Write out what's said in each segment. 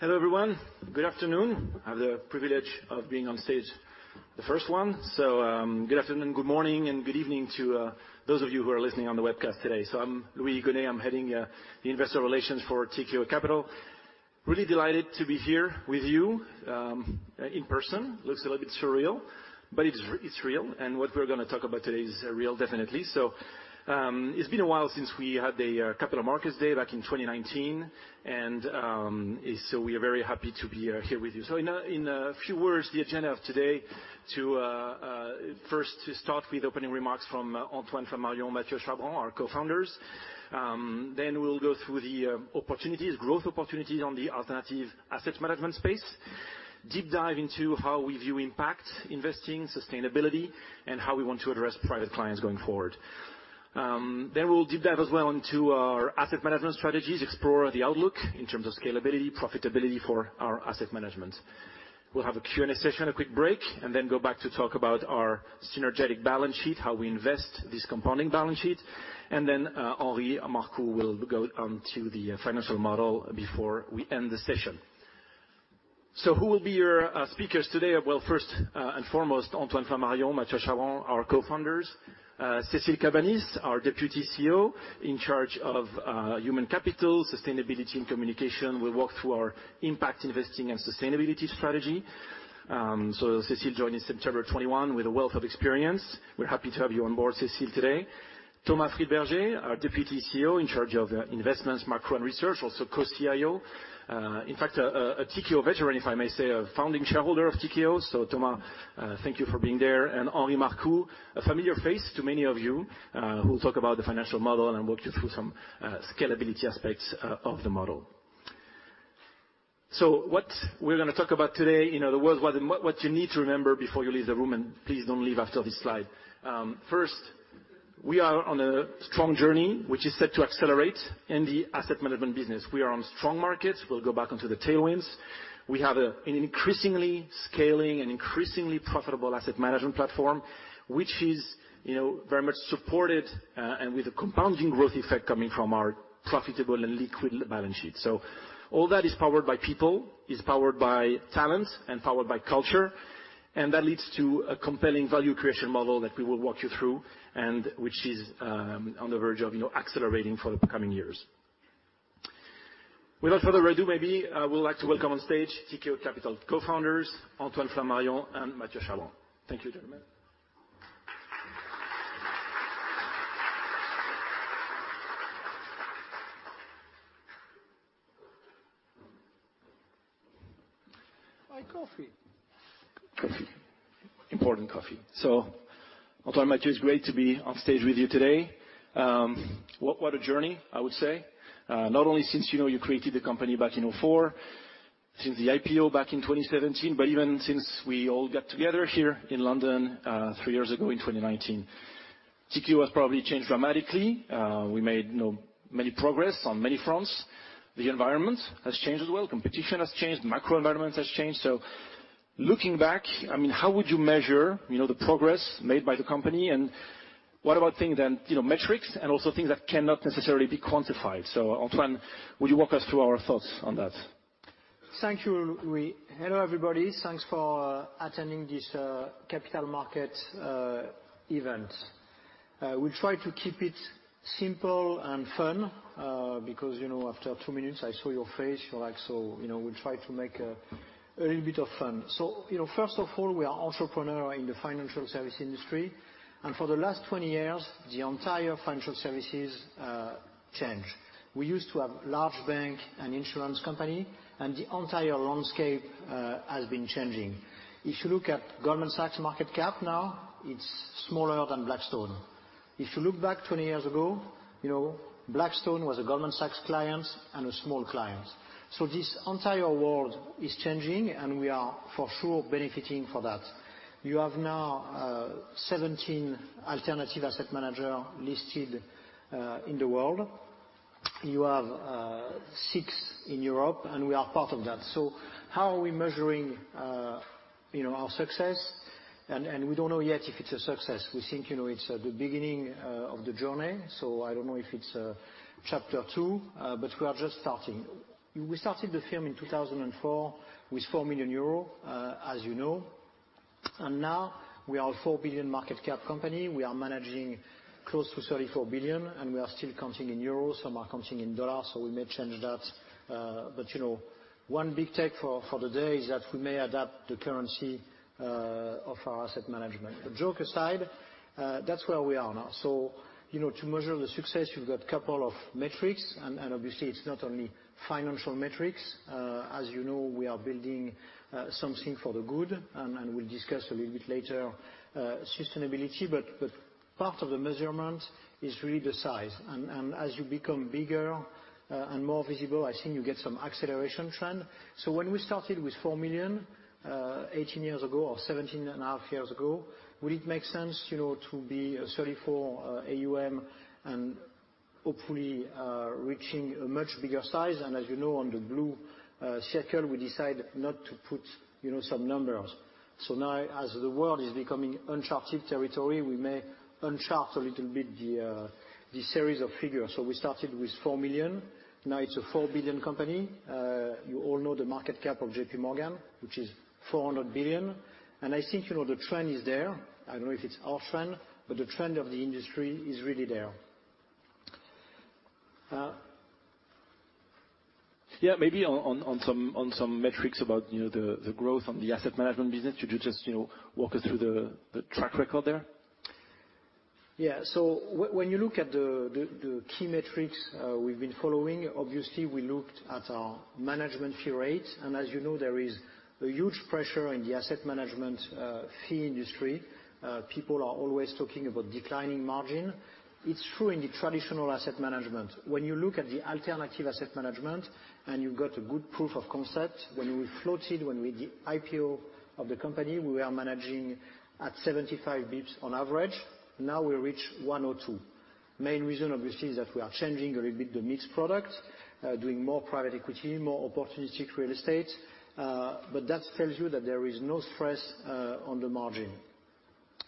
Hello everyone. Good afternoon. I have the privilege of being on stage the first one. Good afternoon, good morning, and good evening to those of you who are listening on the webcast today. I'm Louis Igonet. I'm heading the investor relations for Tikehau Capital. Really delighted to be here with you in person. Looks a little bit surreal, but it's real, and what we're gonna talk about today is real definitely. It's been a while since we had a capital markets day back in 2019. We are very happy to be here with you. In a few words, the agenda of today to first start with opening remarks from Antoine Flamarion, Mathieu Chabran, our co-founders. We'll go through the opportunities, growth opportunities on the alternative asset management space. Deep dive into how we view impact investing, sustainability, and how we want to address private clients going forward. We'll deep dive as well into our asset management strategies, explore the outlook in terms of scalability, profitability for our asset management. We'll have a Q&A session, a quick break, and then go back to talk about our synergetic balance sheet, how we invest this compounding balance sheet. Aryeh Bourkoff will go on to the financial model before we end the session. Who will be your speakers today? Well, first and foremost, Antoine Flamarion, Mathieu Chabran, our co-founders. Cécile Cabanis, our Deputy CEO in charge of human capital, sustainability and communication, will walk through our impact investing and sustainability strategy. Cécile joined in September of 2021 with a wealth of experience. We're happy to have you on board, Cécile, today. Thomas Friedberger, our Deputy CEO in charge of investments, macro and research, also co-CIO. In fact, a Tikehau veteran, if I may say, a founding shareholder of Tikehau. Thomas, thank you for being there. Aryeh Bourkoff, a familiar face to many of you, who'll talk about the financial model and walk you through some scalability aspects of the model. What we're gonna talk about today, in other words, what you need to remember before you leave the room, and please don't leave after this slide. First, we are on a strong journey, which is set to accelerate in the asset management business. We are on strong markets. We'll go back onto the tailwinds. We have an increasingly scaling and increasingly profitable asset management platform, which is, you know, very much supported and with a compounding growth effect coming from our profitable and liquid balance sheet. All that is powered by people, is powered by talent and powered by culture, and that leads to a compelling value creation model that we will walk you through and which is on the verge of, you know, accelerating for the coming years. Without further ado, maybe I would like to welcome on stage Tikehau Capital Co-Founders Antoine Flamarion and Mathieu Chabran. Thank you, gentlemen. My coffee. Coffee. Important coffee. Antoine, Mathieu, it's great to be on stage with you today. What a journey, I would say. Not only since, you know, you created the company back in 2004, since the IPO back in 2017, but even since we all got together here in London, three years ago in 2019. Tikehau has probably changed dramatically. We made, you know, many progress on many fronts. The environment has changed as well. Competition has changed. Macro environment has changed. Looking back, I mean, how would you measure, you know, the progress made by the company? And what about things and, you know, metrics and also things that cannot necessarily be quantified? Antoine, would you walk us through our thoughts on that? Thank you, Louis. Hello, everybody. Thanks for attending this capital market event. We'll try to keep it simple and fun because, you know, after two minutes, I saw your face. You're like so. You know, we'll try to make a little bit of fun. You know, first of all, we are entrepreneurs in the financial services industry, and for the last 20 years, the entire financial services changed. We used to have large banks and insurance companies, and the entire landscape has been changing. If you look at Goldman Sachs market cap now, it's smaller than Blackstone. If you look back 20 years ago, you know, Blackstone was a Goldman Sachs client and a small client. This entire world is changing, and we are for sure benefiting from that. You have now 17 alternative asset manager listed in the world. You have six in Europe, and we are part of that. How are we measuring, you know, our success? We don't know yet if it's a success. We think, you know, it's the beginning of the journey. I don't know if it's chapter two, but we are just starting. We started the firm in 2004 with 4 million euros as you know. Now we are a 4 billion market cap company. We are managing close to 34 billion, and we are still counting in euros. Some are counting in dollars, so we may change that. But you know, one big take for the day is that we may adapt the currency of our asset management. Joke aside, that's where we are now. You know, to measure the success, you've got couple of metrics and obviously it's not only financial metrics. As you know, we are building something for the good, and we'll discuss a little bit later, sustainability. But part of the measurement is really the size. As you become bigger and more visible, I think you get some acceleration trend. When we started with 4 million 18 years ago or seventeen and a half years ago, will it make sense, you know, to be a 34 billion AUM. Hopefully, reaching a much bigger size and as you know, on the blue circle, we decide not to put, you know, some numbers. Now, as the world is becoming uncharted territory, we may unchart a little bit the series of figures. We started with 4 million, now it's a 4 billion company. You all know the market cap of JPMorgan, which is $400 billion. I think, you know, the trend is there. I don't know if it's our trend, but the trend of the industry is really there. Yeah, maybe on some metrics about, you know, the growth on the asset management business. Could you just, you know, walk us through the track record there? When you look at the key metrics we've been following, obviously, we looked at our management fee rate. As you know, there is a huge pressure in the asset management fee industry. People are always talking about declining margin. It's true in the traditional asset management. When you look at the alternative asset management, and you've got a good proof of concept, when we floated, when we did IPO of the company, we were managing at 75 basis points on average. Now we reach 102. Main reason obviously is that we are changing a little bit the product mix, doing more private equity, more opportunistic real estate. That tells you that there is no stress on the margin.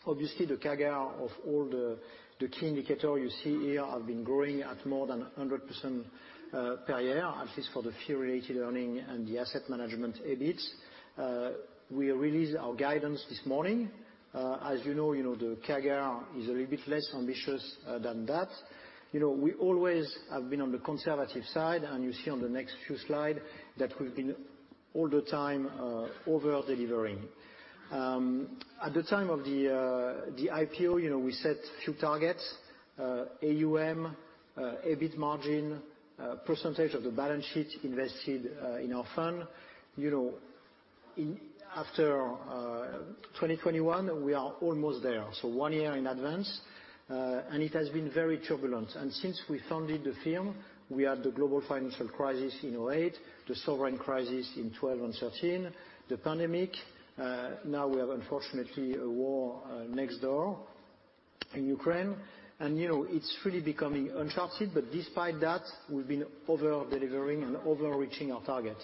Obviously, the CAGR of all the key indicators you see here have been growing at more than 100% per year, at least for the fee related earnings and the asset management EBIT. We released our guidance this morning. As you know, you know, the CAGR is a little bit less ambitious than that. You know, we always have been on the conservative side, and you see on the next few slides that we've been all the time over-delivering. At the time of the IPO, you know, we set a few targets, AUM, EBIT margin, percentage of the balance sheet invested in our fund. You know, after 2021, we are almost there. One year in advance, and it has been very turbulent. Since we founded the firm, we had the global financial crisis in 2008, the sovereign crisis in 2012 and 2013, the pandemic, now we have unfortunately a war next door in Ukraine. You know, it's really becoming uncharted, but despite that, we've been over-delivering and over-reaching our target.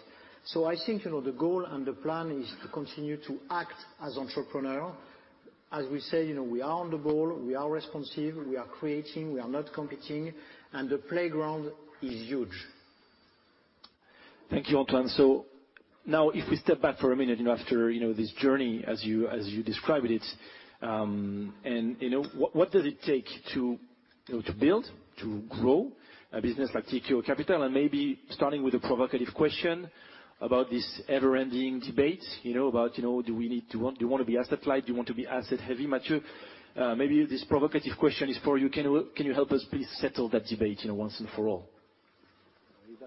I think, you know, the goal and the plan is to continue to act as entrepreneur. As we say, you know, we are on the ball, we are responsive, we are creating, we are not competing, and the playground is huge. Thank you, Antoine. So now if we step back for a minute, you know, after, you know, this journey as you described it, and, you know, what does it take to, you know, to build, to grow a business like Tikehau Capital? Maybe starting with a provocative question about this ever ending debate, you know, about, you know, do we need to do you want to be asset light? Do you want to be asset heavy? Mathieu, maybe this provocative question is for you. Can you help us please settle that debate, you know, once and for all?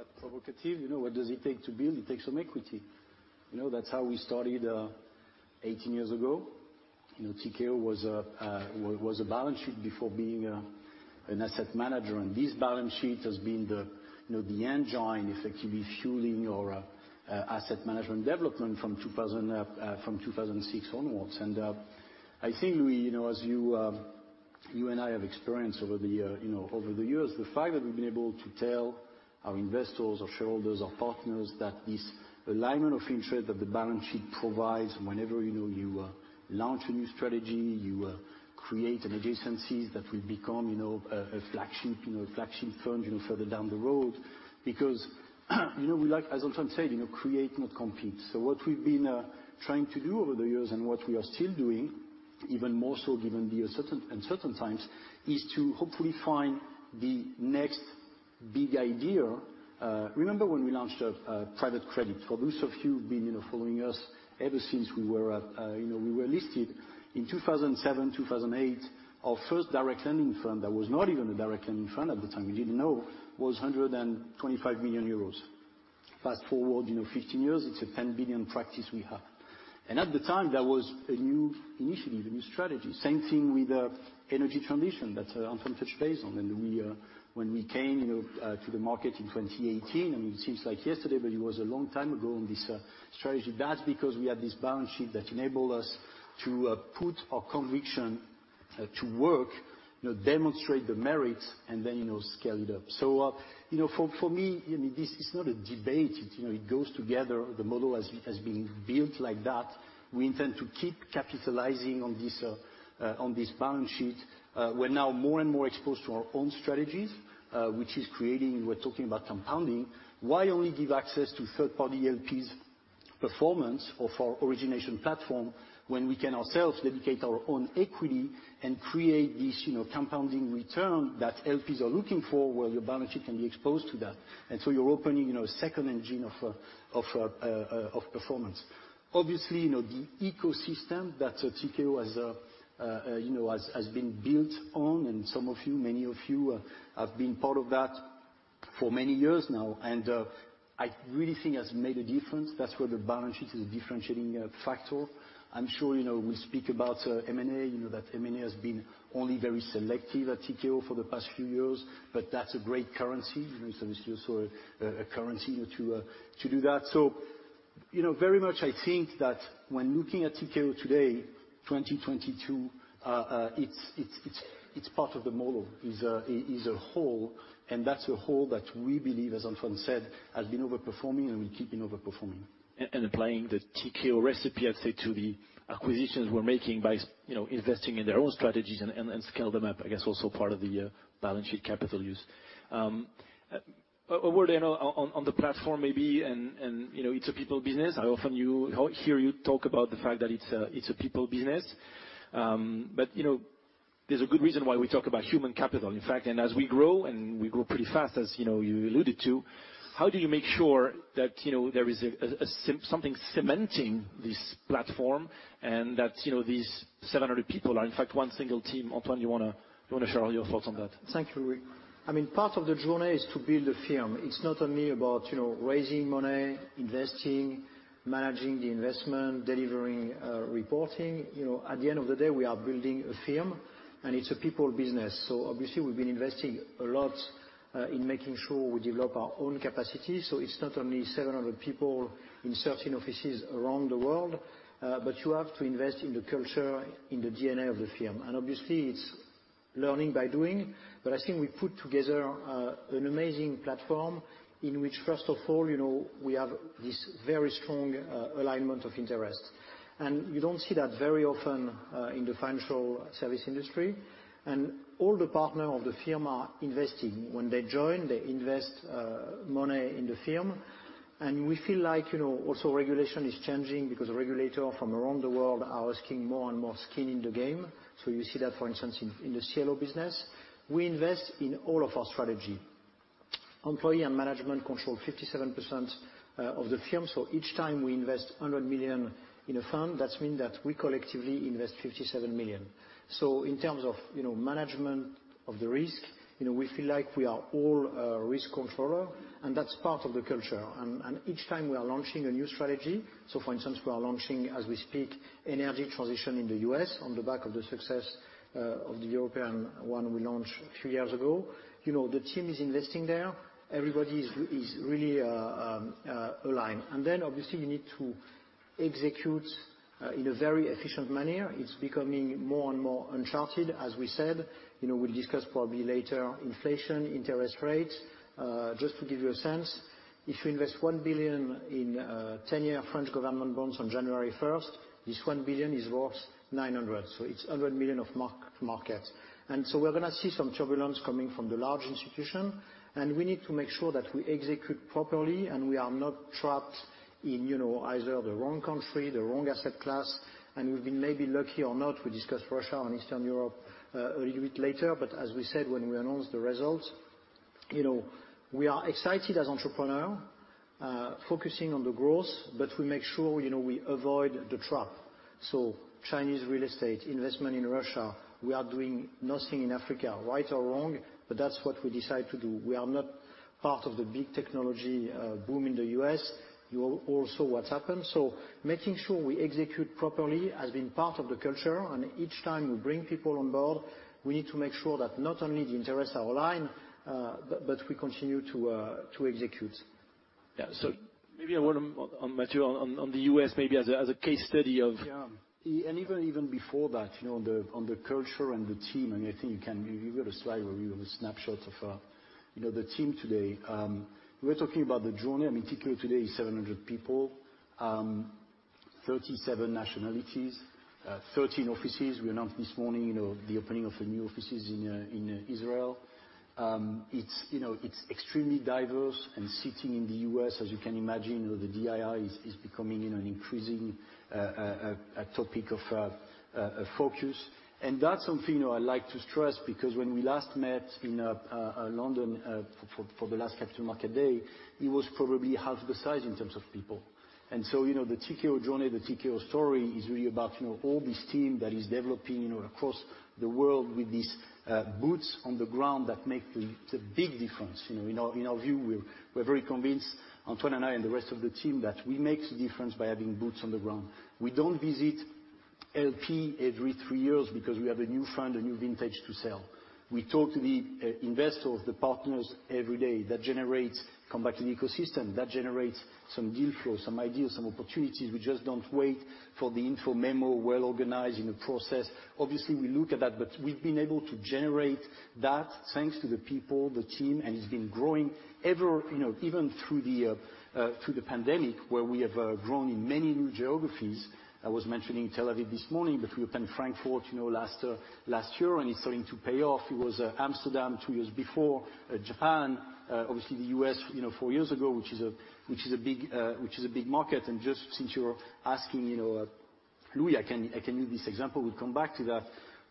Is that provocative? You know, what does it take to build? It takes some equity. You know, that's how we started 18 years ago. You know, Tikehau was a balance sheet before being an asset manager. This balance sheet has been the, you know, the engine effectively fueling our asset management development from 2006 onwards. I think we, you know, as you and I have experienced over the years, the fact that we've been able to tell our investors or shareholders or partners that this alignment of interest that the balance sheet provides whenever, you know, you launch a new strategy, you create adjacencies that will become, you know, a flagship fund, you know, further down the road. Because, you know, we like, as Antoine said, you know, create, not compete. What we've been trying to do over the years and what we are still doing, even more so given the uncertain and certain times, is to hopefully find the next big idea. Remember when we launched private credit? For those of you who've been, you know, following us ever since we were, you know, we were listed. In 2007, 2008, our first direct lending fund, that was not even a direct lending fund at the time, we didn't know, was 125 million euros. Fast forward, you know, 15 years, it's a 10 billion practice we have. At the time, that was a new initiative, a new strategy. Same thing with, energy transition that, Antoine touched base on. We, when we came, you know, to the market in 2018, I mean, it seems like yesterday, but it was a long time ago on this, strategy. That's because we had this balance sheet that enabled us to put our conviction to work, you know, demonstrate the merits and then, you know, scale it up. You know, for me, you know, this is not a debate. It, you know, it goes together. The model has been built like that. We intend to keep capitalizing on this on this balance sheet. We're now more and more exposed to our own strategies, which is creating, we're talking about compounding. Why only give access to third-party LPs performance of our origination platform when we can ourselves dedicate our own equity and create this, you know, compounding return that LPs are looking for, where your balance sheet can be exposed to that. You're opening, you know, a second engine of performance. Obviously, you know, the ecosystem that Tikehau has, you know, has been built on, and some of you, many of you, have been part of that for many years now, and I really think has made a difference. That's where the balance sheet is a differentiating factor. I'm sure, you know, we speak about M&A. You know that M&A has been only very selective at Tikehau for the past few years, but that's a great currency. You know, it's also a currency, you know, to do that. You know, very much I think that when looking at Tikehau today, 2022, it's part of the model. It's a whole, and that's a whole that we believe, as Antoine said, has been over-performing, and we keep in over-performing. Applying the Tikehau recipe, I'd say, to the acquisitions we're making by you know, investing in their own strategies and scale them up, I guess, also part of the balance sheet capital use. A word, you know, on the platform maybe and you know, it's a people business. How often you hear you talk about the fact that it's a people business. You know, there's a good reason why we talk about human capital, in fact. As we grow, and we grow pretty fast, as you know, you alluded to, how do you make sure that you know, there is a something cementing this platform and that you know, these 700 people are in fact one single team? Antoine, you wanna share all your thoughts on that? Thank you, Louis. I mean, part of the journey is to build a firm. It's not only about, you know, raising money, investing, managing the investment, delivering, reporting. You know, at the end of the day, we are building a firm, and it's a people business. Obviously, we've been investing a lot in making sure we develop our own capacity, so it's not only 700 people in certain offices around the world. But you have to invest in the culture, in the DNA of the firm. Obviously, it's learning by doing. I think we put together an amazing platform in which, first of all, you know, we have this very strong alignment of interests. You don't see that very often in the financial services industry. All the partners of the firm are investing. When they join, they invest money in the firm. We feel like, you know, also regulation is changing because regulator from around the world are asking more and more skin in the game. You see that, for instance, in the CLO business. We invest in all of our strategy. Employee and management control 57% of the firm, so each time we invest 100 million in a fund, that means we collectively invest 57 million. In terms of, you know, management of the risk, you know, we feel like we are all a risk controller, and that is part of the culture. Each time we are launching a new strategy, for instance, we are launching, as we speak, energy transition in the U.S. on the back of the success of the European one we launched a few years ago. You know, the team is investing there. Everybody is really aligned. Then obviously, you need to execute in a very efficient manner. It's becoming more and more uncharted, as we said. You know, we'll discuss probably later inflation, interest rates. Just to give you a sense, if you invest 1 billion in 10-year French government bonds on January 1st, this 1 billion is worth 900 million. So it's 100 million of mark-to-market. We're gonna see some turbulence coming from the large institution, and we need to make sure that we execute properly, and we are not trapped in, you know, either the wrong country, the wrong asset class. We've been maybe lucky or not. We discussed Russia and Eastern Europe a little bit later, but as we said when we announced the results, you know, we are excited as entrepreneur focusing on the growth, but we make sure, you know, we avoid the trap. Chinese real estate, investment in Russia, we are doing nothing in Africa, right or wrong, but that's what we decide to do. We are not part of the big technology boom in the U.S. You all saw what's happened. Making sure we execute properly has been part of the culture. Each time we bring people on board, we need to make sure that not only the interests are aligned, but we continue to execute. Maybe comment on Mathieu on the U.S. maybe as a case study of Yeah. And even before that, you know, on the culture and the team, and I think you can. You've got a slide where you have a snapshot of, you know, the team today. We're talking about the journey. I mean, Tikehau today is 700 people, 37 nationalities, 13 offices. We announced this morning, you know, the opening of a new offices in Israel. It's you know extremely diverse, and sitting in the U.S., as you can imagine, you know, the DEI is becoming, you know, an increasing topic of focus. That's something, you know, I like to stress because when we last met in London for the last capital market day, it was probably half the size in terms of people. You know, the Tikehau journey, the Tikehau story is really about, you know, all this team that is developing, you know, across the world with these boots on the ground that make the big difference, you know. In our view, we're very convinced, Antoine and I and the rest of the team, that we make the difference by having boots on the ground. We don't visit LP every three years because we have a new fund, a new vintage to sell. We talk to the investors, the partners every day. That generates come back to the ecosystem. That generates some deal flow, some ideas, some opportunities. We just don't wait for the info memo, well organized in a process. Obviously, we look at that, but we've been able to generate that thanks to the people, the team, and it's been growing ever, you know, even through the pandemic, where we have grown in many new geographies. I was mentioning Tel Aviv this morning, but we opened Frankfurt, you know, last year, and it's starting to pay off. It was Amsterdam two years before, Japan, obviously the U.S., you know, four years ago, which is a big market. Just since you're asking, you know, Louis, I can use this example. We'll come back to that.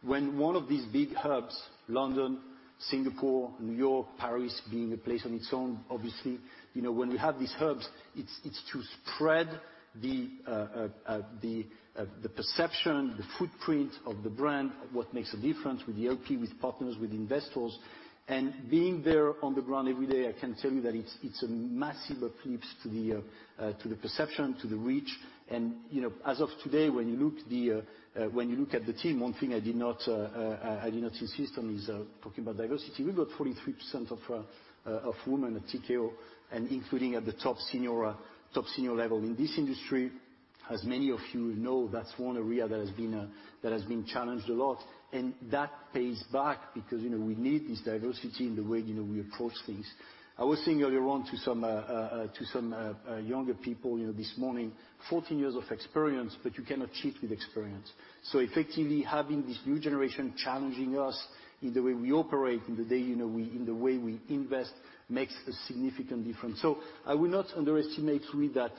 When one of these big hubs, London, Singapore, New York, Paris being a place on its own, obviously, you know, when we have these hubs, it's to spread the perception, the footprint of the brand, what makes a difference with the LP, with partners, with investors. Being there on the ground every day, I can tell you that it's a massive uplift to the perception, to the reach. You know, as of today, when you look at the team, one thing I did not insist on is talking about diversity. We've got 43% of women at Tikehau, and including at the top senior level. In this industry, as many of you know, that's one area that has been challenged a lot. That pays back because, you know, we need this diversity in the way, you know, we approach things. I was saying earlier on to some younger people, you know, this morning, 14 years of experience, but you cannot cheat with experience. Effectively, having this new generation challenging us in the way we operate, in the day, you know, in the way we invest, makes a significant difference. I will not underestimate to me that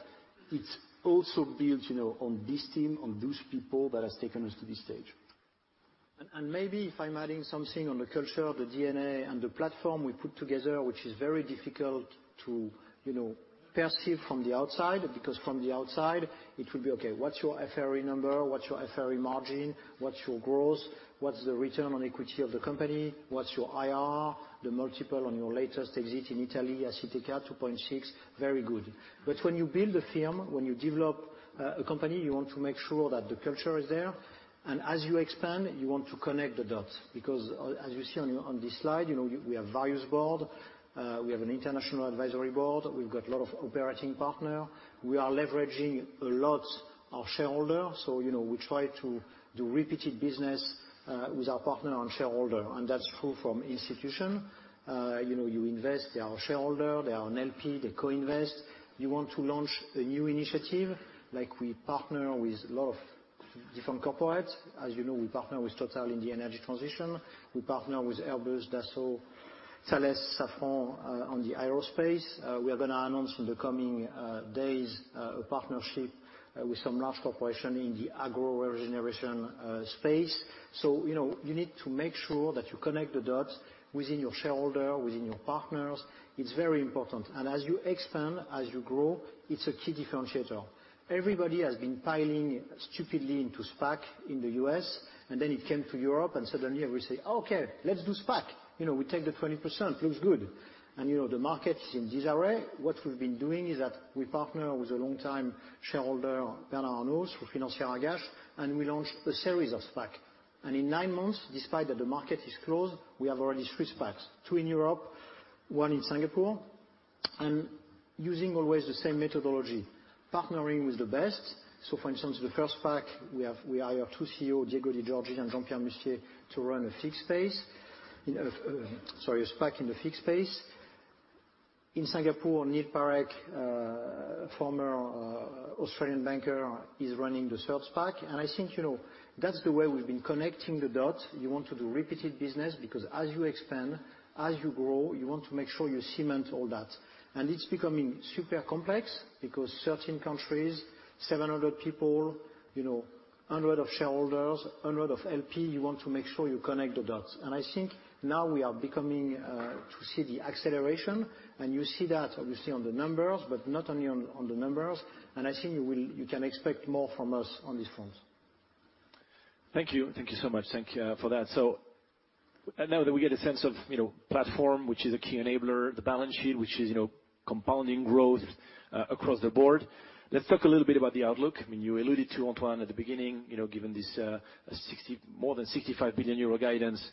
it's also built, you know, on this team, on those people that has taken us to this stage. Maybe if I'm adding something on the culture, the DNA and the platform we put together, which is very difficult to, you know, perceive from the outside, because from the outside it would be, okay, what's your FRE number? What's your FRE margin? What's your growth? What's the return on equity of the company? What's your IRR? The multiple on your latest exit in Italy, Assiteca, two point six. Very good. But when you build a firm, when you develop a company, you want to make sure that the culture is there. As you expand, you want to connect the dots, because as you see on this slide, you know, we have an international advisory board. We've got a lot of operating partner. We are leveraging a lot of shareholder. You know, we try to do repeated business with our partner and shareholder, and that's true from institution. You know, you invest, they are a shareholder, they are an LP, they co-invest. You want to launch a new initiative, like we partner with a lot of different corporates. As you know, we partner with Total in the energy transition. We partner with Airbus, Dassault, Thales, Safran on the aerospace. We are gonna announce in the coming days a partnership with some large corporation in the agro regeneration space. You know, you need to make sure that you connect the dots within your shareholder, within your partners. It's very important. As you expand, as you grow, it's a key differentiator. Everybody has been piling stupidly into SPAC in the U.S., and then it came to Europe and suddenly everybody say, "Okay, let's do SPAC." You know, we take the 20%, looks good. You know, the market's in disarray. What we've been doing is that we partner with a long-time shareholder, Bernard Arnault, through Financière Agache, and we launched a series of SPAC. In nine months, despite that the market is closed, we have already three SPACs. Two in Europe, one in Singapore, and using always the same methodology, partnering with the best. For instance, the first SPAC we have, we hire two CEO, Diego De Giorgi and Jean-Pierre Mustier to run a SPAC in the fintech space. In Singapore, Neil Parekh, former Australian banker, is running the third SPAC. I think, you know, that's the way we've been connecting the dots. You want to do repeated business because as you expand, as you grow, you want to make sure you cement all that. It's becoming super complex because 13 countries, 700 people, you know, hundreds of shareholders, hundreds of LPs, you want to make sure you connect the dots. I think now we are beginning to see the acceleration. You see that obviously on the numbers, but not only on the numbers. I think you can expect more from us on these fronts. Thank you. Thank you so much. Thank you for that. Now that we get a sense of, you know, platform, which is a key enabler, the balance sheet, which is, you know, compounding growth across the board. Let's talk a little bit about the outlook. I mean, you alluded to, Antoine, at the beginning, you know, given this, more than 65 billion euro guidance.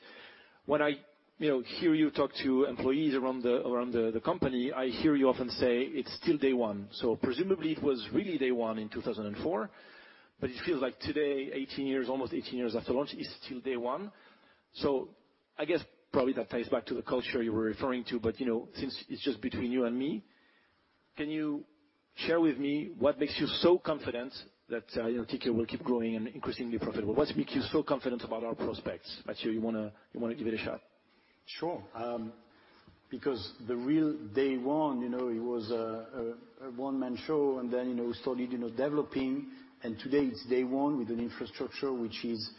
When I, you know, hear you talk to employees around the company, I hear you often say it's still day one. Presumably it was really day one in 2004, but it feels like today, 18 years, almost 18 years after launch, is still day one. I guess probably that ties back to the culture you were referring to, but you know, since it's just between you and me, can you share with me what makes you so confident that, you know, Tikehau will keep growing and increasingly profitable? What makes you so confident about our prospects? Mathieu, you wanna give it a shot? Sure. Because the real day one, you know, it was a one-man show, and then, you know, we started, you know, developing, and today it's day one with an infrastructure, which is,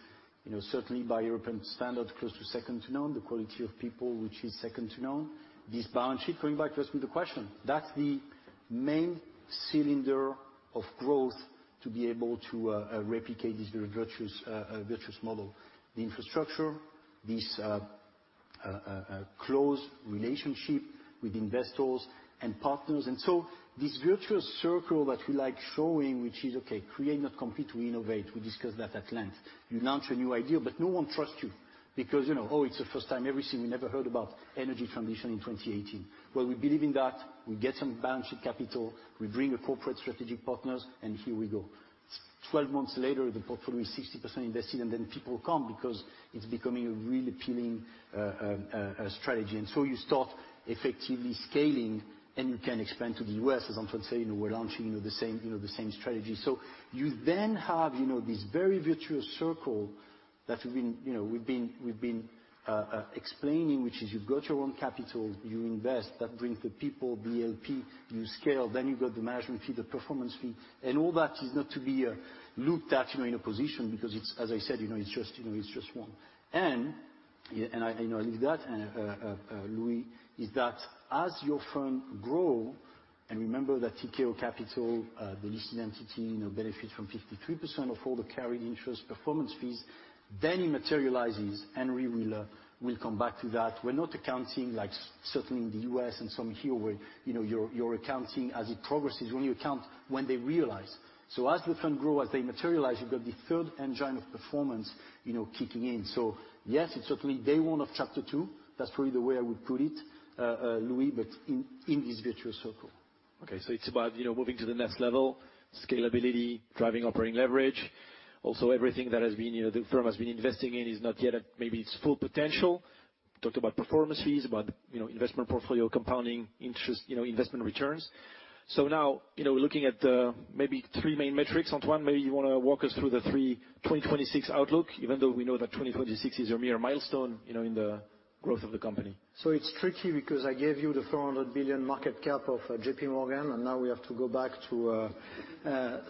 you know, certainly by European standards, close to second to none, the quality of people, which is second to none. This balance sheet, coming back to answer the question, that's the main cylinder of growth to be able to replicate this very virtuous model. The infrastructure, this close relationship with investors and partners. This virtuous circle that we like showing, which is, okay, create, not compete, we innovate. We discussed that at length. You launch a new idea, but no one trusts you because, you know, oh, it's the first time ever seen. We never heard about energy transition in 2018. Well, we believe in that. We get some balance sheet capital, we bring a corporate strategic partners, and here we go. 12 months later, the portfolio is 60% invested, and then people come because it's becoming a really appealing strategy. You start effectively scaling and you can expand to the U.S., as Antoine said, you know, we're launching, you know, the same, you know, the same strategy. You then have, you know, this very virtuous circle that we've been explaining, which is you've got your own capital, you invest, that bring the people, the LP, you scale, then you've got the management fee, the performance fee. All that is not to be looked at, you know, in a position because it's, as I said, you know, it's just, you know, it's just one. Yeah, I know Louis, is that as your firm grow, and remember that Tikehau Capital, the listed entity, you know, benefits from 53% of all the carried interest performance fees, then it materializes and we'll come back to that. We're not accounting like certainly in the U.S. and some here where, you know, you're accounting as it progresses, when they realize. As the firm grow, as they materialize, you've got the third engine of performance, you know, kicking in. Yes, it's certainly day one of chapter two. That's probably the way I would put it, Louis, but in this virtuous circle. Okay. It's about, you know, moving to the next level, scalability, driving operating leverage. Also, everything that has been, you know, the firm has been investing in is not yet at maybe its full potential. Talked about performance fees, about, you know, investment portfolio compounding interest, you know, investment returns. Now, you know, looking at maybe three main metrics, Antoine, maybe you wanna walk us through the 2026 outlook, even though we know that 2026 is your major milestone, you know, in the growth of the company. It's tricky because I gave you the $400 billion market cap of JPMorgan, and now we have to go back to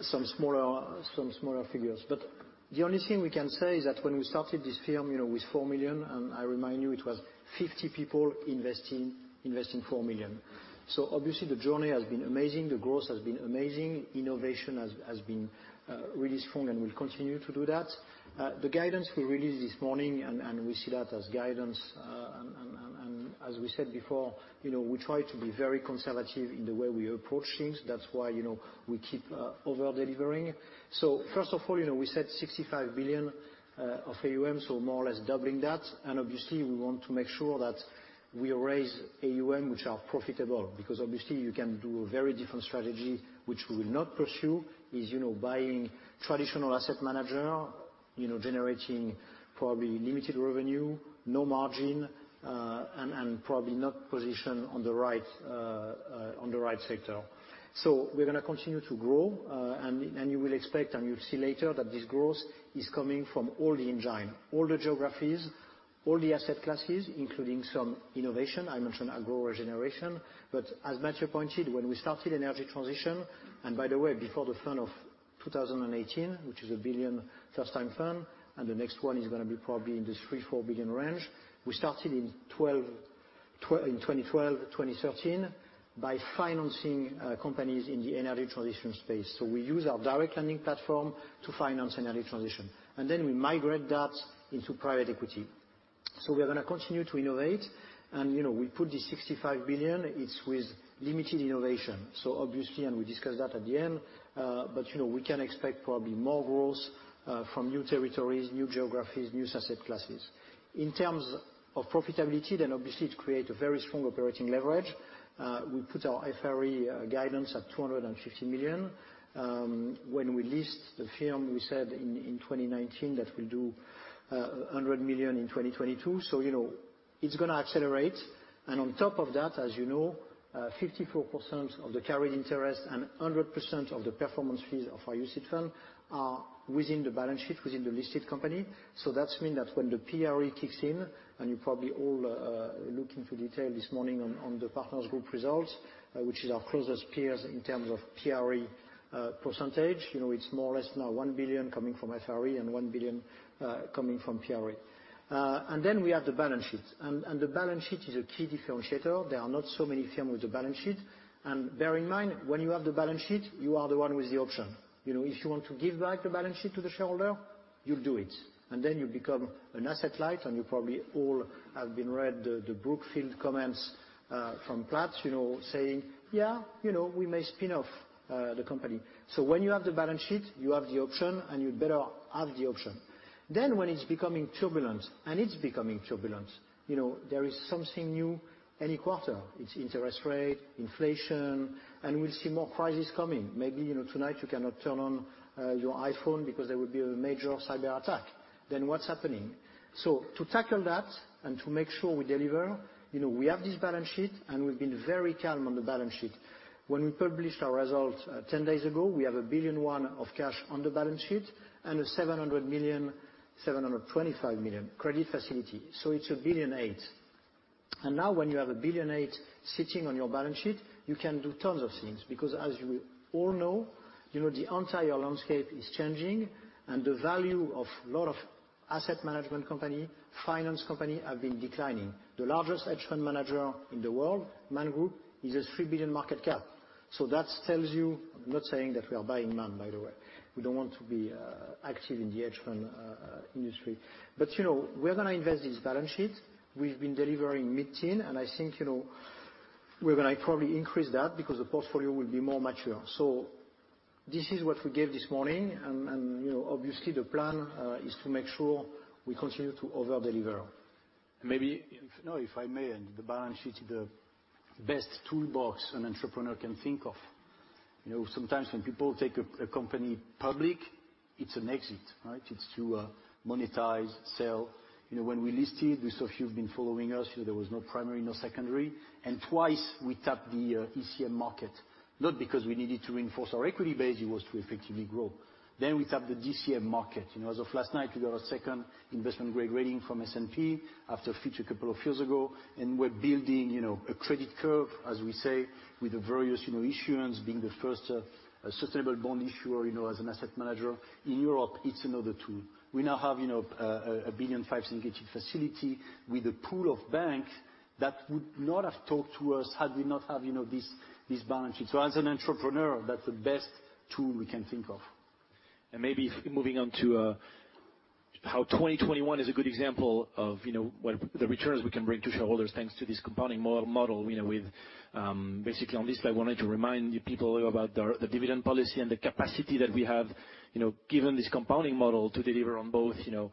some smaller figures. The only thing we can say is that when we started this firm, you know, with 4 million, and I remind you it was 50 people investing 4 million. Obviously the journey has been amazing. The growth has been amazing. Innovation has been really strong and will continue to do that. The guidance we released this morning, and we see that as guidance. As we said before, you know, we try to be very conservative in the way we approach things. That's why, you know, we keep over-delivering. First of all, you know, we said 65 billion of AUM, so more or less doubling that. Obviously we want to make sure that we raise AUM which are profitable because obviously you can do a very different strategy, which we will not pursue, is, you know, buying traditional asset manager, you know, generating probably limited revenue, no margin, and probably not positioned on the right sector. We're gonna continue to grow, and you will expect, and you'll see later that this growth is coming from all the engines, all the geographies, all the asset classes, including some innovation. I mentioned agro-regeneration. As Mathieu pointed, when we started energy transition, and by the way, before the fund of 2018, which is a 1 billion first time fund, and the next one is gonna be probably in this 3 billion-4 billion range. We started in 2012, 2013, by financing companies in the energy transition space. We use our direct lending platform to finance energy transition, and then we migrate that into private equity. We're gonna continue to innovate and, you know, we put this 65 billion, it's with limited innovation. Obviously, and we discussed that at the end, but, you know, we can expect probably more growth from new territories, new geographies, new asset classes. In terms of profitability, then obviously it create a very strong operating leverage. We put our FRE guidance at 250 million. When we listed the firm, we said in 2019 that we'll do 100 million in 2022. You know, it's gonna accelerate and on top of that, as you know, 54% of the carried interest and 100% of the performance fees of our UCITS fund are within the balance sheet, within the listed company. That means that when the PRE kicks in and you probably all looked into detail this morning on the Partners Group results, which is our closest peer in terms of PRE percentage, you know, it's more or less now 1 billion coming from FRE and 1 billion coming from PRE. We have the balance sheet and the balance sheet is a key differentiator. There are not so many firms with the balance sheet. Bear in mind, when you have the balance sheet, you are the one with the option. You know, if you want to give back the balance sheet to the shareholder, you'll do it, and then you become an asset light and you probably all have read the Brookfield comments from Flatt, you know, saying, "Yeah, you know, we may spin off the company." When you have the balance sheet, you have the option and you'd better have the option. When it's becoming turbulent, you know, there is something new every quarter. It's interest rate, inflation, and we'll see more crises coming. Maybe, you know, tonight you cannot turn on your iPhone because there will be a major cyber attack. Then what's happening? To tackle that and to make sure we deliver, you know, we have this balance sheet and we've been very calm on the balance sheet. When we published our results 10 days ago, we have 1.1 billion of cash on the balance sheet and a 700 million, 725 million credit facility. So it's 1.8 billion. Now when you have 1.8 billion sitting on your balance sheet, you can do tons of things because as you all know, you know, the entire landscape is changing and the value of a lot of asset management company, finance company have been declining. The largest hedge fund manager in the world, Man Group, is a 3 billion market cap. That tells you, I'm not saying that we are buying Man, by the way. We don't want to be active in the hedge fund industry. You know, we're gonna invest this balance sheet. We've been delivering mid-teens, and I think, you know, we're gonna probably increase that because the portfolio will be more mature. This is what we gave this morning and, you know, obviously the plan is to make sure we continue to over-deliver. Maybe- If- No, if I may. The balance sheet is the best toolbox an entrepreneur can think of. You know, sometimes when people take a company public, it's an exit, right? It's to monetize, sell. You know, when we listed, we saw if you've been following us, you know, there was no primary, no secondary. Twice we tapped the ECM market, not because we needed to reinforce our equity base, it was to effectively grow. We tapped the DCM market. You know, as of last night, we got our second investment grade rating from S&P after Fitch a couple of years ago. We're building, you know, a credit curve, as we say, with the various, you know, issuance being the first sustainable bond issuer, you know, as an asset manager in Europe, it's another tool. We now have, you know, 1.5 billion syndicated facility with a pool of banks that would not have talked to us had we not have, you know, this balance sheet. As an entrepreneur, that's the best tool we can think of. Maybe moving on to how 2021 is a good example of, you know, the returns we can bring to shareholders thanks to this compounding model. You know, with basically on this slide, wanted to remind you people about the dividend policy and the capacity that we have, you know, given this compounding model to deliver on both, you know,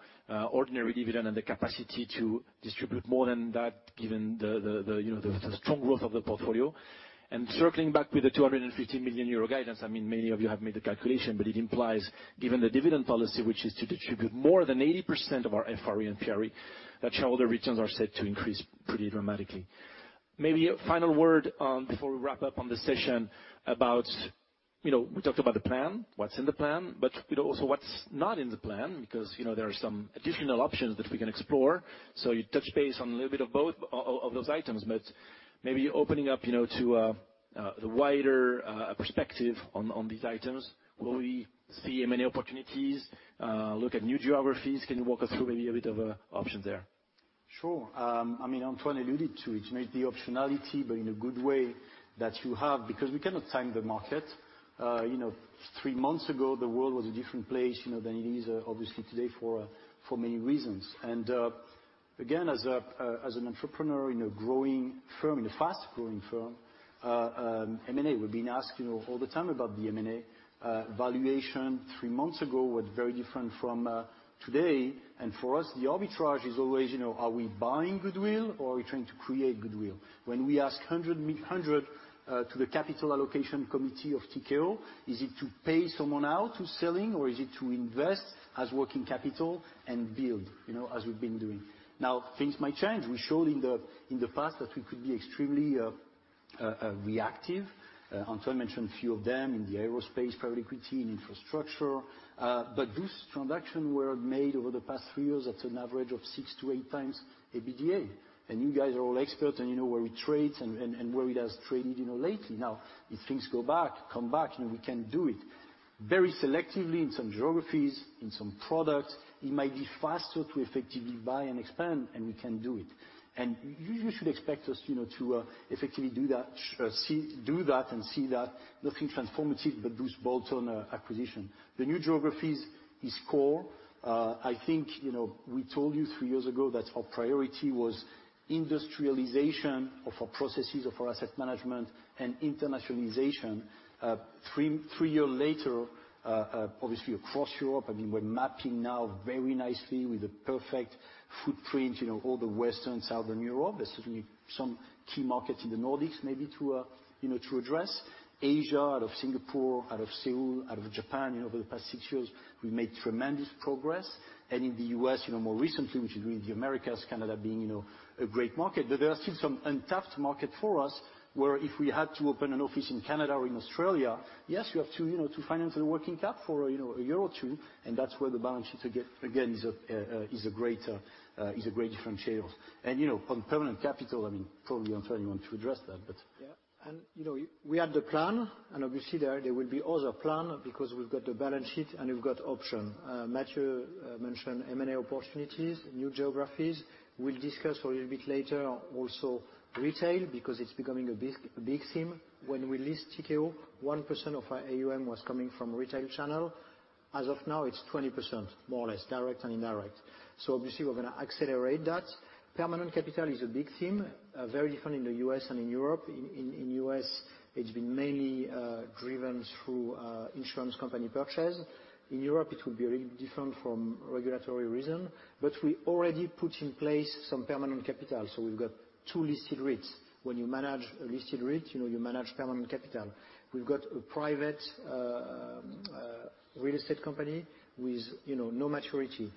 ordinary dividend and the capacity to distribute more than that, given the strong growth of the portfolio. Circling back with the 250 million euro guidance, I mean, many of you have made the calculation, but it implies, given the dividend policy, which is to distribute more than 80% of our FRE and PRE, that shareholder returns are set to increase pretty dramatically. Maybe a final word before we wrap up on the session about, you know, we talked about the plan, what's in the plan, but, you know, also what's not in the plan because, you know, there are some additional options that we can explore. Touch base on a little bit of both of those items, but maybe opening up, you know, to the wider perspective on these items. Will we see M&A opportunities, look at new geographies? Can you walk us through maybe a bit of a option there? Sure. I mean, Antoine alluded to it, maybe the optionality, but in a good way that you have, because we cannot time the market. You know, three months ago the world was a different place, you know, than it is obviously today for many reasons. Again, as an entrepreneur in a growing firm, in a fast-growing firm, M&A, we've been asked, you know, all the time about the M&A. Valuation three months ago was very different from today. For us, the arbitrage is always, you know, are we buying goodwill or are we trying to create goodwill? When we ask hundred to the capital allocation committee of Tikehau, is it to pay someone out who's selling or is it to invest as working capital and build, you know, as we've been doing. Now, things might change. We showed in the past that we could be extremely reactive. Antoine mentioned a few of them in the aerospace private equity, in infrastructure. This transaction were made over the past three years at an average of 6x-8x EBITDA. You guys are all experts, and you know where we trade and where it has traded, you know, lately. Now, if things go back, come back, you know, we can do it very selectively in some geographies, in some products. It might be faster to effectively buy and expand, and we can do it. You should expect us, you know, to effectively do that and see that nothing transformative but this bolt-on acquisition. The new geographies is core. I think, you know, we told you three years ago that our priority was industrialization of our processes, of our asset management and internationalization. Three years later, obviously across Europe, I mean, we're mapping now very nicely with the perfect footprint, you know, all the Western Southern Europe. There's certainly some key markets in the Nordics maybe to, you know, to address. Asia, out of Singapore, out of Seoul, out of Japan, you know, over the past six years, we've made tremendous progress. In the U.S., you know, more recently, which is really the Americas, Canada being, you know, a great market. There are still some untapped market for us where if we had to open an office in Canada or in Australia, yes, you have to, you know, to finance the working cap for, you know, EUR 1 or 2, and that's where the balance sheet again is a great differentiator. You know, on permanent capital, I mean, probably, Antoine, you want to address that, but... Yeah. You know, we had the plan, and obviously there will be other plan because we've got the balance sheet and we've got option. Mathieu mentioned M&A opportunities, new geographies. We'll discuss a little bit later also retail because it's becoming a big, big theme. When we list Tikehau, 1% of our AUM was coming from retail channel. As of now, it's 20%, more or less, direct and indirect. Obviously we're gonna accelerate that. Permanent capital is a big theme, very different in the U.S. and in Europe. In the U.S. it's been mainly driven through insurance company purchase. In Europe it will be really different from regulatory reason, but we already put in place some permanent capital, so we've got two listed REITs. When you manage a listed REIT, you know, you manage permanent capital. We've got a private real estate company with, you know, no maturity.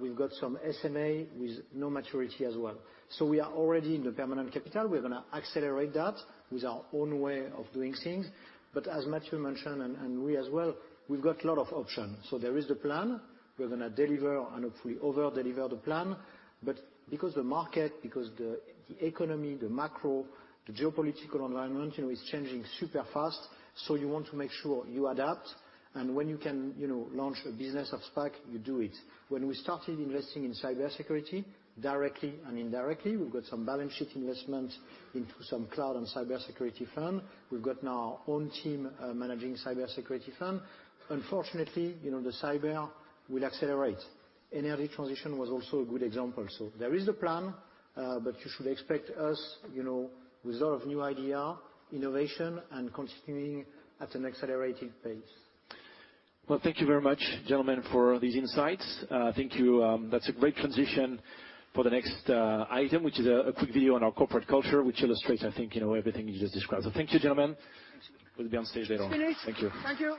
We've got some SMA with no maturity as well. We are already in the permanent capital. We're gonna accelerate that with our own way of doing things. As Mathieu mentioned, and we as well, we've got a lot of option. There is the plan. We're gonna deliver and hopefully over-deliver the plan. Because the market, because the economy, the macro, the geopolitical environment, you know, is changing super fast, so you want to make sure you adapt, and when you can, you know, launch a business of SPAC, you do it. When we started investing in cybersecurity directly and indirectly, we've got some balance sheet investment into some cloud and cybersecurity firm. We've got now our own team managing cybersecurity firm. Unfortunately, you know, the cyber will accelerate. Energy transition was also a good example. There is the plan, but you should expect us, you know, with a lot of new idea, innovation and continuing at an accelerated pace. Well, thank you very much, gentlemen, for these insights. That's a great transition for the next item, which is a quick video on our corporate culture, which illustrates, I think, you know, everything you just described. Thank you, gentlemen. Thank you. We'll be on stage later on. Finished. Thank you. Thank you.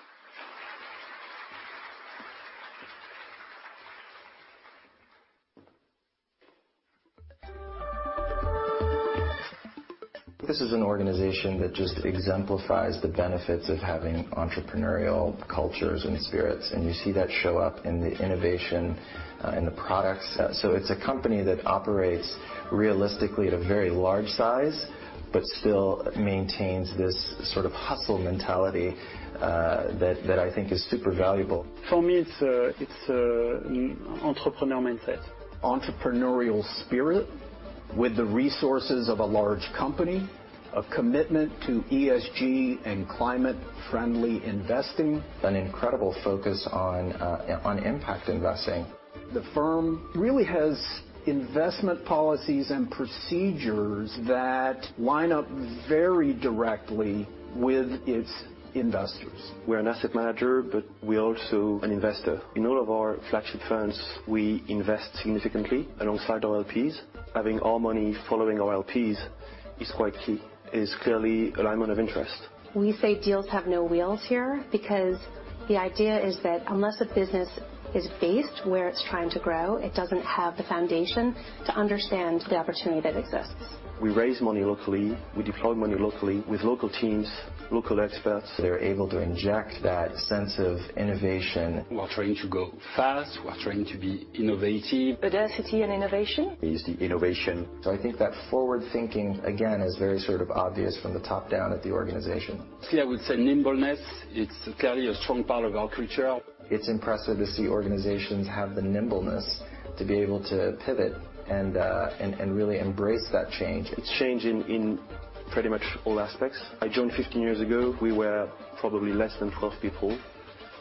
This is an organization that just exemplifies the benefits of having entrepreneurial cultures and spirits, and you see that show up in the innovation, in the products. It's a company that operates realistically at a very large size, but still maintains this sort of hustle mentality, that I think is super valuable. For me, it's entrepreneurial mindset. Entrepreneurial spirit with the resources of a large company. A commitment to ESG and climate-friendly investing. An incredible focus on impact investing. The firm really has investment policies and procedures that line up very directly with its investors. We're an asset manager, but we're also an investor. In all of our flagship funds, we invest significantly alongside our LPs. Having our money following our LPs is quite key. It's clearly alignment of interest. We say deals have no wheels here, because the idea is that unless a business is based where it's trying to grow, it doesn't have the foundation to understand the opportunity that exists. We raise money locally. We deploy money locally with local teams, local experts. They're able to inject that sense of innovation. We're trying to go fast. We're trying to be innovative. Audacity and innovation. Is the innovation. I think that forward thinking, again, is very sort of obvious from the top down at the organization. Here I would say nimbleness. It's clearly a strong part of our culture. It's impressive to see organizations have the nimbleness to be able to pivot and really embrace that change. It's changing in pretty much all aspects. I joined 15 years ago. We were probably less than 12 people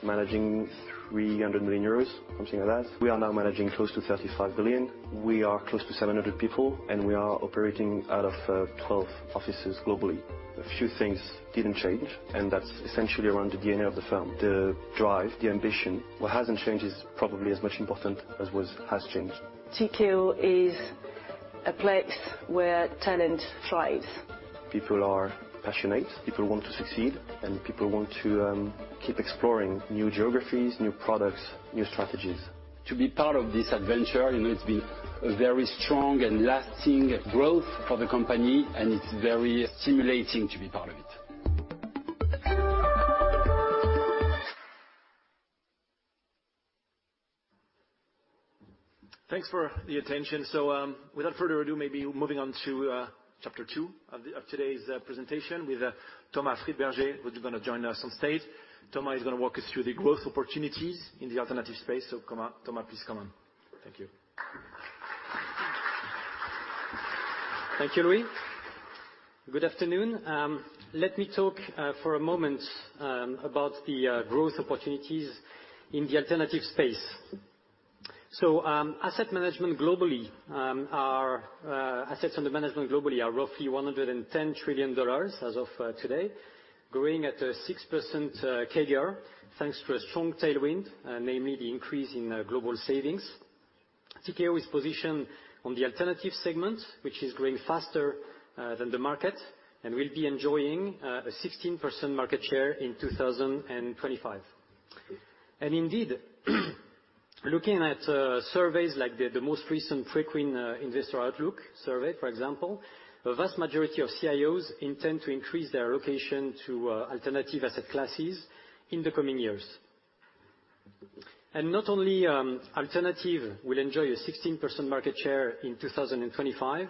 managing 300 million euros, something like that. We are now managing close to 35 billion. We are close to 700 people, and we are operating out of 12 offices globally. A few things didn't change, and that's essentially around the DNA of the firm, the drive, the ambition. What hasn't changed is probably as much important as what has changed. Tikehau is a place where talent thrives. People are passionate. People want to succeed, and people want to keep exploring new geographies, new products, new strategies. To be part of this adventure, you know, it's been a very strong and lasting growth for the company, and it's very stimulating to be part of it. Thanks for the attention. Without further ado, maybe moving on to chapter 2 of today's presentation with Thomas Friedberger, who's gonna join us on stage. Thomas is gonna walk us through the growth opportunities in the alternative space. Come up. Thomas, please come on. Thank you. Thank you, Louis. Good afternoon. Let me talk for a moment about the growth opportunities in the alternative space. Assets under management globally are roughly $110 trillion as of today, growing at a 6% CAGR, thanks to a strong tailwind, namely the increase in global savings. Tikehau is positioned on the alternative segment, which is growing faster than the market and will be enjoying a 16% market share in 2025. Indeed, looking at surveys like the most recent Preqin Investor Outlook survey, for example, a vast majority of CIOs intend to increase their allocation to alternative asset classes in the coming years. Not only alternative will enjoy a 16% market share in 2025,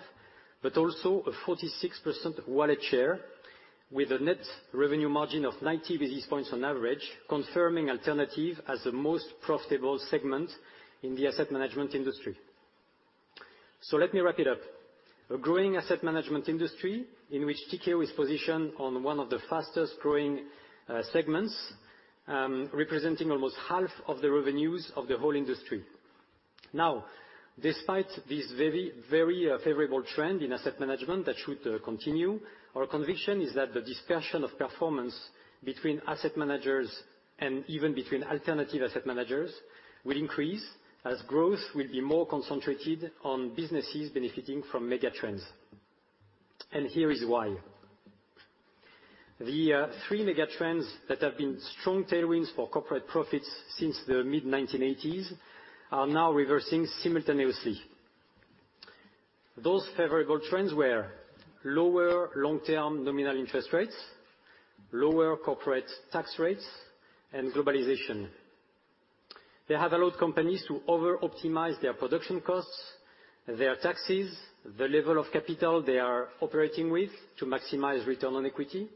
but also a 46% wallet share with a net revenue margin of 90 basis points on average, confirming alternative as the most profitable segment in the asset management industry. Let me wrap it up. A growing asset management industry in which Tikehau is positioned on one of the fastest-growing segments, representing almost half of the revenues of the whole industry. Now, despite this very, very favorable trend in asset management that should continue, our conviction is that the dispersion of performance between asset managers and even between alternative asset managers will increase as growth will be more concentrated on businesses benefiting from mega trends. Here is why. The three mega trends that have been strong tailwinds for corporate profits since the mid-1980s are now reversing simultaneously. Those favorable trends were lower long-term nominal interest rates, lower corporate tax rates, and globalization. They have allowed companies to over-optimize their production costs, their taxes, the level of capital they are operating with to maximize return on equity.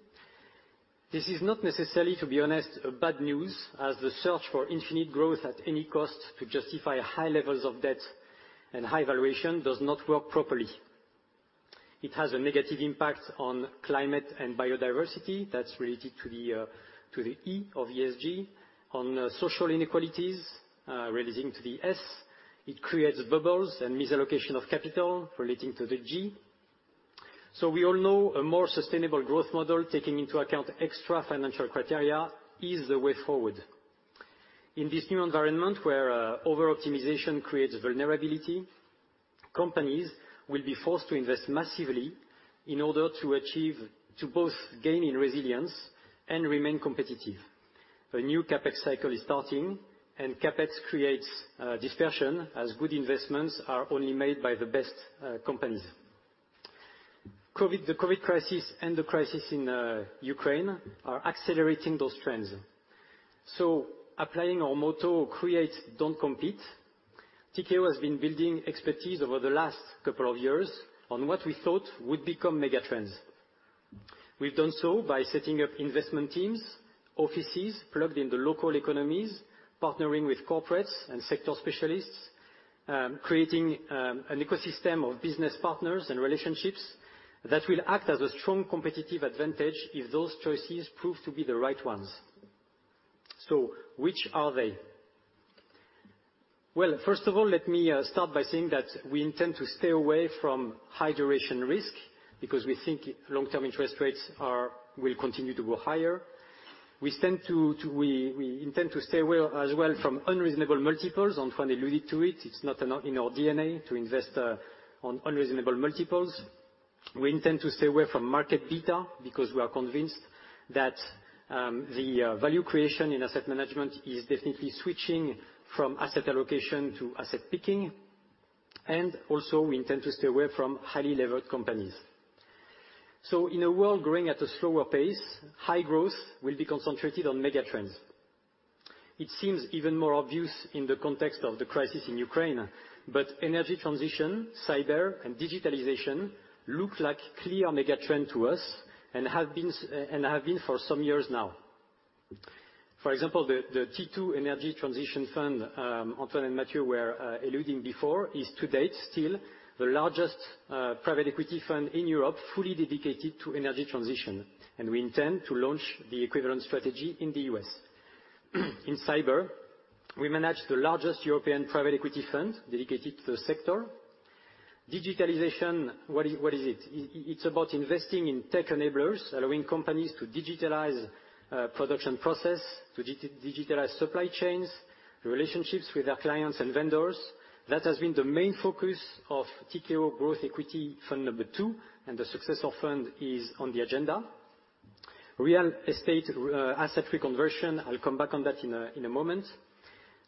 This is not necessarily, to be honest, bad news, as the search for infinite growth at any cost to justify high levels of debt and high valuation does not work properly. It has a negative impact on climate and biodiversity that's related to the to the E of ESG, on social inequalities, relating to the S. It creates bubbles and misallocation of capital relating to the G. We all know a more sustainable growth model, taking into account extra financial criteria is the way forward. In this new environment, where over-optimization creates vulnerability, companies will be forced to invest massively in order to achieve both gain in resilience and remain competitive. A new CapEx cycle is starting, and CapEx creates dispersion as good investments are only made by the best companies. The COVID crisis and the crisis in Ukraine are accelerating those trends. Applying our motto, create, don't compete, Tikehau has been building expertise over the last couple of years on what we thought would become megatrends. We've done so by setting up investment teams, offices plugged in the local economies, partnering with corporates and sector specialists, creating an ecosystem of business partners and relationships that will act as a strong competitive advantage if those choices prove to be the right ones. Which are they? Well, first of all, let me start by saying that we intend to stay away from high duration risk because we think long-term interest rates will continue to go higher. We intend to stay away as well from unreasonable multiples. Antoine alluded to it. It's not in our DNA to invest on unreasonable multiples. We intend to stay away from market beta because we are convinced that the value creation in asset management is definitely switching from asset allocation to asset picking, and also, we intend to stay away from highly levered companies. In a world growing at a slower pace, high growth will be concentrated on megatrends. It seems even more obvious in the context of the crisis in Ukraine, but energy transition, cyber, and digitalization look like clear megatrend to us and have been for some years now. For example, the T2 Energy Transition Fund, Antoine and Mathieu were alluding before, is to date still the largest private equity fund in Europe, fully dedicated to energy transition, and we intend to launch the equivalent strategy in the U.S. In cyber, we manage the largest European private equity fund dedicated to the sector. Digitalization, what is it? It's about investing in tech enablers, allowing companies to digitalize production process, to digitalize supply chains, relationships with their clients and vendors. That has been the main focus of Tikehau Growth Equity Fund number two, and the success of fund is on the agenda. Real estate, asset reconversion, I'll come back on that in a moment.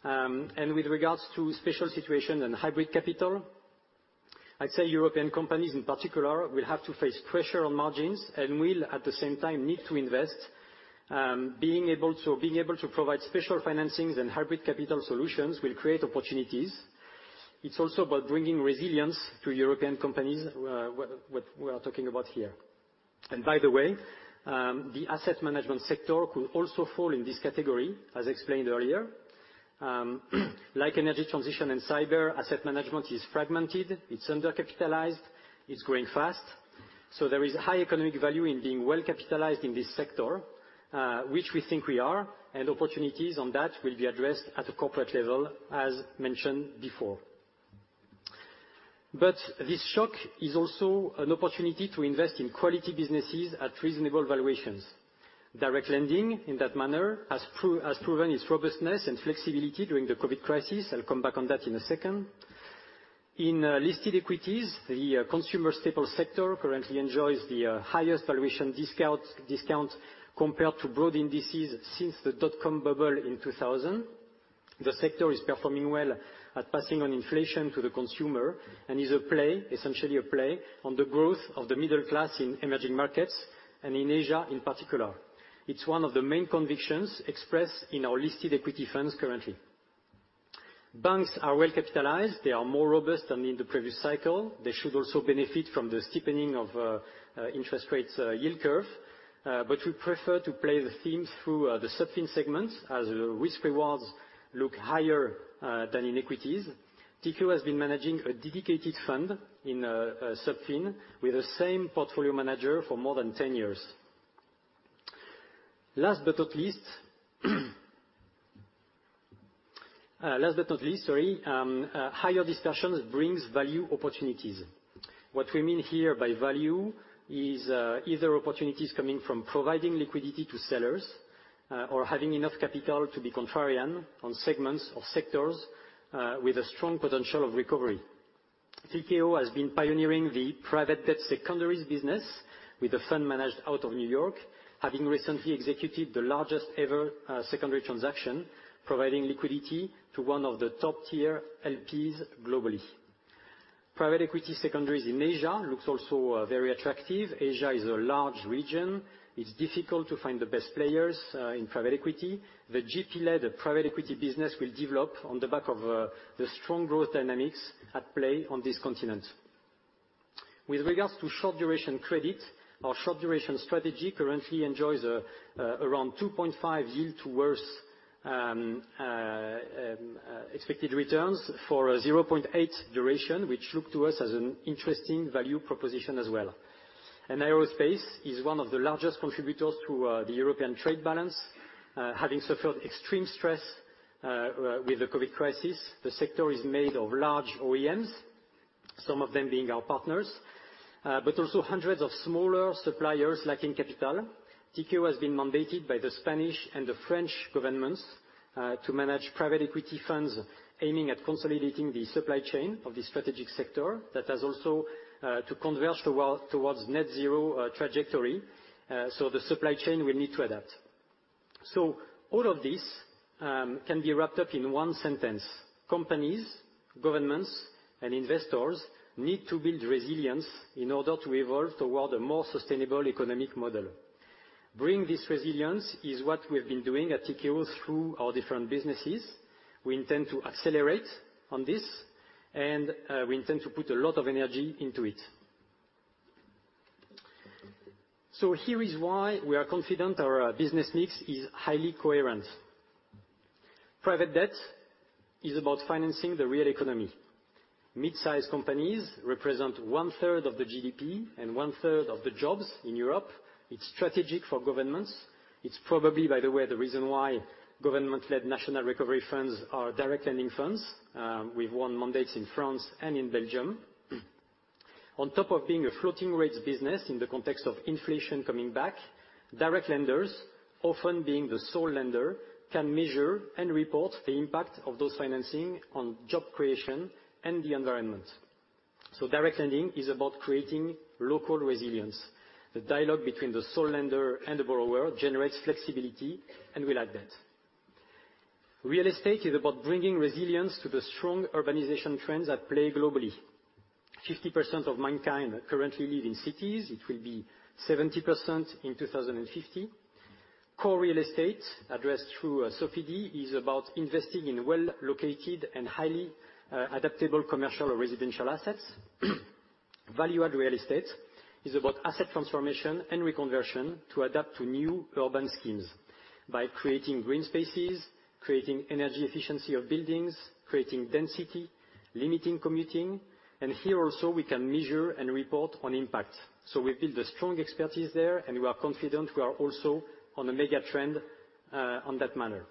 With regards to special situation and hybrid capital, I'd say European companies in particular will have to face pressure on margins and will, at the same time, need to invest. Being able to provide special financings and hybrid capital solutions will create opportunities. It's also about bringing resilience to European companies, what we are talking about here. By the way, the asset management sector could also fall in this category, as explained earlier. Like energy transition and cyber, asset management is fragmented, it's undercapitalized, it's growing fast, so there is high economic value in being well-capitalized in this sector, which we think we are, and opportunities on that will be addressed at a corporate level, as mentioned before. This shock is also an opportunity to invest in quality businesses at reasonable valuations. Direct lending in that manner has proven its robustness and flexibility during the COVID crisis. I'll come back on that in a second. In listed equities, the consumer staples sector currently enjoys the highest valuation discount compared to broad indices since the dot-com bubble in 2000. The sector is performing well at passing on inflation to the consumer and is a play, essentially a play on the growth of the middle class in emerging markets, and in Asia in particular. It's one of the main convictions expressed in our listed equity funds currently. Banks are well capitalized. They are more robust than in the previous cycle. They should also benefit from the steepening of interest rates yield curve, but we prefer to play the theme through the sub-fin segment as risk rewards look higher than in equities. Tikehau has been managing a dedicated fund in sub-fin with the same portfolio manager for more than 10 years. Last but not least, sorry, higher dislocations bring value opportunities. What we mean here by value is either opportunities coming from providing liquidity to sellers or having enough capital to be contrarian on segments or sectors with a strong potential of recovery. Tikehau has been pioneering the private debt secondaries business with a fund managed out of New York, having recently executed the largest ever secondary transaction, providing liquidity to one of the top-tier LPs globally. Private equity secondaries in Asia looks also very attractive. Asia is a large region. It's difficult to find the best players in private equity. The GP-led private equity business will develop on the back of the strong growth dynamics at play on this continent. With regards to short-duration credit, our short-duration strategy currently enjoys around two point five yield to worst expected returns for a zero point eight duration, which look to us as an interesting value proposition as well. Aerospace is one of the largest contributors to the European trade balance. Having suffered extreme stress with the COVID crisis, the sector is made of large OEMs, some of them being our partners, but also hundreds of smaller suppliers lacking capital. Tikehau has been mandated by the Spanish and the French governments to manage private equity funds aiming at consolidating the supply chain of the strategic sector that has also to converge towards net zero trajectory. The supply chain will need to adapt. All of this can be wrapped up in one sentence: companies, governments, and investors need to build resilience in order to evolve toward a more sustainable economic model. Building this resilience is what we've been doing at Tikehau through our different businesses. We intend to accelerate on this, and we intend to put a lot of energy into it. Here is why we are confident our business mix is highly coherent. Private debt is about financing the real economy. Mid-size companies represent 1/3 of the GDP and 1/3 of the jobs in Europe. It's strategic for governments. It's probably, by the way, the reason why government-led national recovery funds are direct lending funds. We've won mandates in France and in Belgium. On top of being a floating rates business in the context of inflation coming back, direct lenders, often being the sole lender, can measure and report the impact of those financing on job creation and the environment. Direct lending is about creating local resilience. The dialogue between the sole lender and the borrower generates flexibility, and we like that. Real estate is about bringing resilience to the strong urbanization trends at play globally. 50% of mankind currently live in cities. It will be 70% in 2050. Core real estate, addressed through Sofidy, is about investing in well-located and highly adaptable commercial or residential assets. Value-add real estate is about asset transformation and reconversion to adapt to new urban schemes by creating green spaces, creating energy efficiency of buildings, creating density, limiting commuting. Here also, we can measure and report on impact. We build a strong expertise there, and we are confident we are also on a mega trend, on that manner.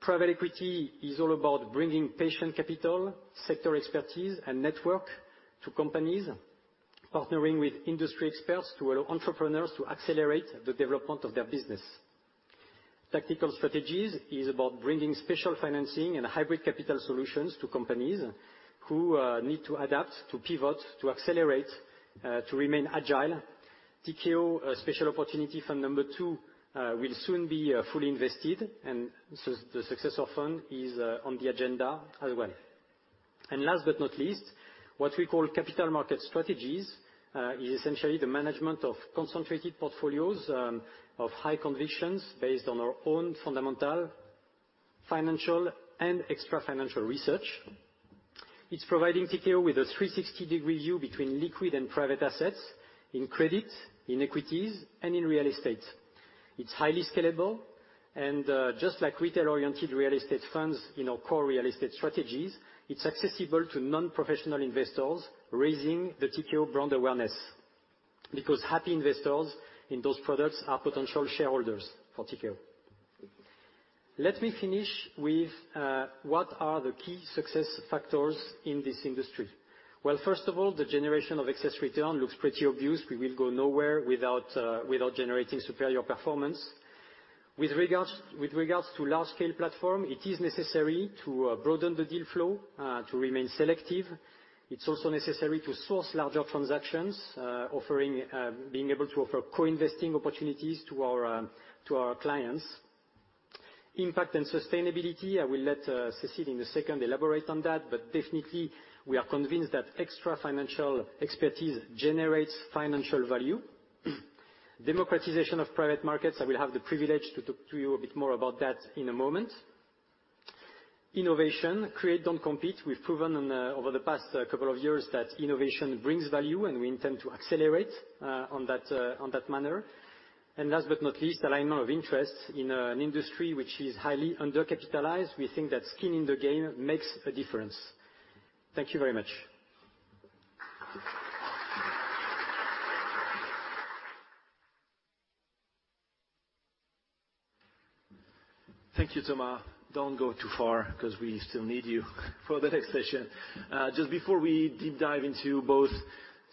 Private equity is all about bringing patient capital, sector expertise, and network to companies, partnering with industry experts to allow entrepreneurs to accelerate the development of their business. Tactical strategies is about bringing special financing and hybrid capital solutions to companies who need to adapt, to pivot, to accelerate, to remain agile. Tikehau Special Opportunities Fund II will soon be fully invested, and the successor fund is on the agenda as well. Last but not least, what we call capital market strategies is essentially the management of concentrated portfolios of high convictions based on our own fundamental financial and extra financial research. It's providing Tikehau with a 360-degree view between liquid and private assets in credit, in equities, and in real estate. It's highly scalable, and just like retail-oriented real estate funds in our core real estate strategies, it's accessible to non-professional investors, raising the Tikehau brand awareness because happy investors in those products are potential shareholders for Tikehau. Let me finish with what are the key success factors in this industry. Well, first of all, the generation of excess return looks pretty obvious. We will go nowhere without generating superior performance. With regards to large-scale platform, it is necessary to broaden the deal flow to remain selective. It's also necessary to source larger transactions, being able to offer co-investing opportunities to our clients. Impact and sustainability, I will let Cécile in a second elaborate on that, but definitely we are convinced that extra financial expertise generates financial value. Democratization of private markets, I will have the privilege to talk to you a bit more about that in a moment. Innovation, create, don't compete. We've proven over the past couple of years that innovation brings value, and we intend to accelerate on that manner. Last but not least, alignment of interest in an industry which is highly undercapitalized. We think that skin in the game makes a difference. Thank you very much. Thank you, Thomas Friedberger. Don't go too far 'cause we still need you for the next session. Just before we deep dive into both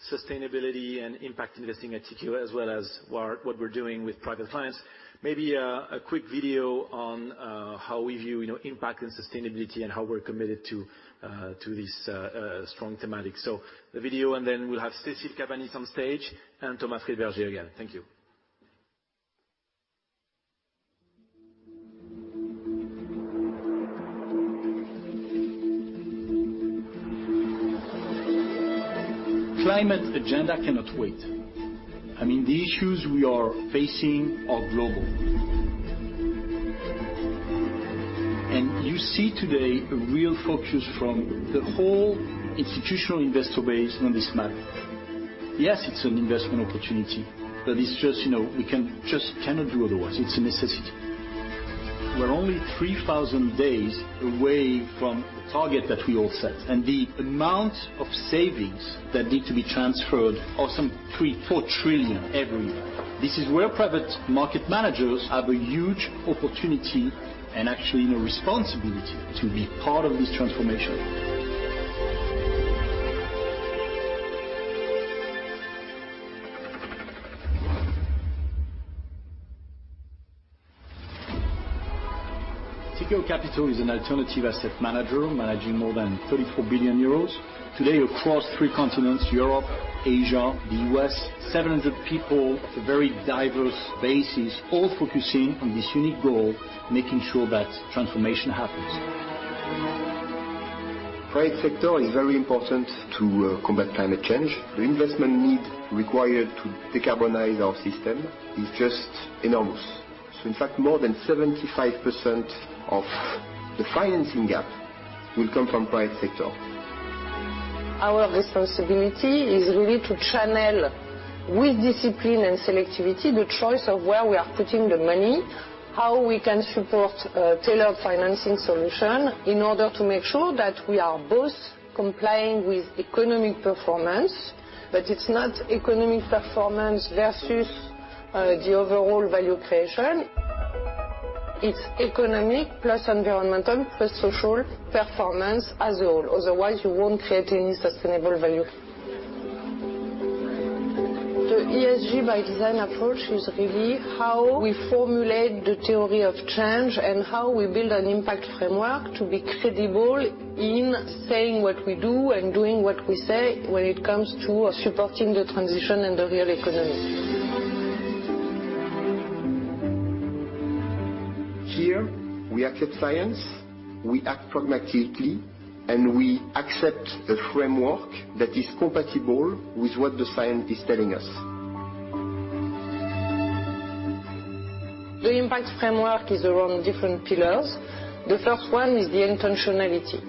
sustainability and impact investing at Tikehau, as well as what we're doing with private clients, maybe a quick video on how we view, you know, impact and sustainability and how we're committed to this strong thematic. The video, and then we'll have Cécile Cabanis on stage and Thomas Friedberger again. Thank you. Climate agenda cannot wait. I mean, the issues we are facing are global. You see today a real focus from the whole institutional investor base on this matter. Yes, it's an investment opportunity, but it's just, you know, just cannot do otherwise. It's a necessity. We're only 3,000 days away from the target that we all set, and the amount of savings that need to be transferred are some 3-EUR4 trillion every year. This is where private market managers have a huge opportunity and actually, you know, responsibility to be part of this transformation. Tikehau Capital is an alternative asset manager, managing more than 34 billion euros. Today, across three continents, Europe, Asia, the U.S., 700 people. It's a very diverse base is all focusing on this unique goal, making sure that transformation happens. Private sector is very important to combat climate change. The investment need required to decarbonize our system is just enormous. In fact, more than 75% of the financing gap will come from private sector. Our responsibility is really to channel, with discipline and selectivity, the choice of where we are putting the money, how we can support tailored financing solution in order to make sure that we are both complying with economic performance. But it's not economic performance versus the overall value creation. It's economic plus environmental plus social performance as a whole. Otherwise, you won't create any sustainable value. The Sustainability by Design approach is really how we formulate the theory of change and how we build an impact framework to be credible in saying what we do and doing what we say when it comes to supporting the transition and the real economy. Here, we accept science, we act pragmatically, and we accept a framework that is compatible with what the science is telling us. The impact framework is around different pillars. The first one is the intentionality.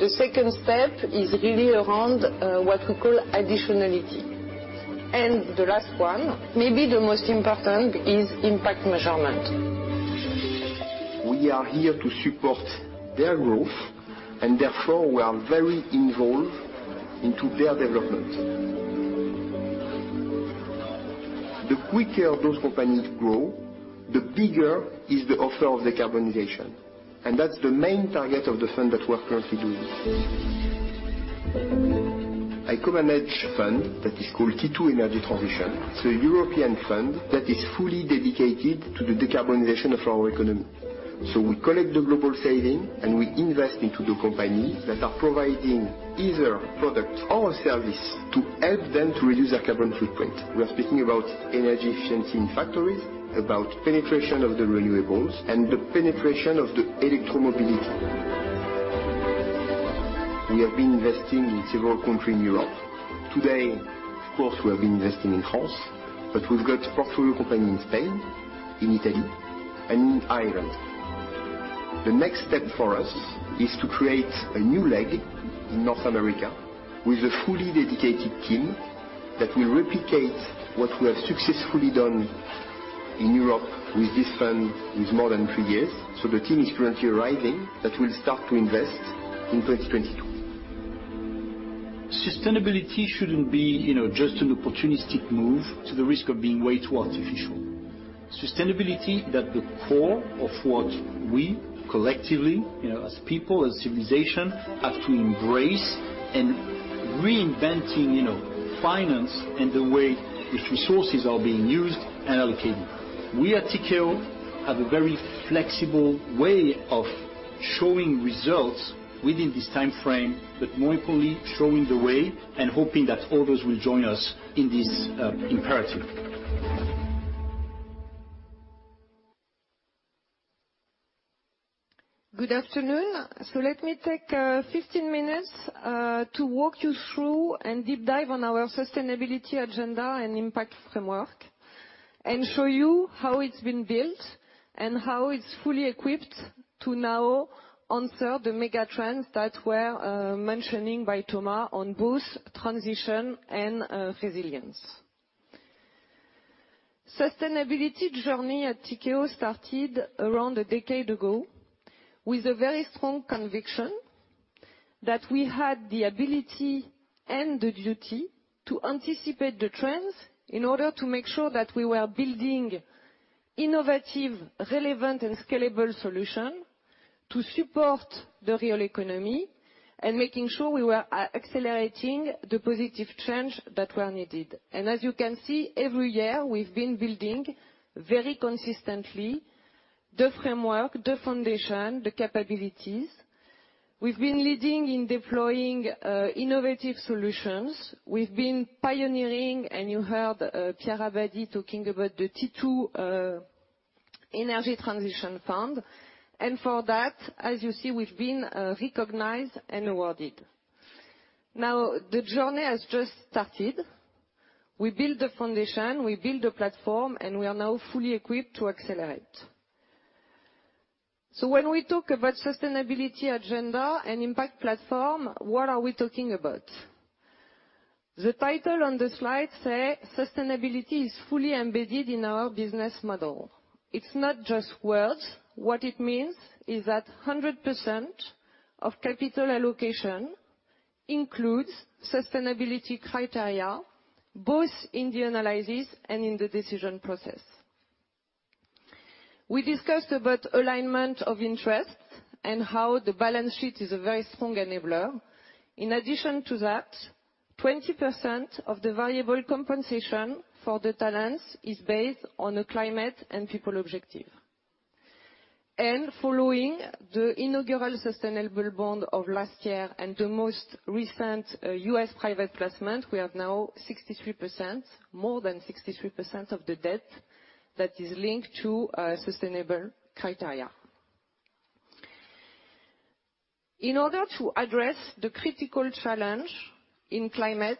The second step is really around what we call additionality. The last one, maybe the most important, is impact measurement. We are here to support their growth, and therefore we are very involved in their development. The quicker those companies grow, the bigger is the offer of decarbonization. That's the main target of the fund that we're currently doing. I co-manage a fund that is called T2 Energy Transition. It's a European fund that is fully dedicated to the decarbonization of our economy. We collect the global savings, and we invest in the companies that are providing either products or services to help them to reduce their carbon footprint. We are speaking about energy efficiency in factories, about penetration of the renewables, and the penetration of the electromobility. We have been investing in several countries in Europe. Today, of course, we have been investing in France, but we've got portfolio companies in Spain, in Italy, and in Ireland. The next step for us is to create a new leg in North America with a fully dedicated team that will replicate what we have successfully done in Europe with this fund with more than three years. The team is currently arriving that will start to invest in 2022. Sustainability shouldn't be, you know, just an opportunistic move at the risk of being way too artificial. Sustainability is at the core of what we collectively, you know, as people, as civilization, have to embrace in reinventing, you know, finance and the way which resources are being used and allocated. We at Tikehau have a very flexible way of showing results within this timeframe, but more importantly, showing the way and hoping that others will join us in this imperative. Good afternoon. Let me take 15 minutes to walk you through and deep dive on our sustainability agenda and impact framework and show you how it's been built and how it's fully equipped to now answer the mega trends that were mentioned by Thomas on both transition and resilience. Sustainability journey at Tikehau started around a decade ago with a very strong conviction that we had the ability and the duty to anticipate the trends in order to make sure that we were building innovative, relevant, and scalable solution to support the real economy and making sure we were accelerating the positive change that were needed. As you can see, every year, we've been building very consistently the framework, the foundation, the capabilities. We've been leading in deploying innovative solutions. We've been pioneering, and you heard, Pierre Abadie talking about the T2 Energy Transition Fund. For that, as you see, we've been recognized and awarded. Now, the journey has just started. We build the foundation, we build the platform, and we are now fully equipped to accelerate. When we talk about sustainability agenda and impact platform, what are we talking about? The title on the slide say, "Sustainability is fully embedded in our business model." It's not just words. What it means is that 100% of capital allocation includes sustainability criteria, both in the analysis and in the decision process. We discussed about alignment of interest and how the balance sheet is a very strong enabler. In addition to that, 20% of the variable compensation for the talents is based on a climate and people objective. Following the inaugural sustainable bond of last year and the most recent US private placement, we have now 63%, more than 63% of the debt that is linked to sustainable criteria. In order to address the critical challenge in climate,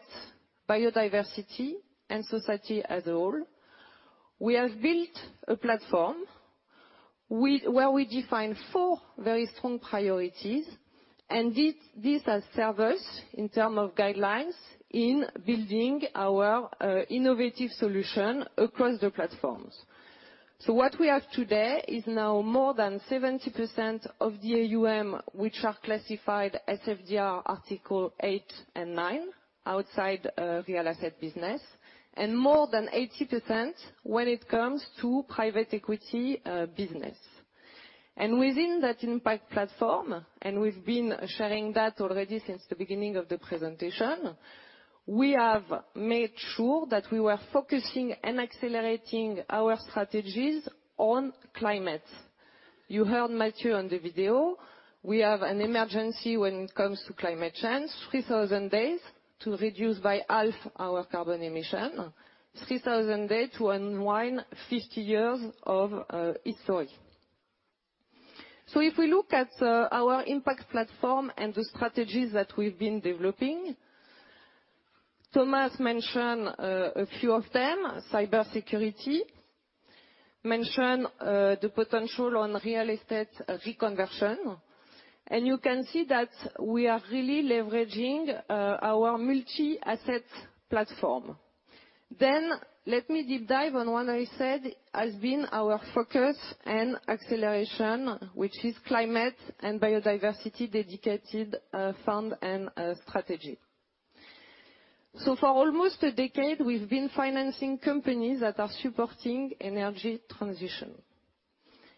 biodiversity and society as a whole, we have built a platform where we define four very strong priorities, and these are serve in terms of guidelines in building our innovative solution across the platforms. What we have today is now more than 70% of the AUM, which are classified SFDR Article 8 and 9 outside real asset business, and more than 80% when it comes to private equity business. Within that impact platform, we've been sharing that already since the beginning of the presentation, we have made sure that we were focusing and accelerating our strategies on climate. You heard Matthieu on the video. We have an emergency when it comes to climate change. 3,000 days to reduce by half our carbon emission. 3,000 days to unwind 50 years of history. If we look at our impact platform and the strategies that we've been developing, Thomas mentioned a few of them, cybersecurity. Mentioned the potential on real estate reconversion, and you can see that we are really leveraging our multi-asset platform. Let me deep dive on what I said has been our focus and acceleration, which is climate and biodiversity dedicated fund and strategy. For almost a decade, we've been financing companies that are supporting energy transition.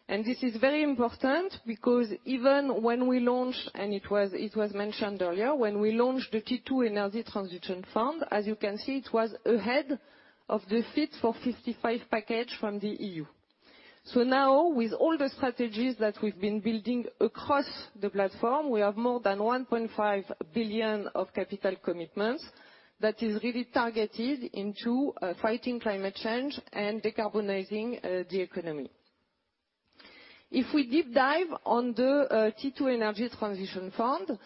This is very important because even when we launched, it was mentioned earlier, when we launched the T2 Energy Transition Fund, as you can see, it was ahead of the Fit for 55 package from the E.U. Now, with all the strategies that we've been building across the platform, we have more than 1.5 billion of capital commitments that is really targeted into fighting climate change and decarbonizing the economy. If we deep dive on the T2 Energy Transition Fund,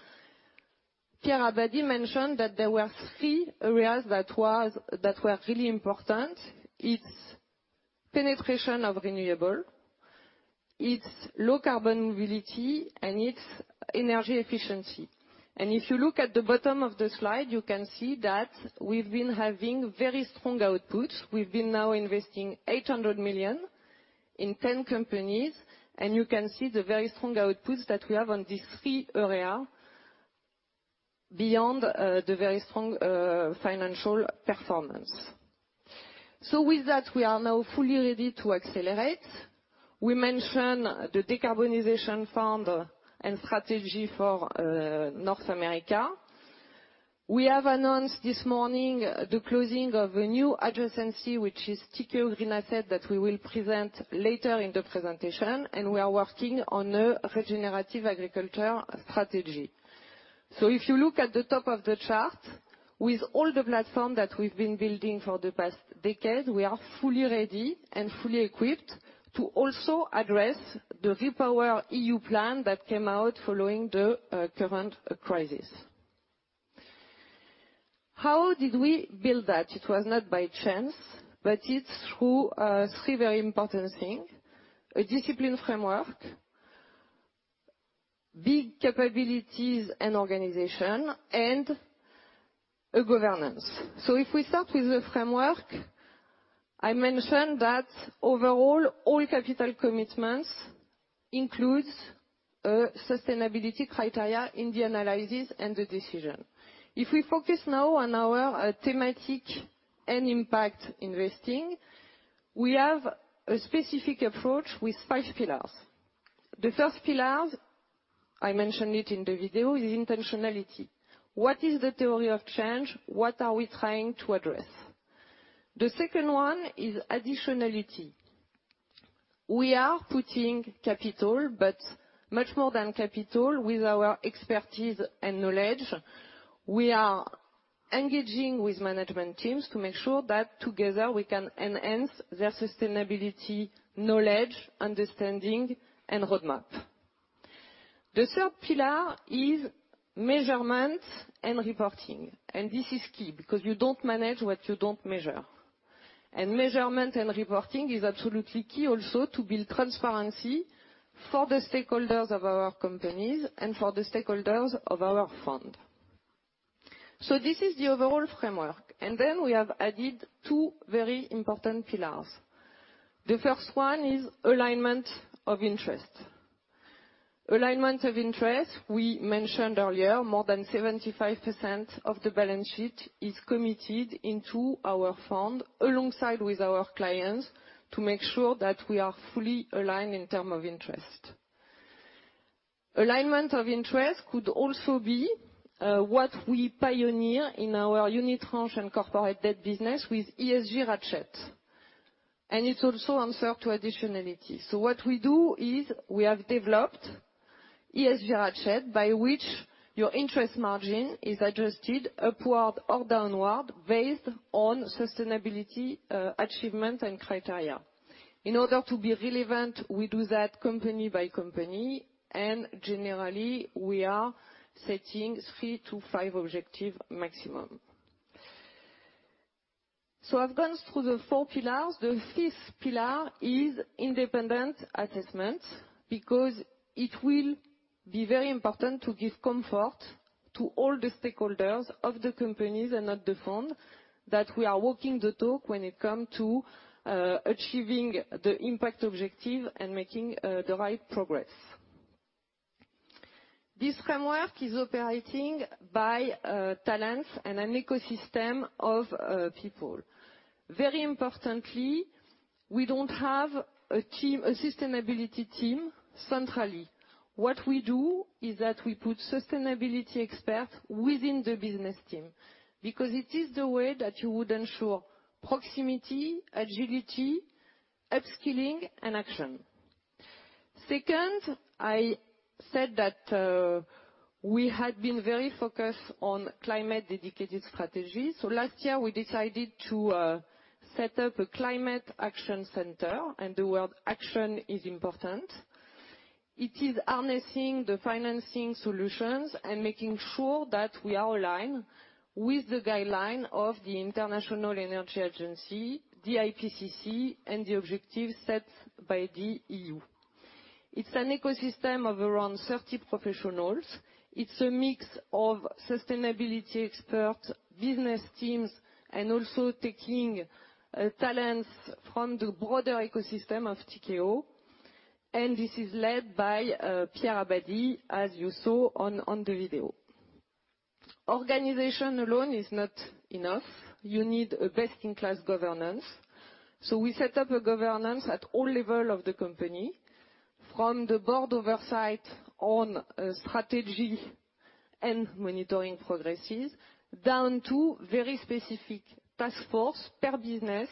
Pierre Abadie mentioned that there were three areas that were really important. It's penetration of renewable, it's low carbon mobility, and it's energy efficiency. If you look at the bottom of the slide, you can see that we've been having very strong output. We've been now investing 800 million in 10 companies, and you can see the very strong outputs that we have on these three areas beyond the very strong financial performance. With that, we are now fully ready to accelerate. We mentioned the decarbonization fund and strategy for North America. We have announced this morning the closing of a new adjacency, which is Tikehau Green Assets, that we will present later in the presentation, and we are working on a regenerative agriculture strategy. If you look at the top of the chart, with all the platform that we've been building for the past decade, we are fully ready and fully equipped to also address the REPowerEU plan that came out following the current crisis. How did we build that? It was not by chance, but it's through three very important things: a discipline framework, big capabilities and organization, and a governance. If we start with the framework, I mentioned that overall, all capital commitments includes a sustainability criteria in the analysis and the decision. If we focus now on our thematic and impact investing, we have a specific approach with five pillars. The first pillar, I mentioned it in the video, is intentionality. What is the theory of change? What are we trying to address? The second one is additionality. We are putting capital, but much more than capital with our expertise and knowledge. We are engaging with management teams to make sure that together we can enhance their sustainability knowledge, understanding and roadmap. The third pillar is measurement and reporting, and this is key because you don't manage what you don't measure. Measurement and reporting is absolutely key also to build transparency for the stakeholders of our companies and for the stakeholders of our fund. This is the overall framework, and then we have added two very important pillars. The first one is alignment of interest. Alignment of interest, we mentioned earlier, more than 75% of the balance sheet is committed into our fund alongside with our clients to make sure that we are fully aligned in term of interest. Alignment of interest could also be what we pioneer in our unitranche and corporate debt business with ESG ratchet, and it also answer to additionality. What we do is we have developed ESG ratchet, by which your interest margin is adjusted upward or downward based on sustainability achievement and criteria. In order to be relevant, we do that company by company, and generally, we are setting three to five objectives maximum. I've gone through the four pillars. The fifth pillar is independent assessment, because it will be very important to give comfort to all the stakeholders of the companies and not the fund that we are walking the talk when it comes to achieving the impact objectives and making the right progress. This framework is operating by talents and an ecosystem of people. Very importantly, we don't have a sustainability team centrally. What we do is that we put sustainability experts within the business team because it is the way that you would ensure proximity, agility, upskilling and action. Second, I said that we had been very focused on climate-dedicated strategy. Last year we decided to set up a climate action center, and the word action is important. It is harnessing the financing solutions and making sure that we are aligned with the guidelines of the International Energy Agency, the IPCC and the objectives set by the EU. It's an ecosystem of around 30 professionals. It's a mix of sustainability experts, business teams, and also taking talents from the broader ecosystem of Tikehau. This is led by Pierre Abadie as you saw on the video. Organization alone is not enough. You need a best-in-class governance. We set up a governance at all levels of the company, from the board oversight on strategy and monitoring progress, down to very specific task forces per business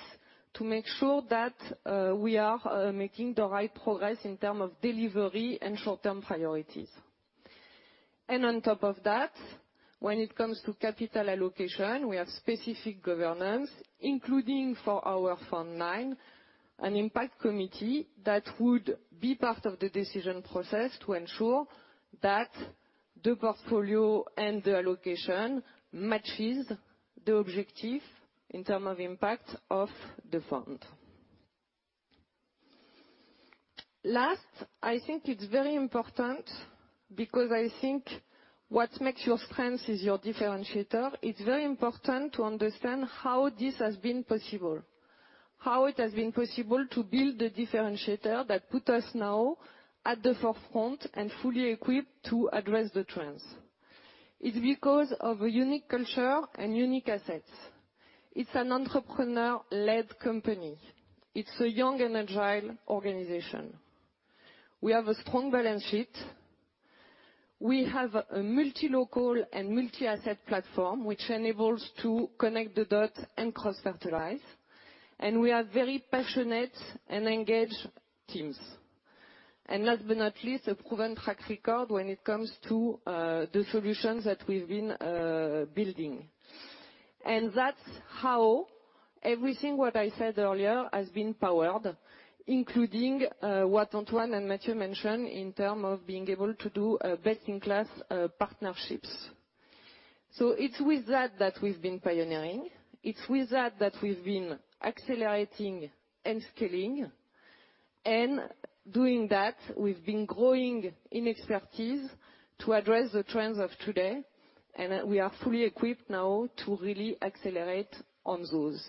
to make sure that we are making the right progress in terms of delivery and short-term priorities. On top of that, when it comes to capital allocation, we have specific governance, including for our fund nine, an impact committee that would be part of the decision process to ensure that the portfolio and the allocation matches the objective in terms of impact of the fund. Last, I think it's very important because I think what makes your strength is your differentiator. It's very important to understand how this has been possible, how it has been possible to build the differentiator that put us now at the forefront and fully equipped to address the trends. It's because of a unique culture and unique assets. It's an entrepreneur-led company. It's a young and agile organization. We have a strong balance sheet. We have a multi-local and multi-asset platform which enables to connect the dots and cross-fertilize. We are very passionate and engaged teams. Last but not least, a proven track record when it comes to the solutions that we've been building. That's how everything what I said earlier has been powered, including what Antoine and Mathieu mentioned in terms of being able to do best-in-class partnerships. It's with that that we've been pioneering. It's with that that we've been accelerating and scaling. Doing that, we've been growing in expertise to address the trends of today, and we are fully equipped now to really accelerate on those.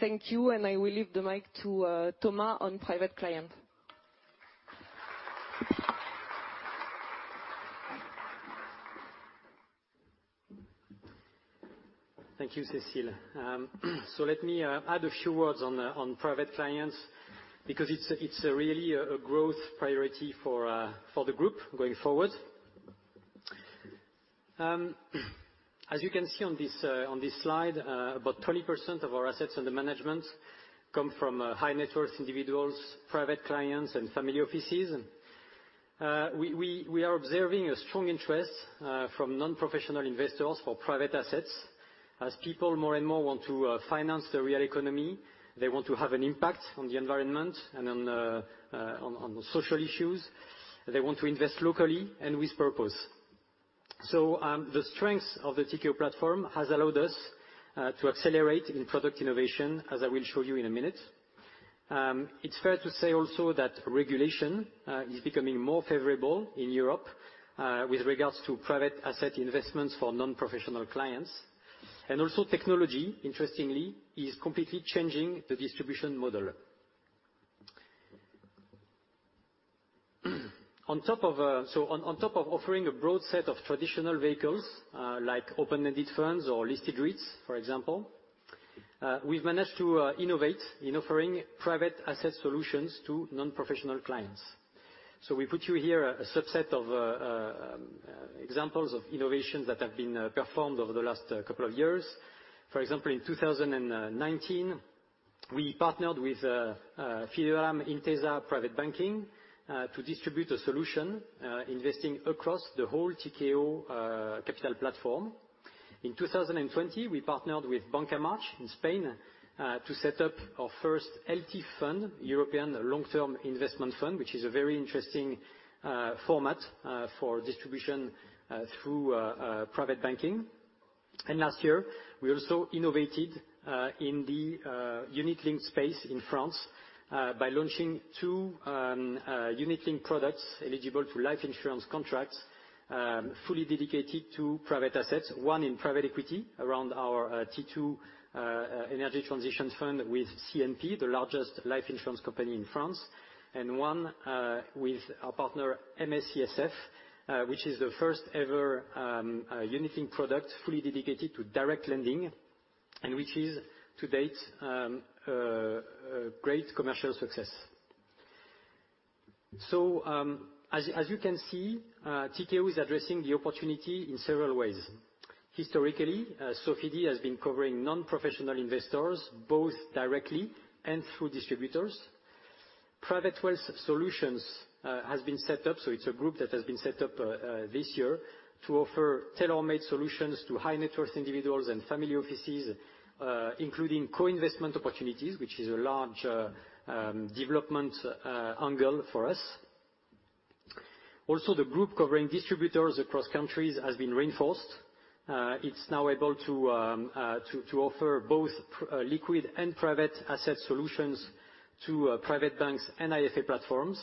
Thank you, and I will leave the mic to Thomas on private client. Thank you, Cécile. Let me add a few words on private clients because it's really a growth priority for the group going forward. As you can see on this slide, about 20% of our assets under management come from high-net-worth individuals, private clients and family offices. We are observing a strong interest from non-professional investors for private assets as people more and more want to finance the real economy, they want to have an impact on the environment and on social issues. They want to invest locally and with purpose. The strength of the Tikehau platform has allowed us to accelerate in product innovation, as I will show you in a minute. It's fair to say also that regulation is becoming more favorable in Europe with regards to private asset investments for non-professional clients. Technology, interestingly, is completely changing the distribution model. On top of offering a broad set of traditional vehicles like open-ended funds or listed REITs, for example, we've managed to innovate in offering private asset solutions to non-professional clients. We put here a subset of examples of innovations that have been performed over the last couple of years. For example, in 2019, we partnered with Fideuram Intesa Sanpaolo Private Banking to distribute a solution investing across the whole Tikehau capital platform. In 2020, we partnered with Banca March in Spain to set up our first ELTIF fund, European Long-Term Investment Fund, which is a very interesting format for distribution through private banking. Last year, we also innovated in the unit-linked space in France by launching two unit-linked products eligible for life insurance contracts fully dedicated to private assets, one in private equity around our T2 Energy Transition Fund with CNP, the largest life insurance company in France, one with our partner MACSF, which is the first ever unit-linked product fully dedicated to direct lending, and which is, to date, a great commercial success. As you can see, Tikehau is addressing the opportunity in several ways. Historically, Sofidy has been covering non-professional investors, both directly and through distributors. Private wealth solutions has been set up, so it's a group that has been set up this year to offer tailor-made solutions to high-net-worth individuals and family offices, including co-investment opportunities, which is a large development angle for us. Also, the group covering distributors across countries has been reinforced. It's now able to to offer both liquid and private asset solutions to private banks and IFA platforms.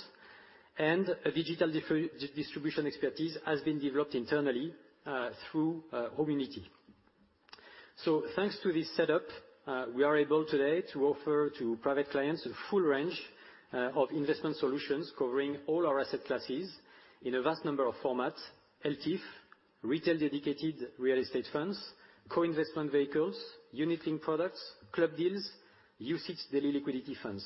A digital distribution expertise has been developed internally through Homunity. Thanks to this setup, we are able today to offer to private clients a full range of investment solutions covering all our asset classes in a vast number of formats, ELTIF, retail-dedicated real estate funds, co-investment vehicles, unit-linked products, club deals, usage daily liquidity funds.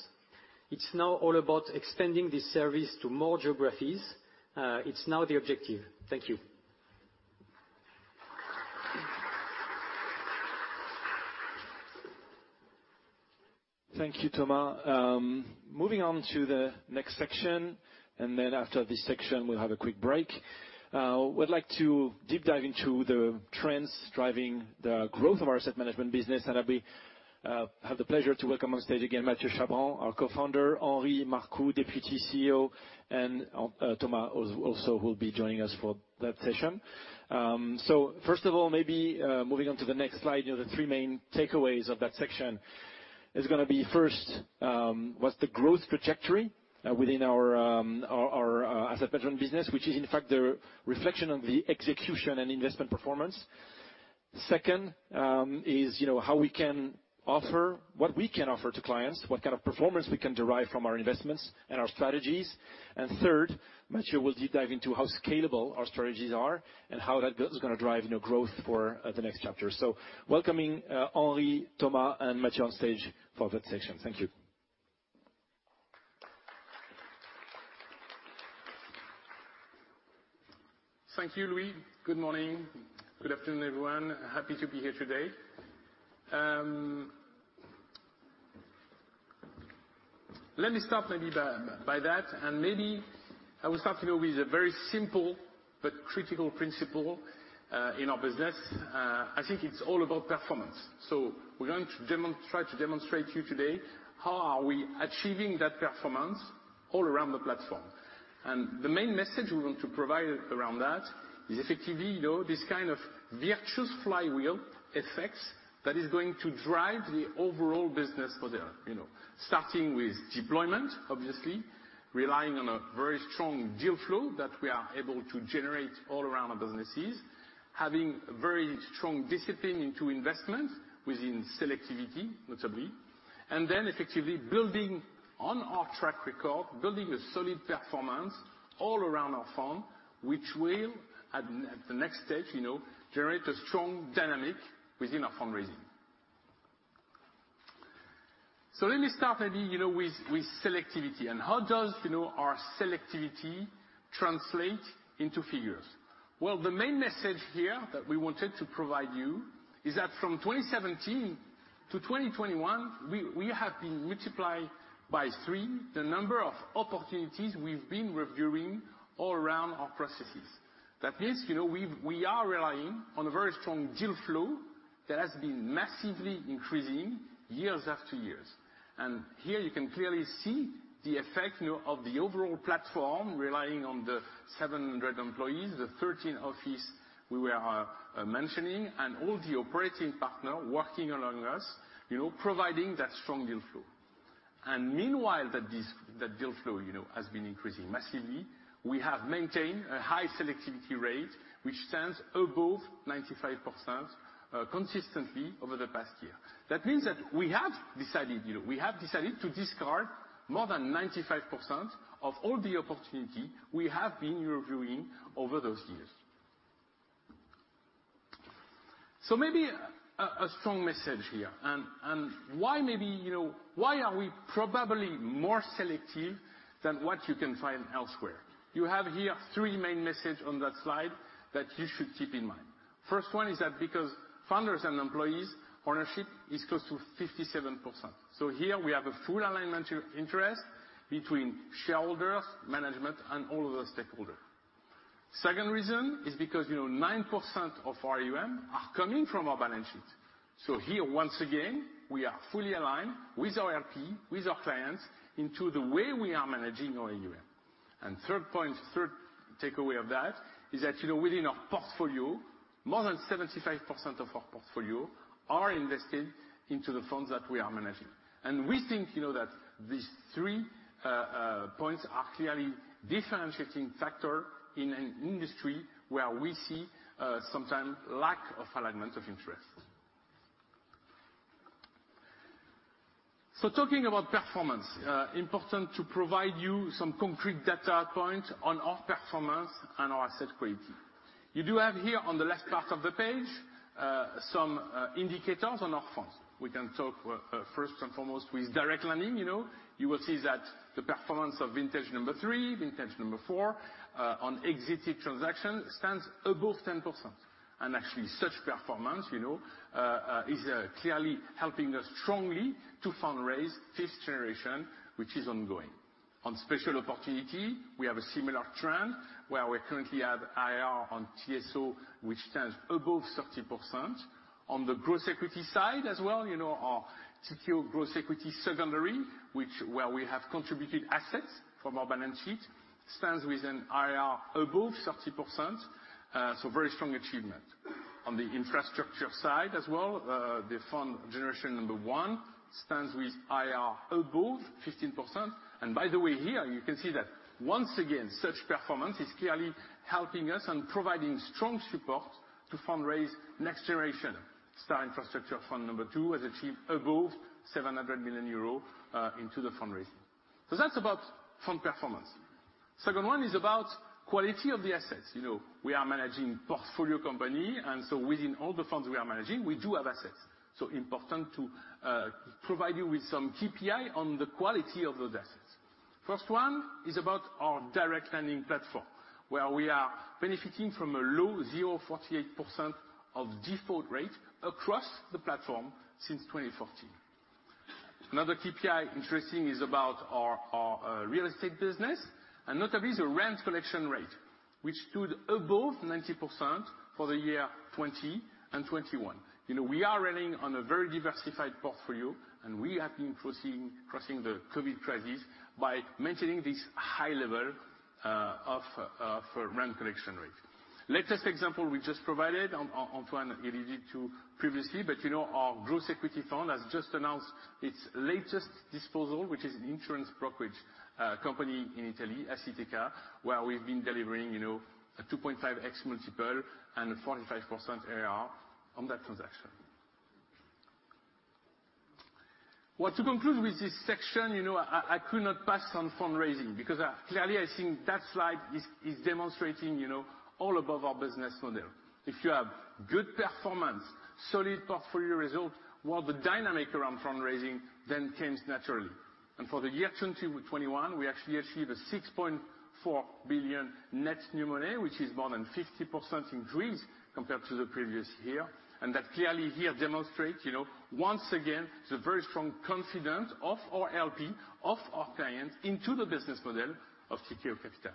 It's now all about expanding this service to more geographies. It's now the objective. Thank you. Thank you, Thomas. Moving on to the next section, and then after this section, we'll have a quick break. We'd like to deep dive into the trends driving the growth of our asset management business, and I'll have the pleasure to welcome on stage again, Mathieu Chabran, our co-founder, Aryeh Bourkoff, Deputy CEO, and Thomas, also, who'll be joining us for that session. First of all, maybe moving on to the next slide, you know, the three main takeaways of that section is gonna be first, what's the growth trajectory within our asset management business, which is in fact the reflection on the execution and investment performance. Second, you know, what we can offer to clients, what kind of performance we can derive from our investments and our strategies. Third, Mathieu will deep dive into how scalable our strategies are and how that is gonna drive, you know, growth for the next chapter. Welcoming Aryeh, Thomas, and Mathieu on stage for that session. Thank you. Thank you, Louis. Good morning. Good afternoon, everyone. Happy to be here today. Let me start maybe by that, and maybe I will start, you know, with a very simple but critical principle in our business. I think it's all about performance. We're going to try to demonstrate to you today how are we achieving that performance all around the platform. The main message we want to provide around that is effectively, you know, this kind of virtuous flywheel effects that is going to drive the overall business for the year. You know, starting with deployment, obviously, relying on a very strong deal flow that we are able to generate all around our businesses. Having very strong discipline into investment within selectivity, notably. Effectively building on our track record, building a solid performance all around our firm, which will at the next stage, you know, generate a strong dynamic within our fundraising. Let me start maybe, you know, with selectivity and how does, you know, our selectivity translate into figures. Well, the main message here that we wanted to provide you is that from 2017 to 2021, we have been multiplied by three the number of opportunities we've been reviewing all around our processes. That means, you know, we are relying on a very strong deal flow that has been massively increasing years after years. Here you can clearly see the effect, you know, of the overall platform relying on the 700 employees, the 13 offices we were mentioning, and all the operating partners working along us, you know, providing that strong deal flow. Meanwhile, that deal flow, you know, has been increasing massively. We have maintained a high selectivity rate, which stands above 95%, consistently over the past year. That means that we have decided, you know, to discard more than 95% of all the opportunities we have been reviewing over those years. Maybe a strong message here and why maybe, you know, why are we probably more selective than what you can find elsewhere. You have here three main messages on that slide that you should keep in mind. First one is that because founders and employees ownership is close to 57%. Here we have a full alignment of interest between shareholders, management, and all other stakeholders. Second reason is because, you know, 9% of our AUM are coming from our balance sheet. Here, once again, we are fully aligned with our LP, with our clients into the way we are managing our AUM. Third point, third takeaway of that is that, you know, within our portfolio, more than 75% of our portfolio are invested into the funds that we are managing. We think, you know, that these three points are clearly differentiating factor in an industry where we see sometimes lack of alignment of interest. Talking about performance, it's important to provide you some concrete data point on our performance and our asset quality. You do have here on the left part of the page, some indicators on our funds. We can talk first and foremost with direct lending, you know. You will see that the performance of vintage three, vintage four, on exited transaction stands above 10%. Actually, such performance, you know, is clearly helping us strongly to fundraise 5th generation, which is ongoing. On special opportunity, we have a similar trend where we currently have IRR on TSO, which stands above 30%. On the growth equity side as well, you know, our Tikehau Growth Equity Secondary, which we have contributed assets from our balance sheet, stands with an IRR above 30%, so very strong achievement. On the infrastructure side as well, the fund generation 1 stands with IRR above 15%. By the way, here you can see that once again, such performance is clearly helping us and providing strong support to fundraise next generation. Star America Infrastructure Fund II has achieved above 700 million euro into the fundraising. That's about fund performance. Second one is about quality of the assets. You know, we are managing portfolio company, and so within all the funds we are managing, we do have assets. Important to provide you with some KPI on the quality of those assets. First one is about our direct lending platform, where we are benefiting from a low 0.48% default rate across the platform since 2014. Another KPI interesting is about our real estate business, and notably the rent collection rate, which stood above 90% for the years 2020 and 2021. You know, we are running on a very diversified portfolio, and we have been crossing the COVID crisis by maintaining this high level of our rent collection rate. Latest example we just provided on Antoine, he referred to previously, but you know, our growth equity fund has just announced its latest disposal, which is an insurance brokerage company in Italy, Assiteca, where we've been delivering, you know, a 2.5x multiple and a 45% IRR on that transaction. Well, to conclude with this section, you know, I could not pass on fundraising because clearly I think that slide is demonstrating, you know, all about our business model. If you have good performance, solid portfolio result, well, the dynamic around fundraising then comes naturally. For the year 2021, we actually achieved 6.4 billion net new money, which is more than 50% increase compared to the previous year. That clearly here demonstrates, you know, once again, the very strong confidence of our LP, of our clients into the business model of Tikehau Capital.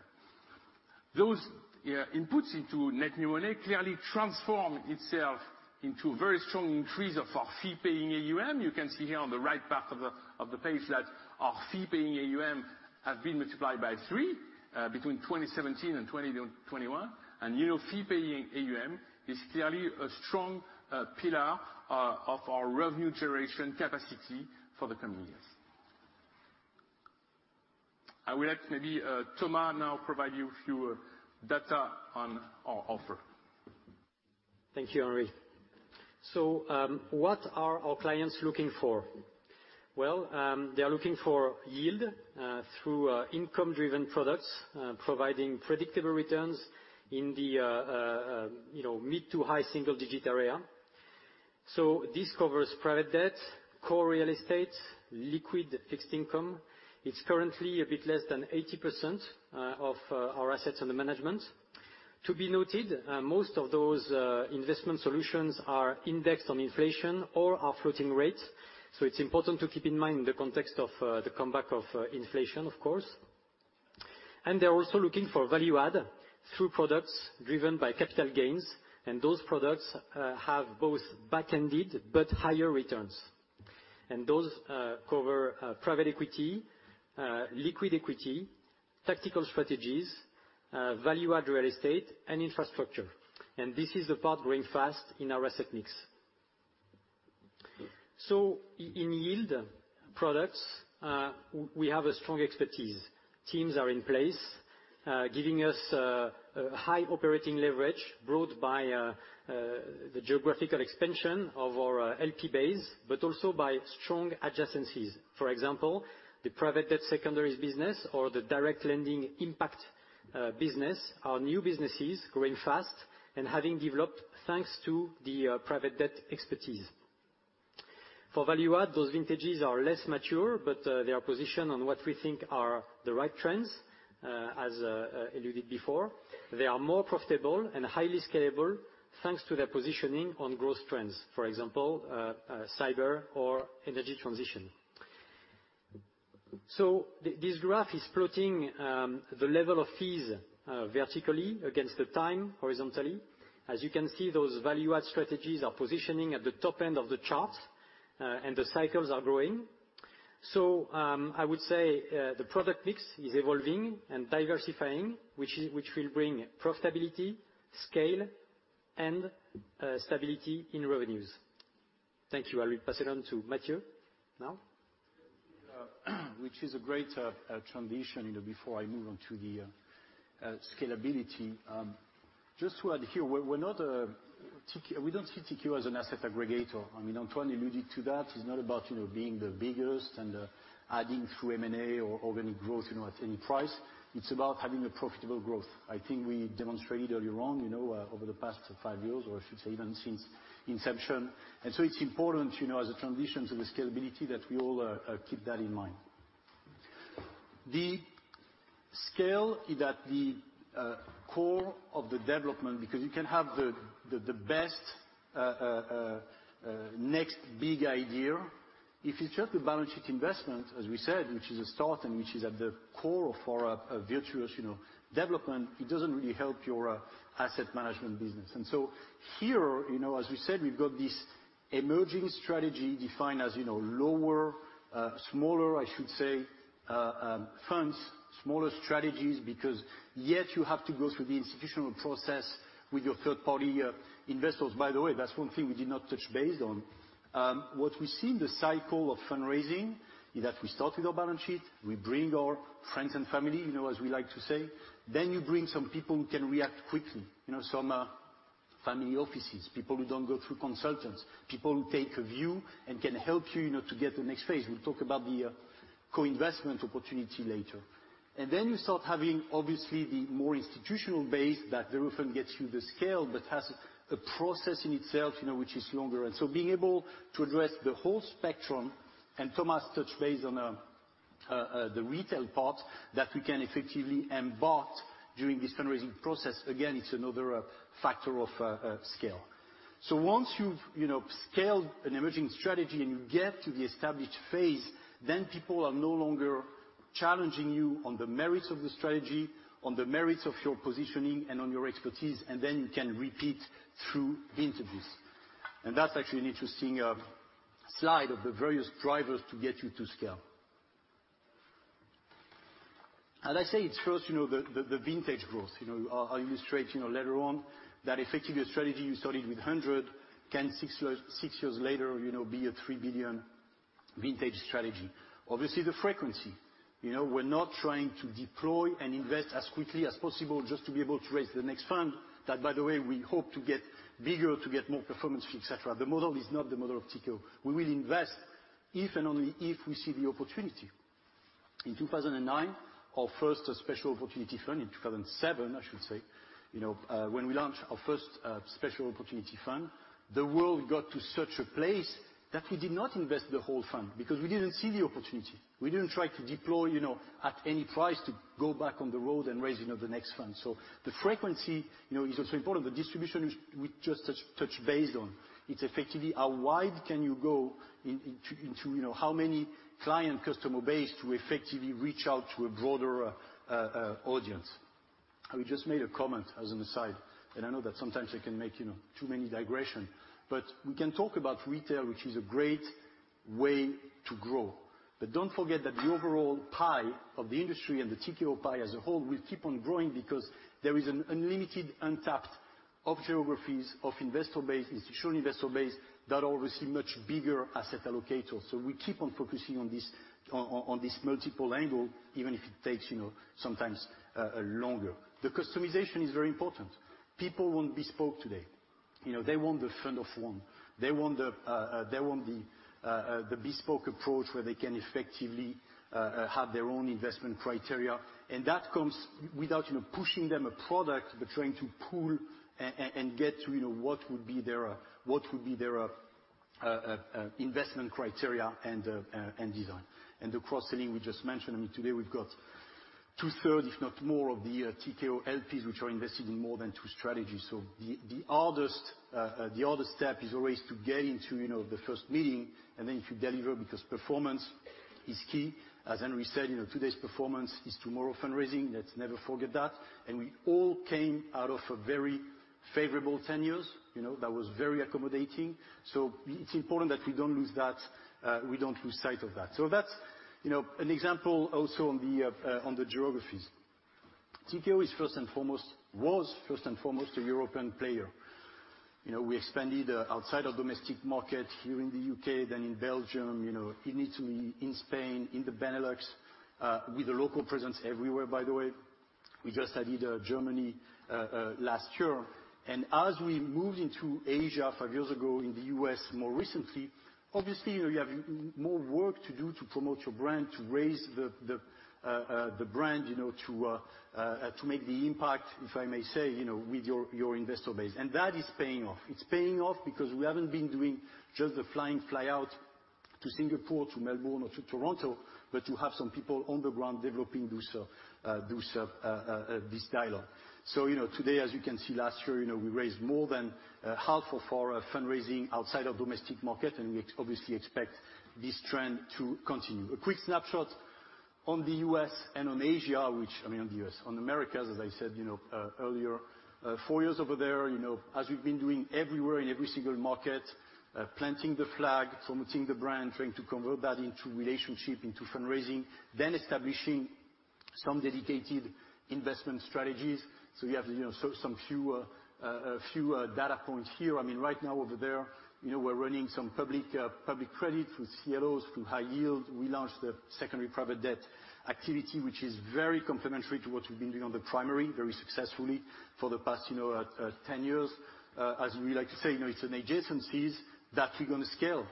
Those inputs into net new money clearly transform itself into very strong increase of our fee-paying AUM. You can see here on the right part of the page that our fee-paying AUM has been multiplied by three between 2017 and 2021. You know, fee-paying AUM is clearly a strong pillar of our revenue generation capacity for the coming years. I will let maybe Thomas now provide you a few data on our offer. Thank you, Aryeh. What are our clients looking for? Well, they are looking for yield through income-driven products providing predictable returns in the you know, mid to high single-digit area. This covers private debt, core real estate, liquid fixed income. It's currently a bit less than 80% of our assets under management. To be noted, most of those investment solutions are indexed on inflation or are floating rates. It's important to keep in mind in the context of the comeback of inflation, of course. They're also looking for value add through products driven by capital gains, and those products have both back-ended but higher returns. Those cover private equity, liquid equity, tactical strategies, value add real estate, and infrastructure. This is the part growing fast in our asset mix. In yield products, we have a strong expertise. Teams are in place, giving us a high operating leverage brought by the geographical expansion of our LP base, but also by strong adjacencies. For example, the private debt secondaries business or the direct lending impact business are new businesses growing fast and having developed thanks to the private debt expertise. For value add, those vintages are less mature, but they are positioned on what we think are the right trends. As alluded before, they are more profitable and highly scalable thanks to their positioning on growth trends, for example, cyber or energy transition. This graph is plotting the level of fees vertically against the time horizontally. As you can see, those value add strategies are positioning at the top end of the chart, and the cycles are growing. I would say the product mix is evolving and diversifying, which will bring profitability, scale and stability in revenues. Thank you. I will pass it on to Mathieu now. Which is a great transition, you know, before I move on to the scalability. Just to add here, we're not a TKO. We don't see TKO as an asset aggregator. I mean, Antoine alluded to that. It's not about, you know, being the biggest and adding through M&A or organic growth, you know, at any price. It's about having a profitable growth. I think we demonstrated earlier on, you know, over the past five years, or I should say even since inception. It's important, you know, as a transition to the scalability that we all keep that in mind. The scale is at the core of the development because you can have the best next big idea. If it's just a balance sheet investment, as we said, which is a start and which is at the core for a virtuous, you know, development, it doesn't really help your asset management business. Here, you know, as we said, we've got this emerging strategy defined as, you know, smaller, I should say, funds, smaller strategies, because, yes, you have to go through the institutional process with your third-party investors. By the way, that's one thing we did not touch base on. What we see in the cycle of fundraising is that we start with our balance sheet. We bring our friends and family, you know, as we like to say. You bring some people who can react quickly. You know, some family offices, people who don't go through consultants, people who take a view and can help you know, to get the next phase. We'll talk about the co-investment opportunity later. You start having, obviously, the more institutional base that very often gets you the scale, but has a process in itself, you know, which is longer. Being able to address the whole spectrum, and Thomas touched base on the retail part, that we can effectively embark during this fundraising process. Again, it's another factor of scale. Once you've, you know, scaled an emerging strategy and you get to the established phase, then people are no longer challenging you on the merits of the strategy, on the merits of your positioning and on your expertise, and then you can repeat through vintages. That's actually an interesting slide of the various drivers to get you to scale. As I say, it's first, you know, the vintage growth. You know, I'll illustrate later on that effective strategy you started with 100 million, six loans six years later, you know, be a 3 billion vintage strategy. Obviously, the frequency, you know, we're not trying to deploy and invest as quickly as possible just to be able to raise the next fund that, by the way, we hope to get bigger, to get more performance fee, et cetera. The model is not the model of TKO. We will invest if and only if we see the opportunity. In 2009, our first special opportunity fund, in 2007 I should say, you know, when we launched our first special opportunity fund, the world got to such a place that we did not invest the whole fund because we didn't see the opportunity. We didn't try to deploy, you know, at any price to go back on the road and raising up the next fund. The frequency, you know, is also important. The distribution is, we just touch base on. It's effectively how wide can you go in, into, you know, how many client customer base to effectively reach out to a broader audience. I just made a comment as an aside, and I know that sometimes I can make, you know, too many digressions. We can talk about retail, which is a great way to grow. Don't forget that the overall pie of the industry and the TKO pie as a whole will keep on growing because there is an unlimited untapped of geographies, of investor base, institutional investor base that are obviously much bigger asset allocators. We keep on focusing on this, on this multiple angle, even if it takes, you know, sometimes longer. The customization is very important. People want bespoke today. You know, they want the fund of one. They want the bespoke approach where they can effectively have their own investment criteria. That comes without, you know, pushing them a product, but trying to pull and get to, you know, what would be their investment criteria and design. The cross-selling we just mentioned, I mean, today we've got 2/3, if not more, of the TKO LPs which are invested in more than two strategies. The hardest step is always to get into, you know, the first meeting and then if you deliver, because performance is key. As Aryeh said, you know, today's performance is tomorrow fundraising. Let's never forget that. We all came out of a very favorable 10 years, you know, that was very accommodating. It's important that we don't lose that, we don't lose sight of that. That's, you know, an example also on the geographies. TKO is first and foremost a European player. You know, we expanded outside of domestic market here in the U.K., then in Belgium, you know, in Italy, in Spain, in the Benelux, with a local presence everywhere, by the way. We just added Germany last year. As we moved into Asia five years ago, in the U.S. more recently, obviously, you know, you have more work to do to promote your brand, to raise the brand, you know, to make the impact, if I may say, you know, with your investor base. And that is paying off. It's paying off because we haven't been doing just the fly in, fly out to Singapore, to Melbourne or to Toronto, but to have some people on the ground developing this dialogue. You know, today, as you can see, last year, you know, we raised more than half of our fundraising outside of domestic market, and we obviously expect this trend to continue. A quick snapshot on the U.S. and on Asia, which, I mean, on the U.S., on Americas, as I said, you know, earlier, four years over there, you know, as we've been doing everywhere in every single market, planting the flag, promoting the brand, trying to convert that into relationship, into fundraising, then establishing some dedicated investment strategies. We have, you know, some few data points here. I mean, right now over there, you know, we're running some public credit through CLOs, through high yield. We launched the secondary private debt activity, which is very complementary to what we've been doing on the primary very successfully for the past, you know, 10 years. As we like to say, you know, it's an adjacencies that we're gonna scale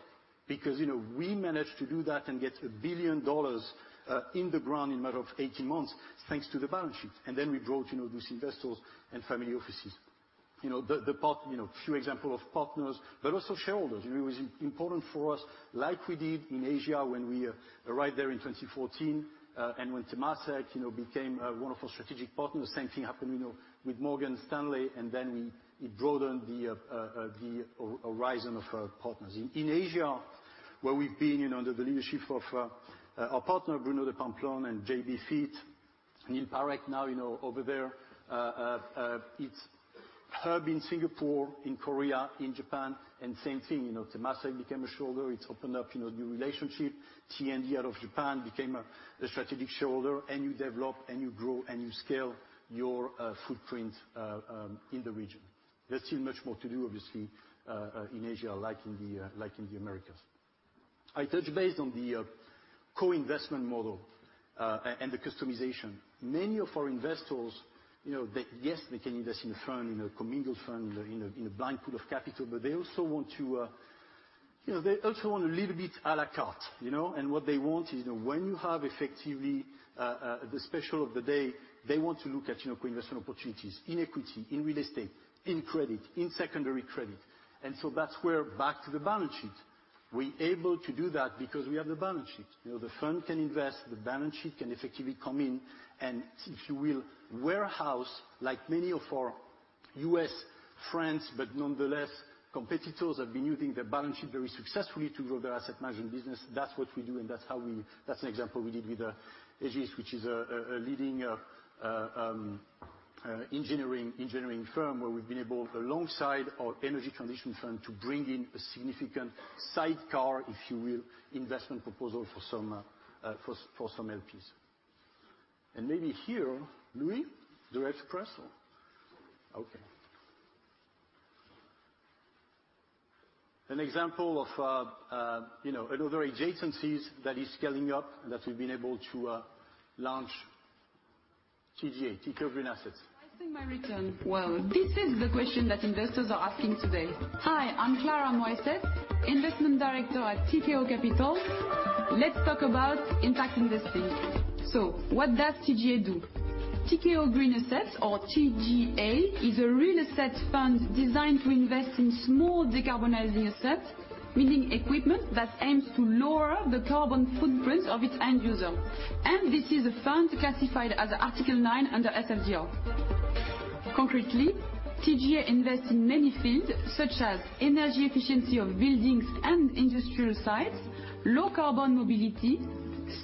because, you know, we managed to do that and get $1 billion in the ground in a matter of 18 months, thanks to the balance sheet. We brought, you know, those investors and family offices. You know, a few example of partners, but also shareholders. It was important for us, like we did in Asia when we arrived there in 2014, and when Temasek, you know, became one of our strategic partners. The same thing happened, you know, with Morgan Stanley, and then we broadened the horizon of our partners. In Asia, where we've been, you know, under the leadership of our partner, Bruno de Pampelonne and JB Fayet, Neil Parekh, now, you know, over there, its hub in Singapore, in Korea, in Japan, and same thing, you know, Temasek became a shareholder. It's opened up, you know, new relationship. T&D out of Japan became a strategic shareholder, and you develop, and you grow, and you scale your footprint in the region. There's still much more to do, obviously, in Asia like in the Americas. I touch base on the co-investment model and the customization. Many of our investors, you know, they... Yes, they can invest in a fund, in a commingled fund, in a blind pool of capital, but they also want to, you know, they also want a little bit a la carte, you know? What they want is when you have effectively the special of the day, they want to look at, you know, co-investment opportunities in equity, in real estate, in credit, in secondary credit. That's where back to the balance sheet. We're able to do that because we have the balance sheet. You know, the firm can invest, the balance sheet can effectively come in, and if you will, warehouse like many of our U.S. friends, but nonetheless competitors have been using their balance sheet very successfully to grow their asset management business. That's what we do, and that's how we. That's an example we did with Egis, which is a leading engineering firm where we've been able, alongside our energy transition fund, to bring in a significant sidecar, if you will, investment proposal for some LPs. Maybe here, Louis, direct press? Okay. An example of, you know, another adjacency that is scaling up that we've been able to launch TGA, Tikehau Green Assets. Investing my return. Well, this is the question that investors are asking today. Hi, I'm Clara Mouysset, Investment Director at Tikehau Capital. Let's talk about impact investing. What does TGA do? Tikehau Green Assets or TGA is a real asset fund designed to invest in small decarbonizing assets, meaning equipment that aims to lower the carbon footprint of its end user. This is a fund classified as Article 9 under SFDR. Concretely, TGA invests in many fields such as energy efficiency of buildings and industrial sites, low carbon mobility,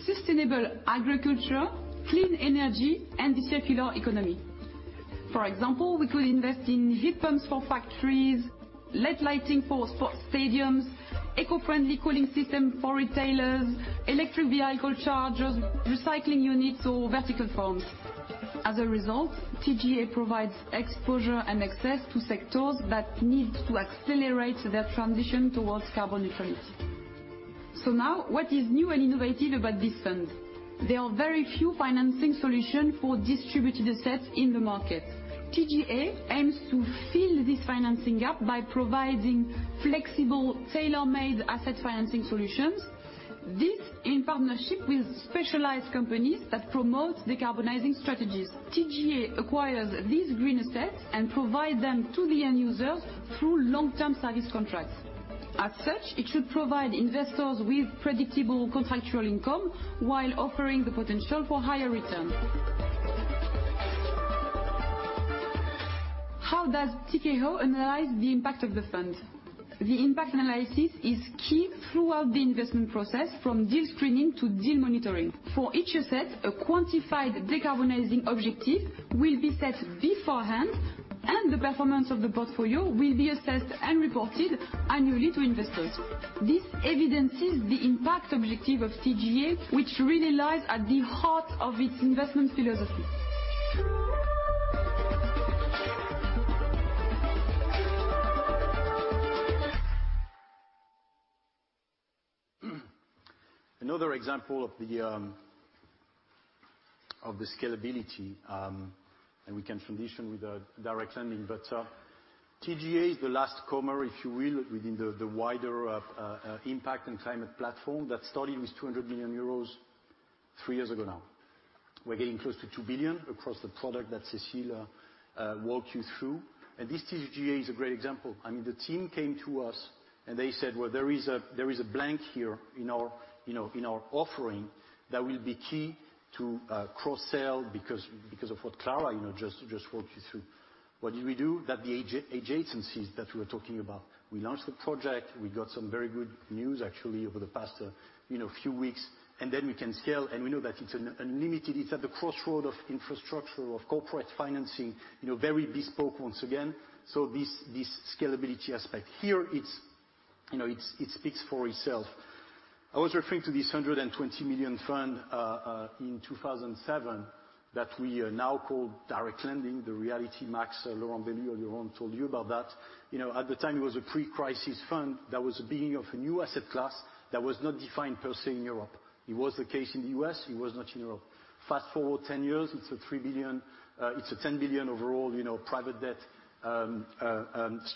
sustainable agriculture, clean energy, and the circular economy. For example, we could invest in heat pumps for factories, LED lighting for sport stadiums, eco-friendly cooling system for retailers, electric vehicle chargers, recycling units, or vertical farms. As a result, TGA provides exposure and access to sectors that need to accelerate their transition towards carbon neutrality. Now what is new and innovative about this fund? There are very few financing solutions for distributed assets in the market. TGA aims to fill this financing gap by providing flexible, tailor-made asset financing solutions, this in partnership with specialized companies that promote decarbonizing strategies. TGA acquires these green assets and provide them to the end users through long-term service contracts. As such, it should provide investors with predictable contractual income while offering the potential for higher returns. How does Tikehau analyze the impact of the fund? The impact analysis is key throughout the investment process from deal screening to deal monitoring. For each asset, a quantified decarbonizing objective will be set beforehand, and the performance of the portfolio will be assessed and reported annually to investors. This evidences the impact objective of TGA, which really lies at the heart of its investment philosophy. Another example of the scalability, and we can transition with direct lending. TGA is the latecomer, if you will, within the wider impact and climate platform that started with 200 million euros three years ago now. We're getting close to 2 billion across the product that Cécile walked you through. This TGA is a great example. I mean, the team came to us, and they said, "Well, there is a blank here in our, you know, in our offering that will be key to cross-sell because of what Clara, you know, just walked you through." What did we do? The adjacencies that we were talking about, we launched the project. We got some very good news actually over the past, you know, few weeks, and then we can scale, and we know that it's unlimited. It's at the crossroad of infrastructure, of corporate financing, you know, very bespoke once again. So this scalability aspect. Here, it's, you know, it speaks for itself. I was referring to this 120 million fund in 2007 that we now call direct lending, the reality Max, Laurent Delisle earlier on told you about that. You know, at the time it was a pre-crisis fund that was a beginning of a new asset class that was not defined per se in Europe. It was the case in the U.S.; it was not in Europe. Fast-forward 10 years, it's a 3 billion... It's a 10 billion overall, you know, private debt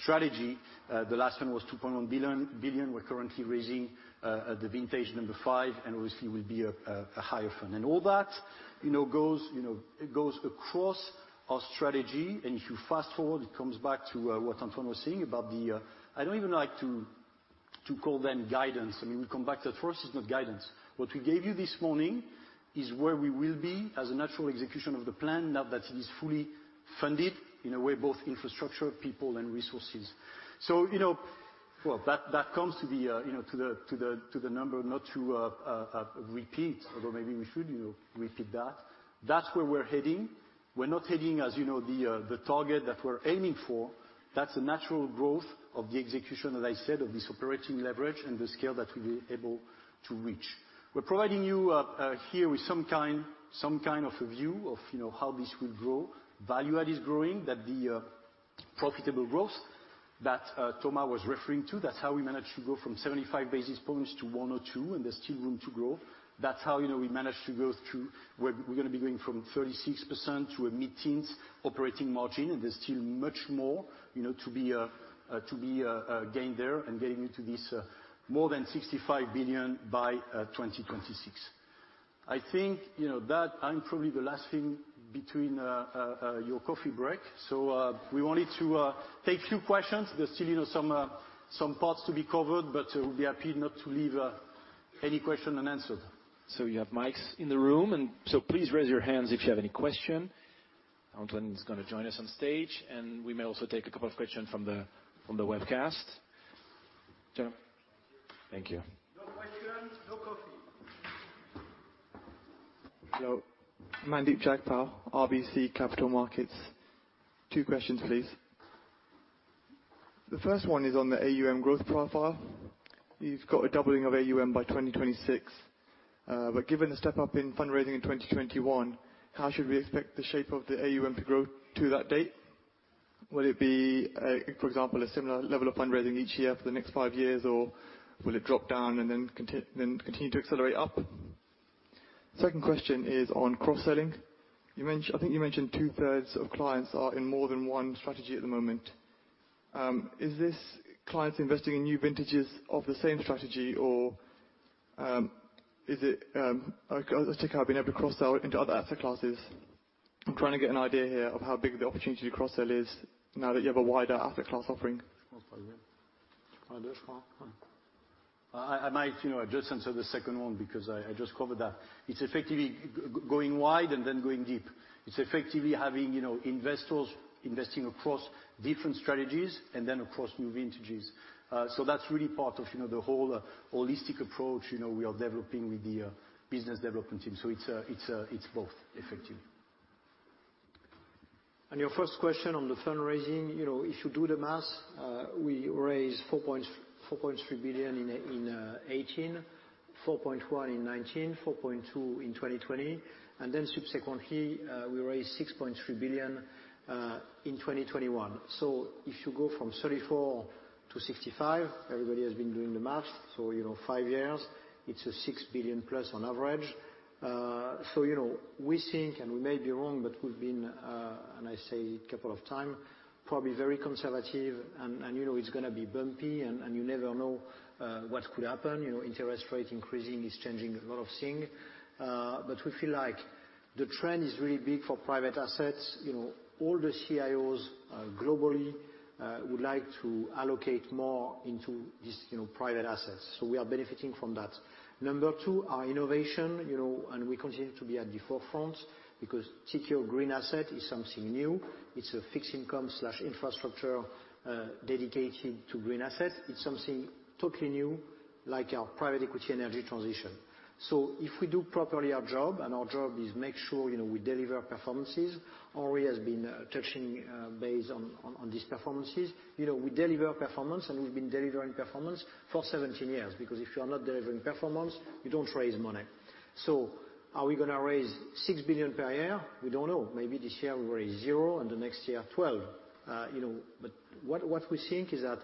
strategy. The last one was 2.1 billion. We're currently raising the vintage number five, and obviously will be a higher fund. All that, you know, goes across our strategy. If you fast-forward, it comes back to what Antoine was saying about the. I don't even like to call them guidance. I mean, we come back that first is not guidance. What we gave you this morning is where we will be as a natural execution of the plan now that it is fully funded, in a way, both infrastructure, people, and resources. You know. Well, that comes to the number, not to repeat, although maybe we should repeat that. That's where we're heading. We're not heading, as you know, the target that we're aiming for. That's a natural growth of the execution, as I said, of this operating leverage and the scale that we'll be able to reach. We're providing you here with some kind of a view of how this will grow. Value add is growing, that the profitable growth that Thomas was referring to. That's how we manage to grow from 75 basis points to 102, and there's still room to grow. That's how, you know, we managed to grow through where we're gonna be going from 36% to a mid-teens operating margin, and there's still much more, you know, to be gained there and getting into this more than 65 billion by 2026. I think, you know, that I'm probably the last thing between your coffee break, so we wanted to take a few questions. There's still, you know, some parts to be covered, but we'll be happy not to leave any question unanswered. You have mics in the room, and so please raise your hands if you have any question. Antoine is gonna join us on stage, and we may also take a couple of questions from the webcast. John. Thank you. No question, no coffee. Yo. Mandeep Jagpal, RBC Capital Markets. Two questions, please. The first one is on the AUM growth profile. You've got a doubling of AUM by 2026. Given the step-up in fundraising in 2021, how should we expect the shape of the AUM to grow to that date? Will it be, for example, a similar level of fundraising each year for the next five years, or will it drop down and then continue to accelerate up? Second question is on cross-selling. I think you mentioned two-thirds of clients are in more than one strategy at the moment. Is this clients investing in new vintages of the same strategy, or is it like Tikehau being able to cross-sell into other asset classes? I'm trying to get an idea here of how big the opportunity to cross-sell is now that you have a wider asset class offering. I might, you know, just answer the second one because I just covered that. It's effectively going wide and then going deep. It's effectively having, you know, investors investing across different strategies and then across new vintages. That's really part of, you know, the whole holistic approach, you know, we are developing with the business development team. It's both effectively. Your first question on the fundraising, you know, if you do the math, we raised 4.3 billion in 2018, 4.1 billion in 2019, 4.2 billion in 2020, and then subsequently, we raised 6.3 billion in 2021. If you go from 34 to 65, everybody has been doing the math, so, you know, five years, it's a 6+ billion on average. So, you know, we think, and we may be wrong, but we've been, and I say a couple of time, probably very conservative and, you know, it's gonna be bumpy and you never know what could happen. You know, interest rate increasing is changing a lot of things. But we feel like the trend is really big for private assets. You know, all the CIOs globally would like to allocate more into these, you know, private assets, so we are benefiting from that. Number two, our innovation, you know, and we continue to be at the forefront because Tikehau Green Assets is something new. It's a fixed income slash infrastructure dedicated to green assets. It's something totally new, like our private equity energy transition. If we do properly our job, and our job is make sure, you know, we deliver performances, Aryeh has been touching base on these performances. You know, we deliver performance, and we've been delivering performance for 17 years because if you are not delivering performance, you don't raise money. Are we gonna raise 6 billion per year? We don't know. Maybe this year we raise zero and the next year 12. What we think is that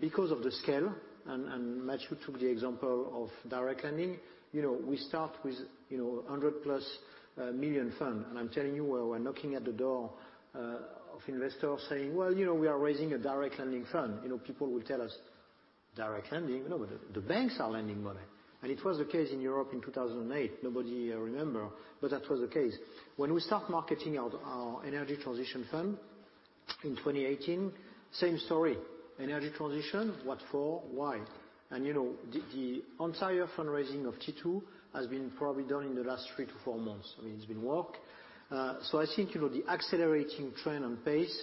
because of the scale, and Mathieu took the example of direct lending, you know, we start with, you know, a 100+ million fund. I'm telling you, when we're knocking at the door of investors saying, "Well, you know, we are raising a direct lending fund," you know, people will tell us. Direct lending. No, but the banks are lending money. It was the case in Europe in 2008. Nobody remember, but that was the case. When we start marketing our energy transition fund in 2018, same story. Energy transition, what for? Why? You know, the entire fundraising of T2 has been probably done in the last three to four months. I mean, it's been work. I think, you know, the accelerating trend and pace,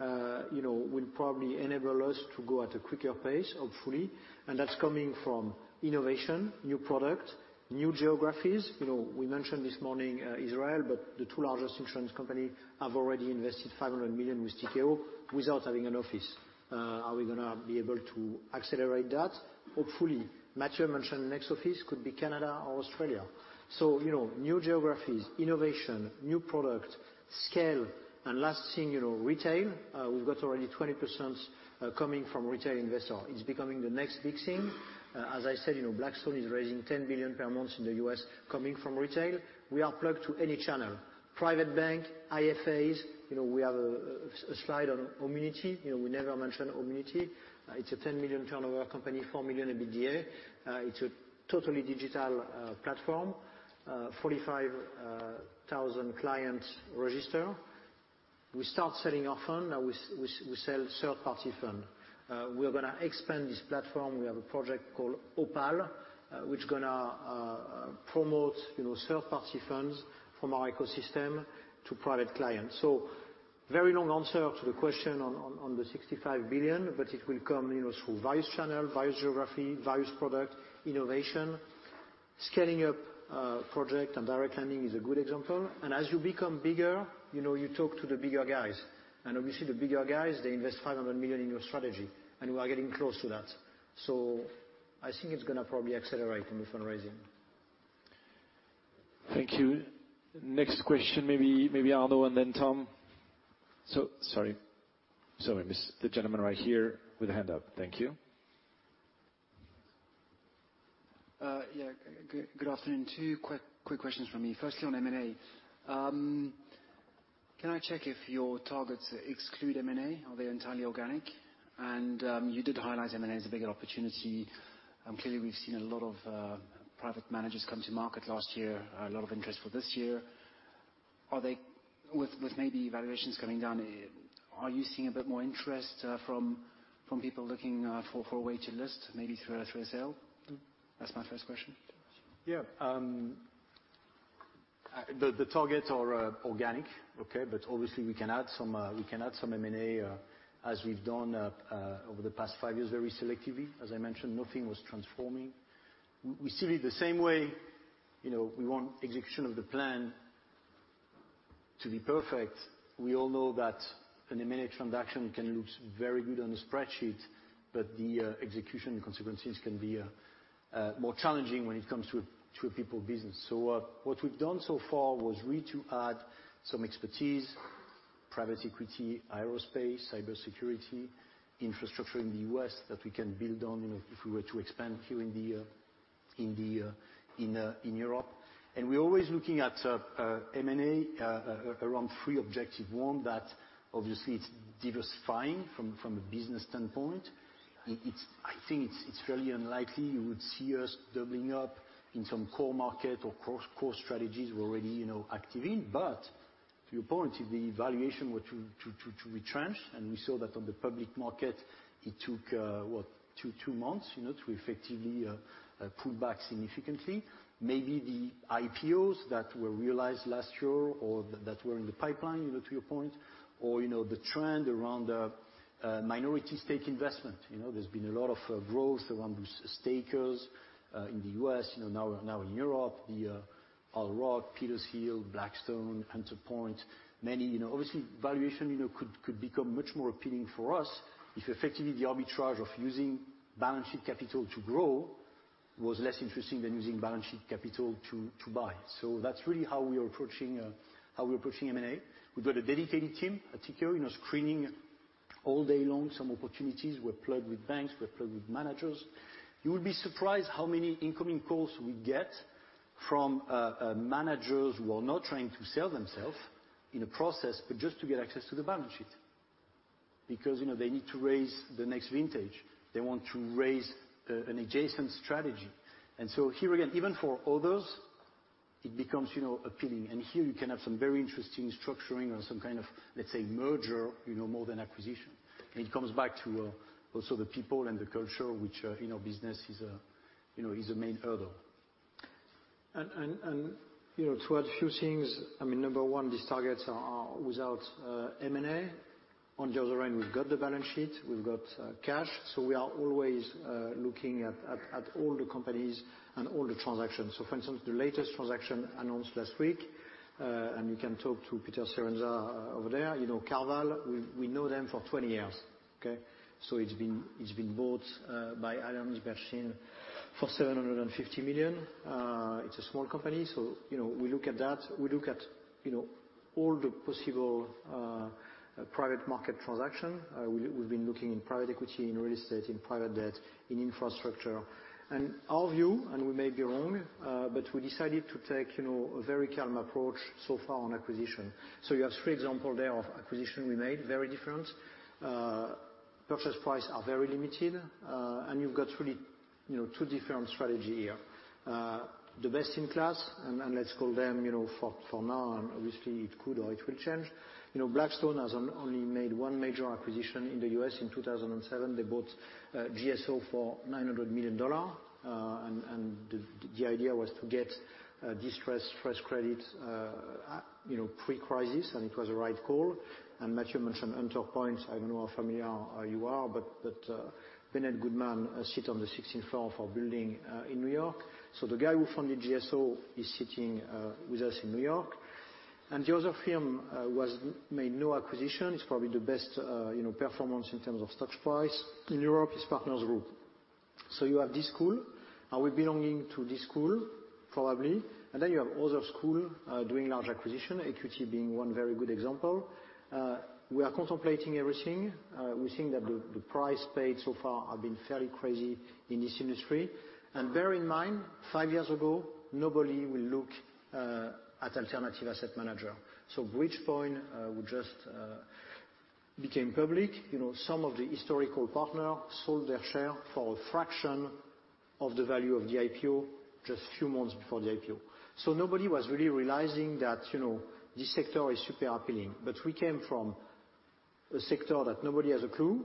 you know, will probably enable us to go at a quicker pace, hopefully. That's coming from innovation, new product, new geographies. You know, we mentioned this morning, Israel, but the two largest insurance company have already invested 500 million with Tikehau without having an office. Are we gonna be able to accelerate that? Hopefully. Mathieu mentioned next office could be Canada or Australia. New geographies, innovation, new product, scale, and last thing, retail. We've got already 20% coming from retail investor. It's becoming the next big thing. As I said, Blackstone is raising $10 billion per month in the U.S. coming from retail. We are plugged to any channel. Private bank, IFAs, we have a slide on Omnity. We never mention Omnity. It's a 10 million turnover company, 4 million EBITDA. It's a totally digital platform. 45,000 clients registered. We start selling our fund. Now we sell third-party fund. We are gonna expand this platform. We have a project called Opal, which gonna promote third-party funds from our ecosystem to private clients. Very long answer to the question on the 65 billion, but it will come, you know, through various channel, various geography, various product, innovation. Scaling up project and direct lending is a good example. As you become bigger, you know, you talk to the bigger guys. Obviously the bigger guys, they invest 500 million in your strategy, and we are getting close to that. I think it's gonna probably accelerate in the fundraising. Thank you. Next question, maybe Arnaud and then Tom. Sorry, miss. The gentleman right here with a hand up. Thank you. Good afternoon. Two quick questions from me. Firstly, on M&A. Can I check if your targets exclude M&A? Are they entirely organic? You did highlight M&A as a bigger opportunity. Clearly we've seen a lot of private managers come to market last year, a lot of interest for this year. With maybe valuations coming down, are you seeing a bit more interest from people looking for a way to list maybe through a sale? That's my first question. Yeah. The targets are organic, okay? Obviously we can add some M&A as we've done over the past five years, very selectively. As I mentioned, nothing was transformative. We see it the same way. You know, we want execution of the plan to be perfect. We all know that an M&A transaction can look very good on the spreadsheet, but the execution consequences can be more challenging when it comes to a people business. What we've done so far was really to add some expertise, private equity, aerospace, cybersecurity, infrastructure in the U.S. that we can build on, you know, if we were to expand here in Europe. We're always looking at M&A around three objectives. One, that obviously it's diversifying from a business standpoint. I think it's fairly unlikely you would see us doubling up in some core market or core strategies we're already active in. To your point, if the valuation were to retrench, and we saw that on the public market, it took what? Two months to effectively pull back significantly. Maybe the IPOs that were realized last year or that were in the pipeline, to your point, or the trend around minority stake investment. There's been a lot of growth around with stakers in the U.S., now in Europe. The Dyal, Petershill, Blackstone, Hunter Point, many. Obviously, valuation, you know, could become much more appealing for us if effectively the arbitrage of using balance sheet capital to grow was less interesting than using balance sheet capital to buy. That's really how we are approaching how we're approaching M&A. We've got a dedicated team at Tikehau, you know, screening all day long some opportunities. We're plugged with banks. We're plugged with managers. You would be surprised how many incoming calls we get from managers who are not trying to sell themselves in a process, but just to get access to the balance sheet. Because, you know, they need to raise the next vintage. They want to raise an adjacent strategy. Here again, even for others, it becomes, you know, appealing. Here you can have some very interesting structuring or some kind of, let's say, merger, you know, more than acquisition. It comes back to also the people and the culture, which in our business is a, you know, main hurdle. You know, to add a few things, I mean, number one, these targets are without M&A. On the other end, we've got the balance sheet, we've got cash, so we are always looking at all the companies and all the transactions. For instance, the latest transaction announced last week, and you can talk to Peter Carville over there. You know CarVal, we know them for 20 years, okay? It's been bought by Alain Rauscher for 750 million. It's a small company, so you know, we look at that. We look at, you know, all the possible private market transaction. We’ve been looking in private equity, in real estate, in private debt, in infrastructure. Our view, and we may be wrong, but we decided to take, you know, a very calm approach so far on acquisition. You have three examples there of acquisitions we made, very different. Purchase prices are very limited. And you've got really, you know, two different strategies here. The best-in-class, and let's call them, you know, for now, and obviously it could or it will change. You know, Blackstone has only made one major acquisition in the U.S. in 2007. They bought GSO for $900 million. And the idea was to get distressed first credit, you know, pre-crisis, and it was the right call. Mathieu mentioned Bridgepoint. I don't know how familiar you are, but Bennett Goodman sits on the 16th floor of our building in New York. The guy who founded GSO is sitting with us in New York. The other firm that made no acquisitions, probably the best, you know, performance in terms of stock price in Europe is Partners Group. You have this school, and we belong to this school probably, and then you have other school doing large acquisitions, EQT being one very good example. We are contemplating everything. We think that the price paid so far has been fairly crazy in this industry. Bear in mind, five years ago, nobody would look at alternative asset managers. Bridgepoint, who just became public. You know, some of the historical partner sold their share for a fraction of the value of the IPO just few months before the IPO. Nobody was really realizing that, you know, this sector is super appealing. We came from a sector that nobody has a clue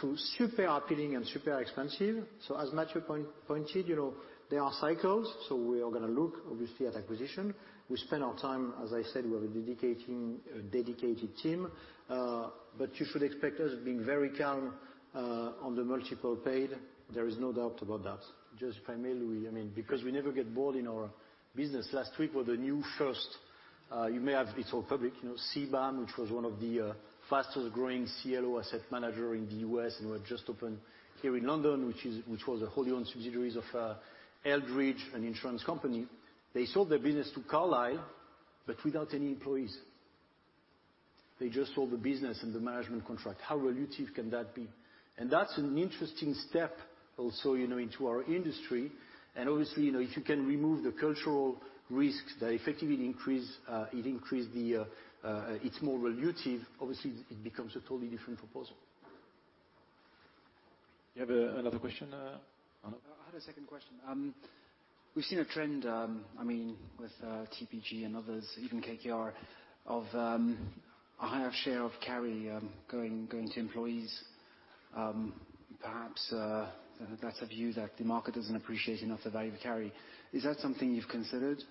to super appealing and super expensive. As Mathieu pointed, you know, there are cycles, so we are gonna look obviously at acquisition. We spend our time, as I said, we have a dedicated team. But you should expect us being very calm on the multiple paid. There is no doubt about that. Just if I may, Louis, I mean, because we never get bored in our business. Last week was a new first, you may have... It's all public, you know, CBAM, which was one of the fastest growing CLO asset manager in the U.S., and we have just opened here in London, which was a wholly owned subsidiary of Eldridge, an insurance company. They sold their business to Carlyle, but without any employees. They just sold the business and the management contract. How attractive can that be? That's an interesting step also, you know, into our industry. Obviously, you know, if you can remove the cultural risks that effectively increase, it's more attractive, obviously it becomes a totally different proposal. You have a, another question, Arnaud? I had a second question. We've seen a trend, I mean, with TPG and others, even KKR, of a higher share of carry going to employees. Perhaps that's a view that the market doesn't appreciate enough the value of carry. Is that something you've considered?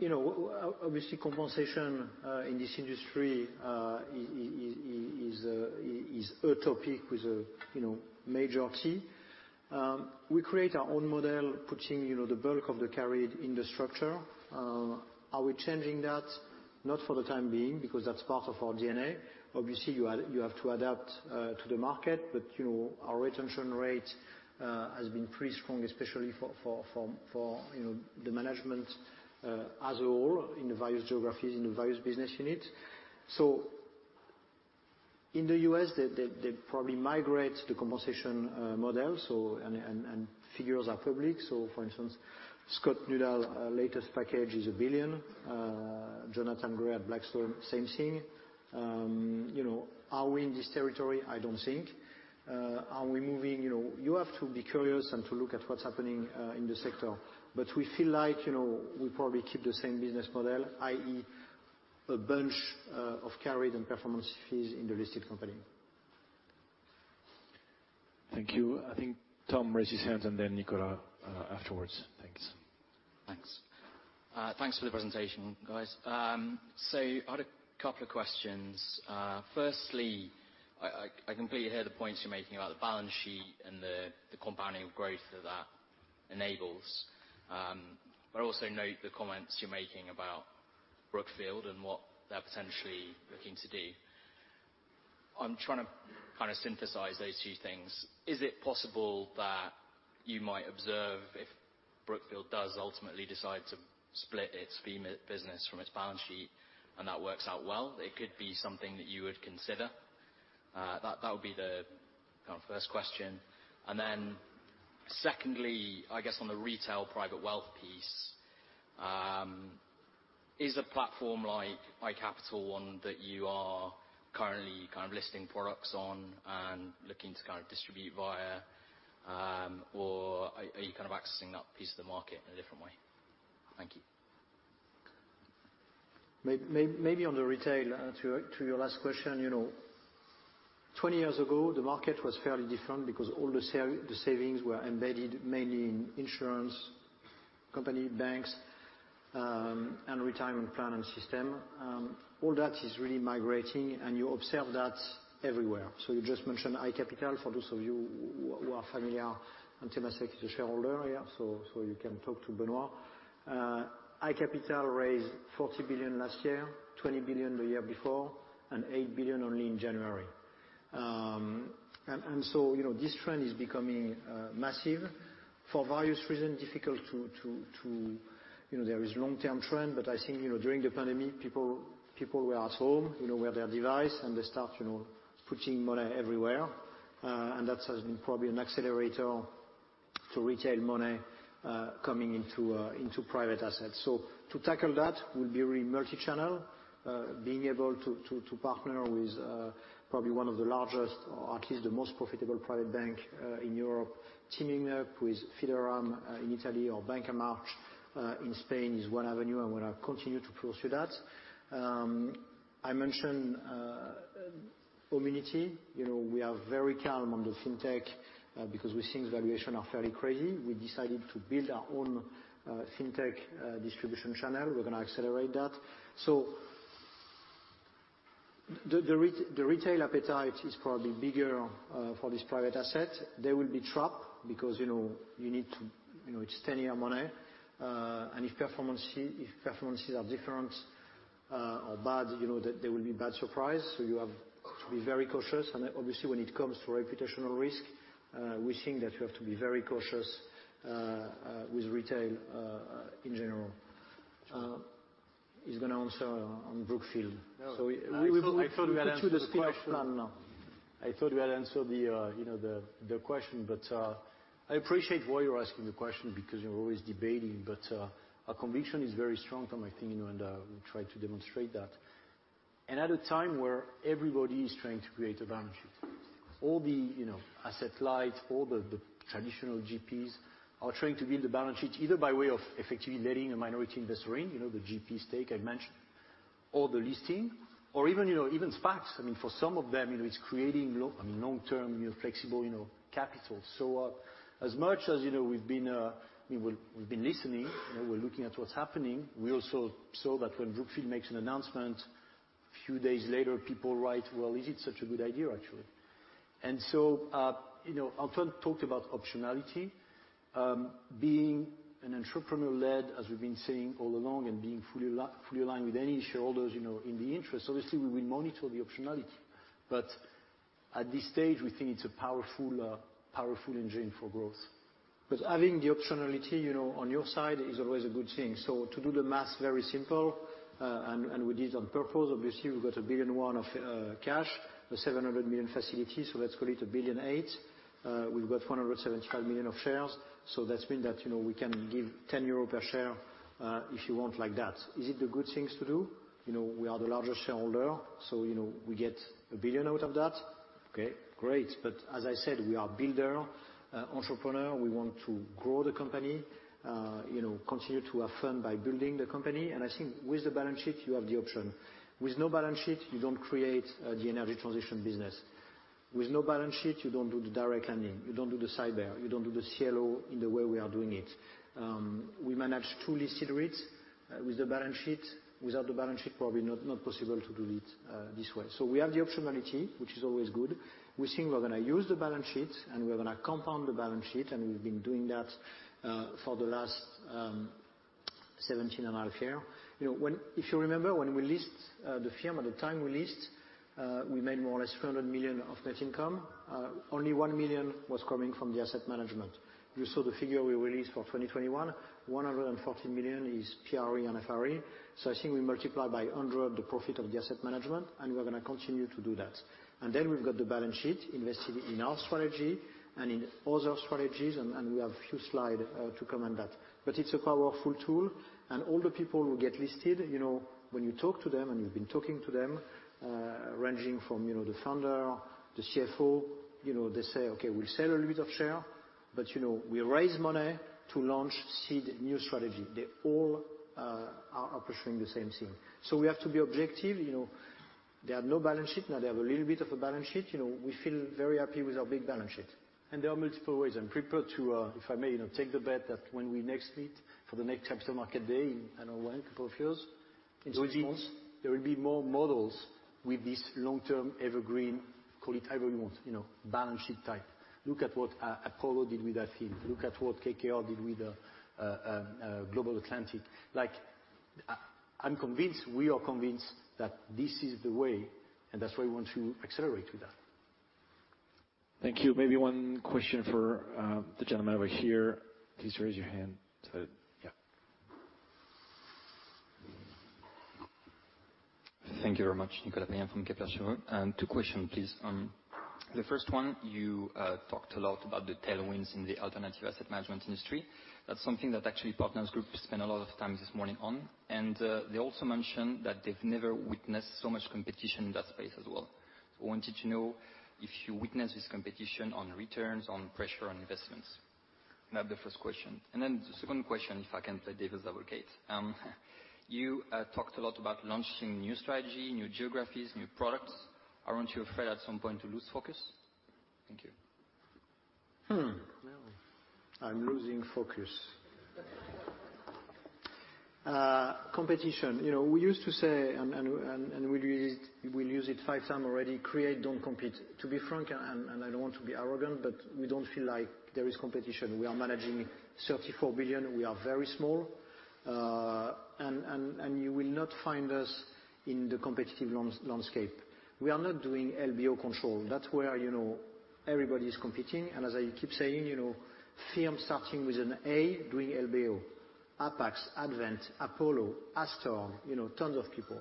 You know, obviously, compensation in this industry is a topic with a majority. We create our own model, putting the bulk of the carried in the structure. Are we changing that? Not for the time being, because that's part of our DNA. Obviously, you have to adapt to the market, but our retention rate has been pretty strong, especially for the management as a whole in the various geographies, in the various business units. In the U.S., they probably migrate the compensation model, and figures are public. For instance, Scott Nuttall's latest package is $1 billion. Jonathan Gray at Blackstone, same thing. You know, are we in this territory? I don't think. Are we moving? You know, you have to be curious and to look at what's happening in the sector. We feel like, you know, we probably keep the same business model, i.e., a bunch of carried and performance fees in the listed company. Thank you. I think Tom raised his hand and then Nicolas, afterwards. Thanks. Thanks. Thanks for the presentation, guys. I had a couple of questions. Firstly, I completely hear the points you're making about the balance sheet and the compounding of growth that enables. I also note the comments you're making about Brookfield and what they're potentially looking to do. I'm trying to kind of synthesize those two things. Is it possible that you might observe if Brookfield does ultimately decide to split its fee business from its balance sheet and that works out well, it could be something that you would consider? That would be the kind of first question. Secondly, I guess on the retail private wealth piece, is a platform like iCapital one that you are currently kind of listing products on and looking to kind of distribute via, or are you kind of accessing that piece of the market in a different way? Thank you. Maybe on the retail, to your last question. You know, 20 years ago, the market was fairly different because all the savings were embedded mainly in insurance company banks, and retirement plan and system. All that is really migrating, and you observe that everywhere. You just mentioned iCapital. For those of you who are familiar, Tikehau is a shareholder, yeah, so you can talk to Benoit. iCapital raised $40 billion last year, $20 billion the year before, and $8 billion only in January. And so, you know, this trend is becoming massive. For various reason, difficult to. You know, there is long-term trend, but I think, you know, during the pandemic, people were at home, you know, with their device, and they start, you know, putting money everywhere. That has been probably an accelerator to retail money coming into private assets. To tackle that, we'll be really multi-channel, being able to partner with probably one of the largest or at least the most profitable private bank in Europe. Teaming up with Fideuram in Italy or Banca March in Spain is one avenue, and we'll continue to pursue that. I mentioned Homunity. You know, we are very calm on the fintech because we think valuations are fairly crazy. We decided to build our own fintech distribution channel. We're gonna accelerate that. The retail appetite is probably bigger for this private asset. They will be trapped because you know you need to. You know, it's 10-year money. If performances are different or bad, you know, there will be bad surprise. You have to be very cautious. Then Qobviously when it comes to reputational risk, we think that you have to be very cautious with retail in general. He's gonna answer on Brookfield. No. We will. I thought you had answered the question. We'll get to the spin-off plan now. I thought you had answered the, you know, the question. I appreciate why you're asking the question because you're always debating. Our conviction is very strong from my team, you know, and we try to demonstrate that. At a time where everybody is trying to create a balance sheet, all the, you know, asset light, the traditional GPs are trying to build a balance sheet either by way of effectively letting a minority investor in, you know, the GP stake I mentioned, or the listing. Or even, you know, SPACs. I mean, for some of them, you know, it's creating I mean, long-term, you know, flexible, you know, capital. As much as, you know, we've been, we will... We've been listening, we're looking at what's happening, we also saw that when Brookfield makes an announcement, few days later, people write, "Well, is it such a good idea actually?" Antoine talked about optionality. Being an entrepreneur-led, as we've been saying all along, and being fully aligned with any shareholders, in the interest, obviously we will monitor the optionality. But at this stage, we think it's a powerful engine for growth. Because having the optionality on your side is always a good thing. To do the math very simple, and we did it on purpose, obviously, we've got 1 billion of cash, a 700 million facility, so let's call it 1.8 billion. We've got 475 million of shares, so that's been that, you know, we can give 10 euro per share, if you want like that. Is it the good things to do? You know, we are the largest shareholder, so, you know, we get 1 billion out of that. Okay, great. As I said, we are builder, entrepreneur. We want to grow the company, you know, continue to have fun by building the company. I think with the balance sheet, you have the option. With no balance sheet, you don't create, the energy transition business. With no balance sheet, you don't do the direct lending, you don't do the SideCar, you don't do the CLO in the way we are doing it. We managed two listed REITs with the balance sheet. Without the balance sheet, probably not possible to do it this way. We have the optionality, which is always good. We think we're gonna use the balance sheet, and we're gonna compound the balance sheet, and we've been doing that for the last 17.5 years. You know, if you remember when we listed the firm, at the time we listed, we made more or less 400 million of net income. Only 1 million was coming from the asset management. You saw the figure we released for 2021, 140 million is PRE and FRE. I think we multiply by 100 the profit of the asset management, and we're gonna continue to do that. We've got the balance sheet invested in our strategy and in other strategies, and we have few slides to comment that. It's a powerful tool. All the people who get listed, you know, when you talk to them, and we've been talking to them, ranging from, you know, the founder, the CFO, you know, they say, "Okay, we'll sell a little bit of share, but, you know, we raise money to launch seed new strategy." They all are pursuing the same thing. We have to be objective, you know. They have no balance sheet. Now they have a little bit of a balance sheet. You know, we feel very happy with our big balance sheet. There are multiple ways. I'm prepared to, if I may, take the bet that when we next meet for the next Capital Market Day in a couple of years. In six months. There will be more models with this long-term evergreen, call it however you want, you know, balance sheet type. Look at what Apollo did with Athene. Look at what KKR did with Global Atlantic. Like, I'm convinced, we are convinced that this is the way, and that's why we want to accelerate with that. Thank you. Maybe one question for the gentleman over here. Please raise your hand. Yeah. Thank you very much. Nicolas Mayen from Kepler Cheuvreux. Two questions, please. The first one, you talked a lot about the tailwinds in the alternative asset management industry. That's something that actually Partners Group spent a lot of time this morning on. They also mentioned that they've never witnessed so much competition in that space as well. I wanted to know if you witness this competition on returns, on pressure on investments. That's the first question. Then the second question, if I can play devil's advocate. You talked a lot about launching new strategy, new geographies, new products. Aren't you afraid at some point to lose focus? Thank you. Hmm. No. I'm losing focus. Competition. You know, we used to say and we'll use it 5x already: Create, don't compete. To be frank, and I don't want to be arrogant, but we don't feel like there is competition. We are managing 34 billion. We are very small. And you will not find us in the competitive landscape. We are not doing LBO control. That's where, you know, everybody is competing. As I keep saying, you know, firm starting with an A doing LBO. Apax, Advent, Apollo, Astorg, you know, tons of people.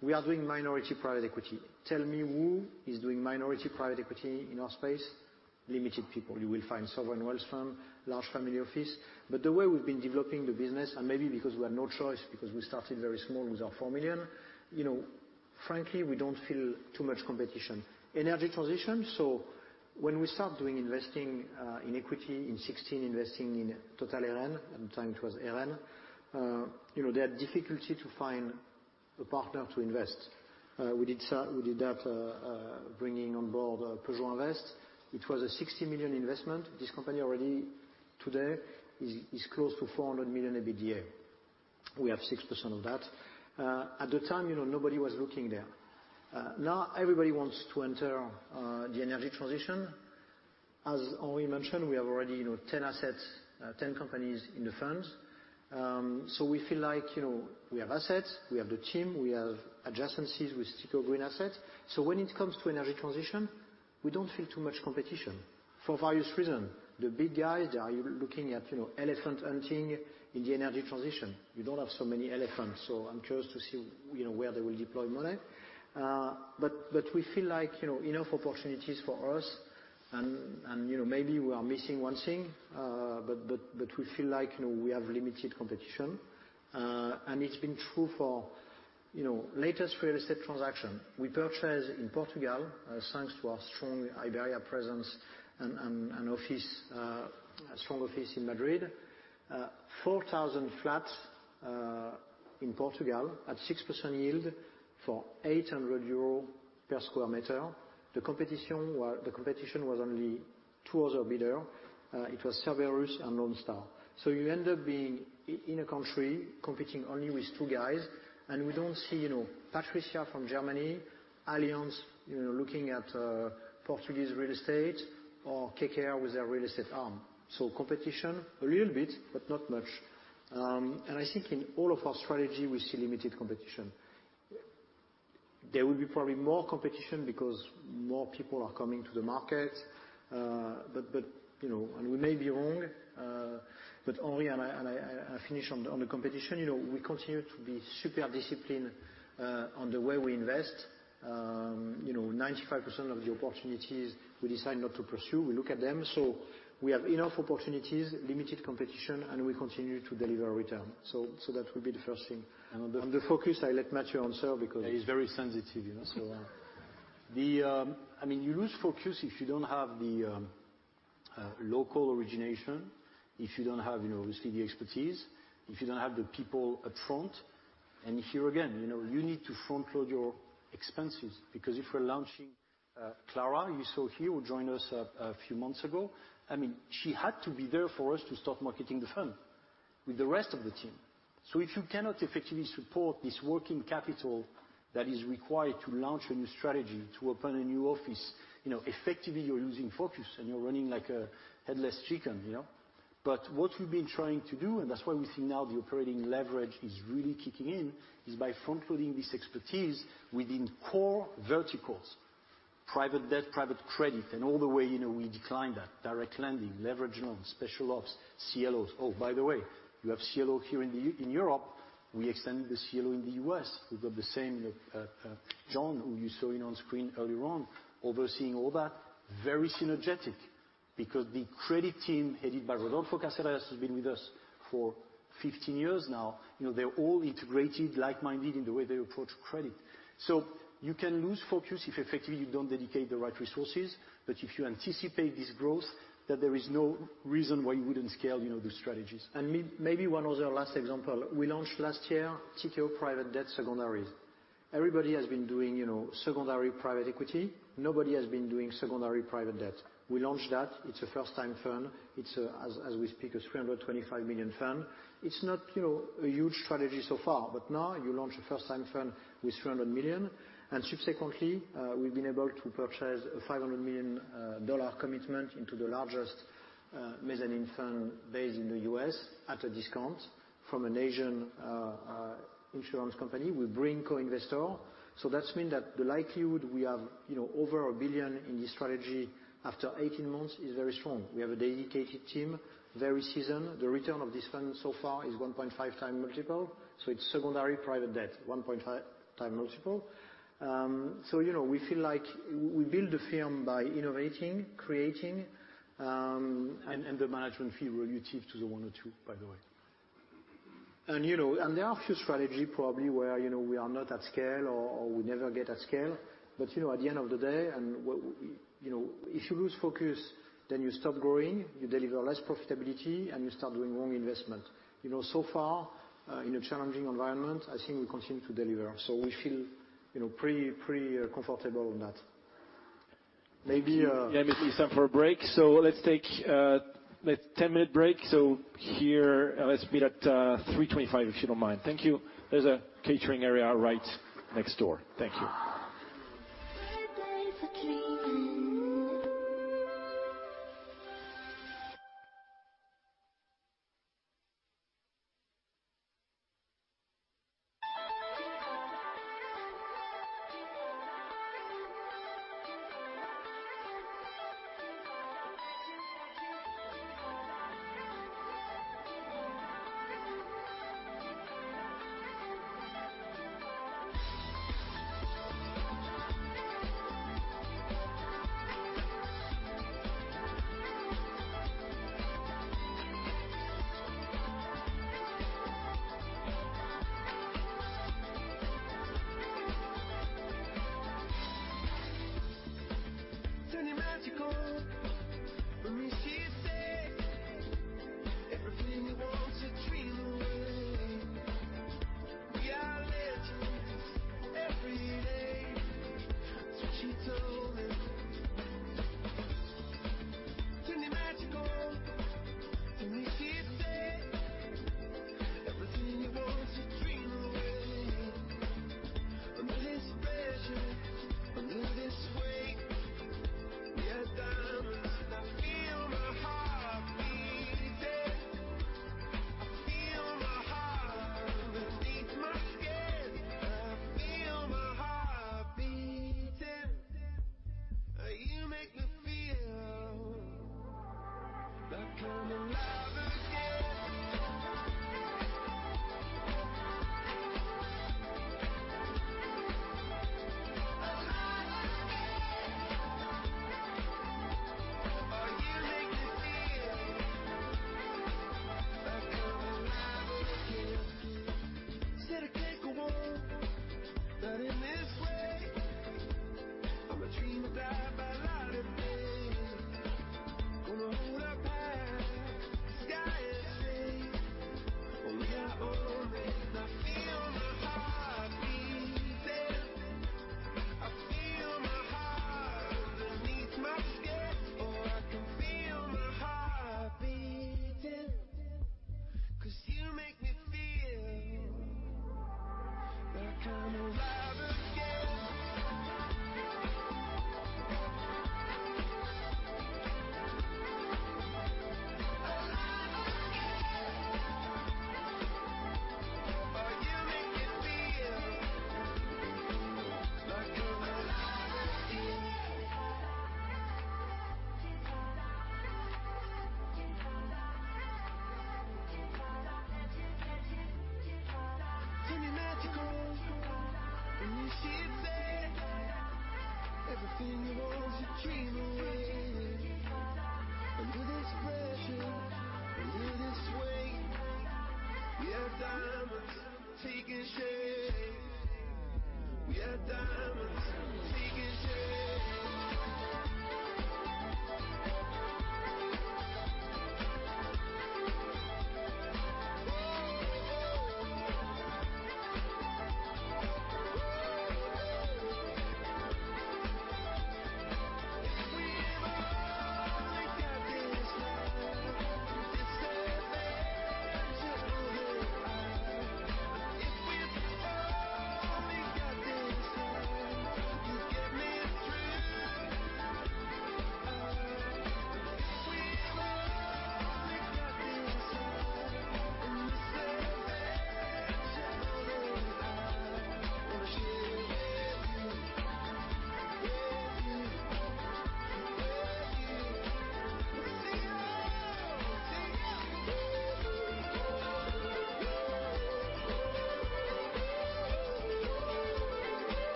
We are doing minority private equity. Tell me who is doing minority private equity in our space, limited people. You will find sovereign wealth fund, large family office. The way we've been developing the business, and maybe because we had no choice because we started very small with our 4 million, you know, frankly, we don't feel too much competition. Energy transition. When we start doing investing in equity in 2016, investing in Total Eren, at the time it was Eren. You know, they had difficulty to find a partner to invest. We did that, bringing on board Peugeot Invest. It was a 60 million investment. This company already today is close to 400 million EBITDA. We have 6% of that. At the time, you know, nobody was looking there. Now everybody wants to enter the energy transition. As Aryeh mentioned, we have already, you know, 10 assets, 10 companies in the funds. We feel like, you know, we have assets, we have the team, we have adjacencies with Tikehau Green Assets. When it comes to energy transition, we don't feel too much competition for various reason. The big guys, they are looking at, you know, elephant hunting in the energy transition. We don't have so many elephants, so I'm curious to see, you know, where they will deploy money. But we feel like, you know, enough opportunities for us and, you know, maybe we are missing one thing, but we feel like, you know, we have limited competition, and it's been true for, you know, latest real estate transaction. We purchased in Portugal, thanks to our strong Iberia presence and a strong office in Madrid, 4,000 flats in Portugal at 6% yield for 800 euro per sq m. The competition was only two other bidders. It was Cerberus and Lone Star. You end up being in a country competing only with two guys. We don't see, you know, Patrizia from Germany, Allianz, you know, looking at Portuguese real estate or KKR with their real estate arm. Competition, a little bit, but not much. I think in all of our strategy, we see limited competition. There will be probably more competition because more people are coming to the market. But, you know, we may be wrong. Aryeh Bourkoff and I finish on the competition. You know, we continue to be super disciplined on the way we invest. You know, 95% of the opportunities we decide not to pursue. We look at them. We have enough opportunities, limited competition, and we continue to deliver return. That will be the first thing. On the focus, I let Mathieu answer because- He's very sensitive, you know, so. I mean, you lose focus if you don't have the local origination, if you don't have, you know, obviously the expertise, if you don't have the people up front. Here again, you know, you need to front load your expenses because if we're launching Clara, you saw here, who joined us a few months ago. I mean, she had to be there for us to start marketing the fund with the rest of the team. So if you cannot effectively support this working capital that is required to launch a new strategy, to open a new office, you know, effectively you're losing focus and you're running like a headless chicken, you know. What we've been trying to do, and that's why we see now the operating leverage is really kicking in, is by frontloading this expertise within core verticals. Private debt, private credit, and all the way, you know, we define that. Direct lending, leveraged loans, special ops, CLOs. Oh, by the way, you have CLO here in Europe. We extended the CLO in the U.S. We've got the same John, who you saw on screen earlier on, overseeing all that. Very synergistic because the credit team, headed by Rodolfo Casellas, who's been with us for 15 years now, you know, they're all integrated, like-minded in the way they approach credit. You can lose focus if effectively you don't dedicate the right resources. If you anticipate this growth, that there is no reason why you wouldn't scale, you know, the strategies. Maybe one other last example. We launched last year, Tikehau Private Debt Secondaries. Everybody has been doing, you know, secondary private equity. Nobody has been doing secondary private debt. We launched that. It's a first-time fund. It's a, as we speak, a 325 million fund. It's not, you know, a huge strategy so far, but now you launch a first-time fund with 300 million. And subsequently, we've been able to purchase a $500 million dollar commitment into the largest, uh, mezzanine fund based in the U.S. at a discount from an Asian, uh, insurance company. We bring co-investor. So that means that the likelihood we have, you know, over a billion in this strategy after 18 months is very strong. We have a dedicated team, very seasoned. The return of this fund so far is 1.5x multiple. It's secondary private debt, 1.5x multiple. We feel like we build the firm by innovating, creating, and the management fee relative to the one or two, by the way. There are a few strategies probably where we are not at scale or we never get at scale. At the end of the day, we, if you lose focus, then you stop growing, you deliver less profitability, and you start doing wrong investment. In a challenging environment, I think we continue to deliver. We feel pretty comfortable on that. Maybe, Yeah, maybe it's time for a break. Let's take a 10-minute break. Here, let's meet at 3:25, if you don't mind. Thank you. There's a catering area right next door. Thank you.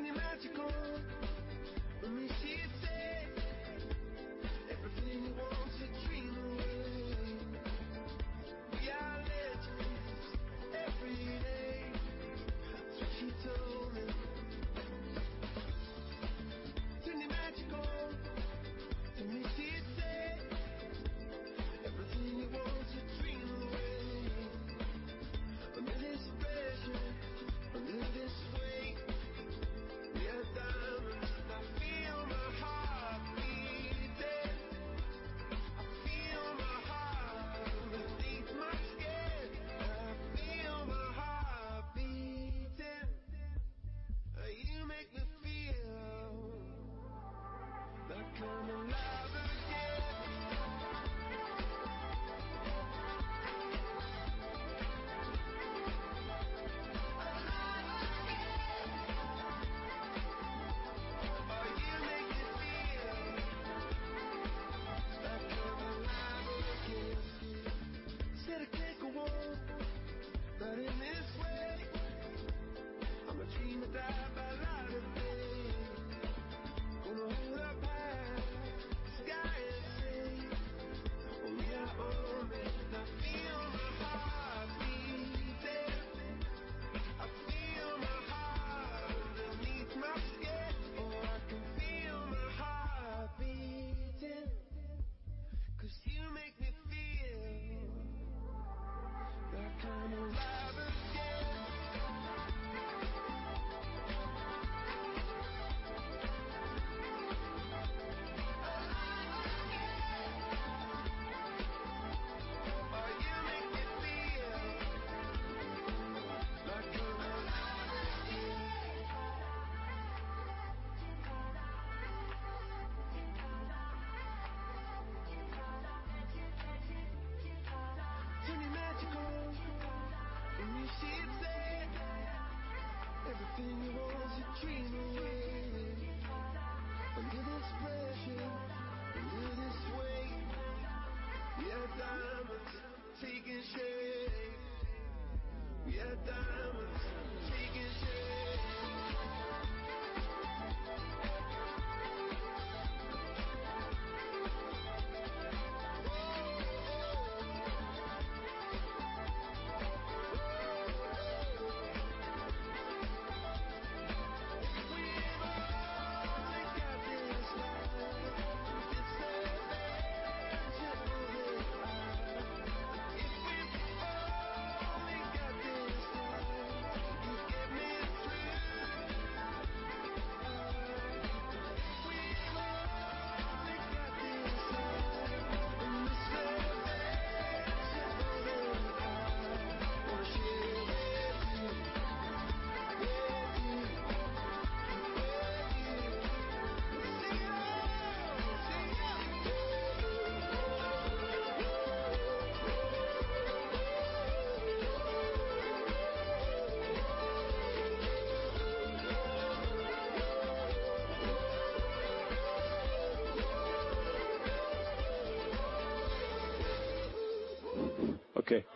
Okay,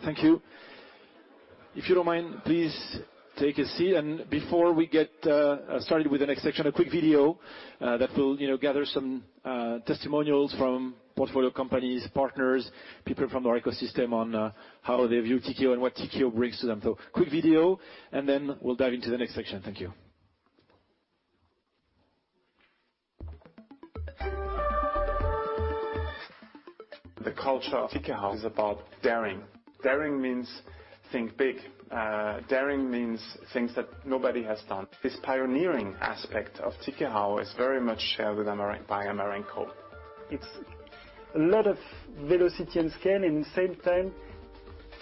thank you. If you don't mind, please take a seat. Before we get started with the next section, a quick video that will, you know, gather some testimonials from portfolio companies, partners, people from our ecosystem on how they view Tikehau and what Tikehau brings to them. Quick video, and then we'll dive into the next section. Thank you. The culture of Tikehau is about daring. Daring means think big. Daring means things that nobody has done. This pioneering aspect of Tikehau is very much shared with Amerant by Amerant Corp. It's a lot of velocity and scale, in the same time,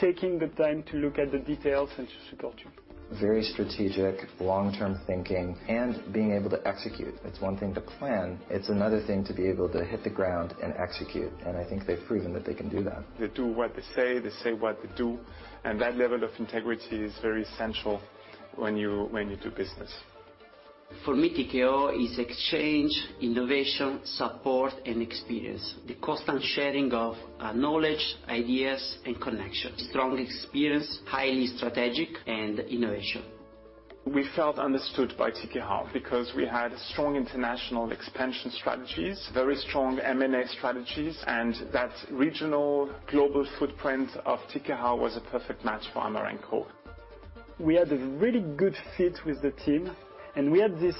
taking the time to look at the details and to support you. Very strategic long-term thinking and being able to execute. It's one thing to plan, it's another thing to be able to hit the ground and execute, and I think they've proven that they can do that. They do what they say, they say what they do, and that level of integrity is very essential when you do business. For me, Tikehau is exchange, innovation, support and experience. The constant sharing of knowledge, ideas, and connections. Strong experience, highly strategic and innovation. We felt understood by Tikehau because we had strong international expansion strategies, very strong M&A strategies, and that regional global footprint of Tikehau was a perfect match for Amerant Corp. We had a really good fit with the team, and we had this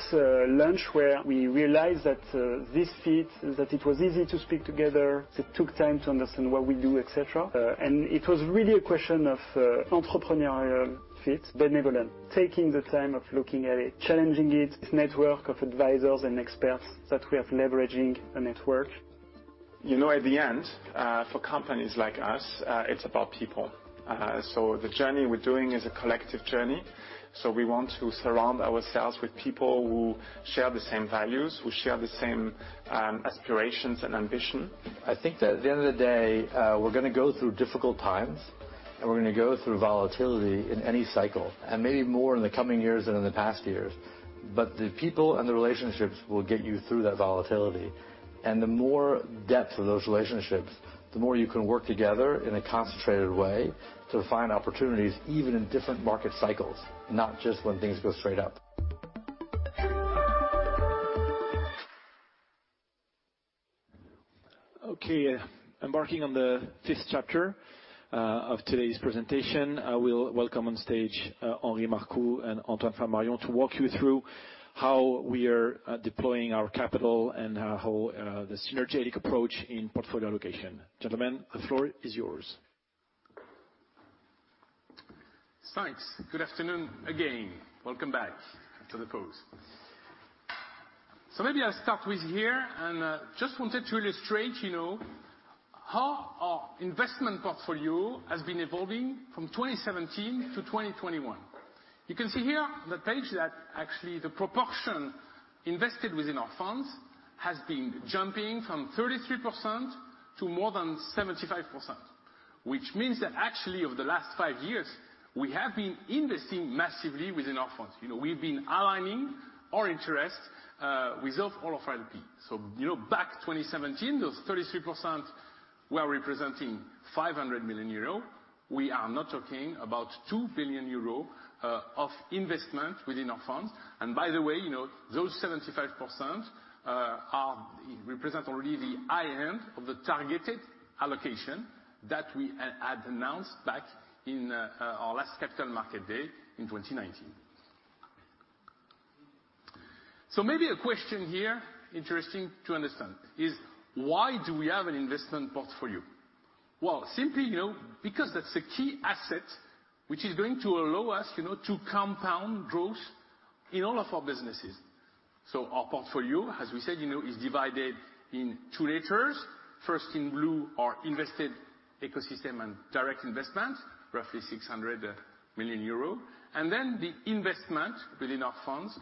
lunch where we realized that this fit, that it was easy to speak together. They took time to understand what we do, et cetera. It was really a question of entrepreneurial fit, benevolent, taking the time of looking at it, challenging it. Its network of advisors and experts that we are leveraging the network. You know, at the end, for companies like us, it's about people. The journey we're doing is a collective journey, so we want to surround ourselves with people who share the same values, who share the same aspirations and ambition. I think that at the end of the day, we're gonna go through difficult times, and we're gonna go through volatility in any cycle, and maybe more in the coming years than in the past years. But the people and the relationships will get you through that volatility, and the more depth of those relationships, the more you can work together in a concentrated way to find opportunities, even in different market cycles, not just when things go straight up. Okay, embarking on the fifth chapter of today's presentation, I will welcome on stage Aryeh Bourkoff and Antoine Flamarion to walk you through how we are deploying our capital and how the synergistic approach in portfolio allocation. Gentlemen, the floor is yours. Thanks. Good afternoon again. Welcome back after the pause. Maybe I'll start with here, and just wanted to illustrate, you know, how our investment portfolio has been evolving from 2017-2021. You can see here on the page that actually the proportion invested within our funds has been jumping from 33% to more than 75%. Which means that actually over the last five years, we have been investing massively within our funds. You know, we've been aligning our interest with those all of our LP. You know, back 2017, those 33% were representing 500 million euro. We are now talking about 2 billion euro of investment within our funds. And by the way, you know, those 75% are... Represent already the high end of the targeted allocation that we had announced back in our last Capital Market Week in 2019. Maybe a question here, interesting to understand is why do we have an investment portfolio? Well, simply, you know, because that's a key asset which is going to allow us, you know, to compound growth in all of our businesses. Our portfolio, as we said, you know, is divided in two layers. First, in blue, our invested ecosystem and direct investment, roughly 600 million euro. Then the investment within our funds,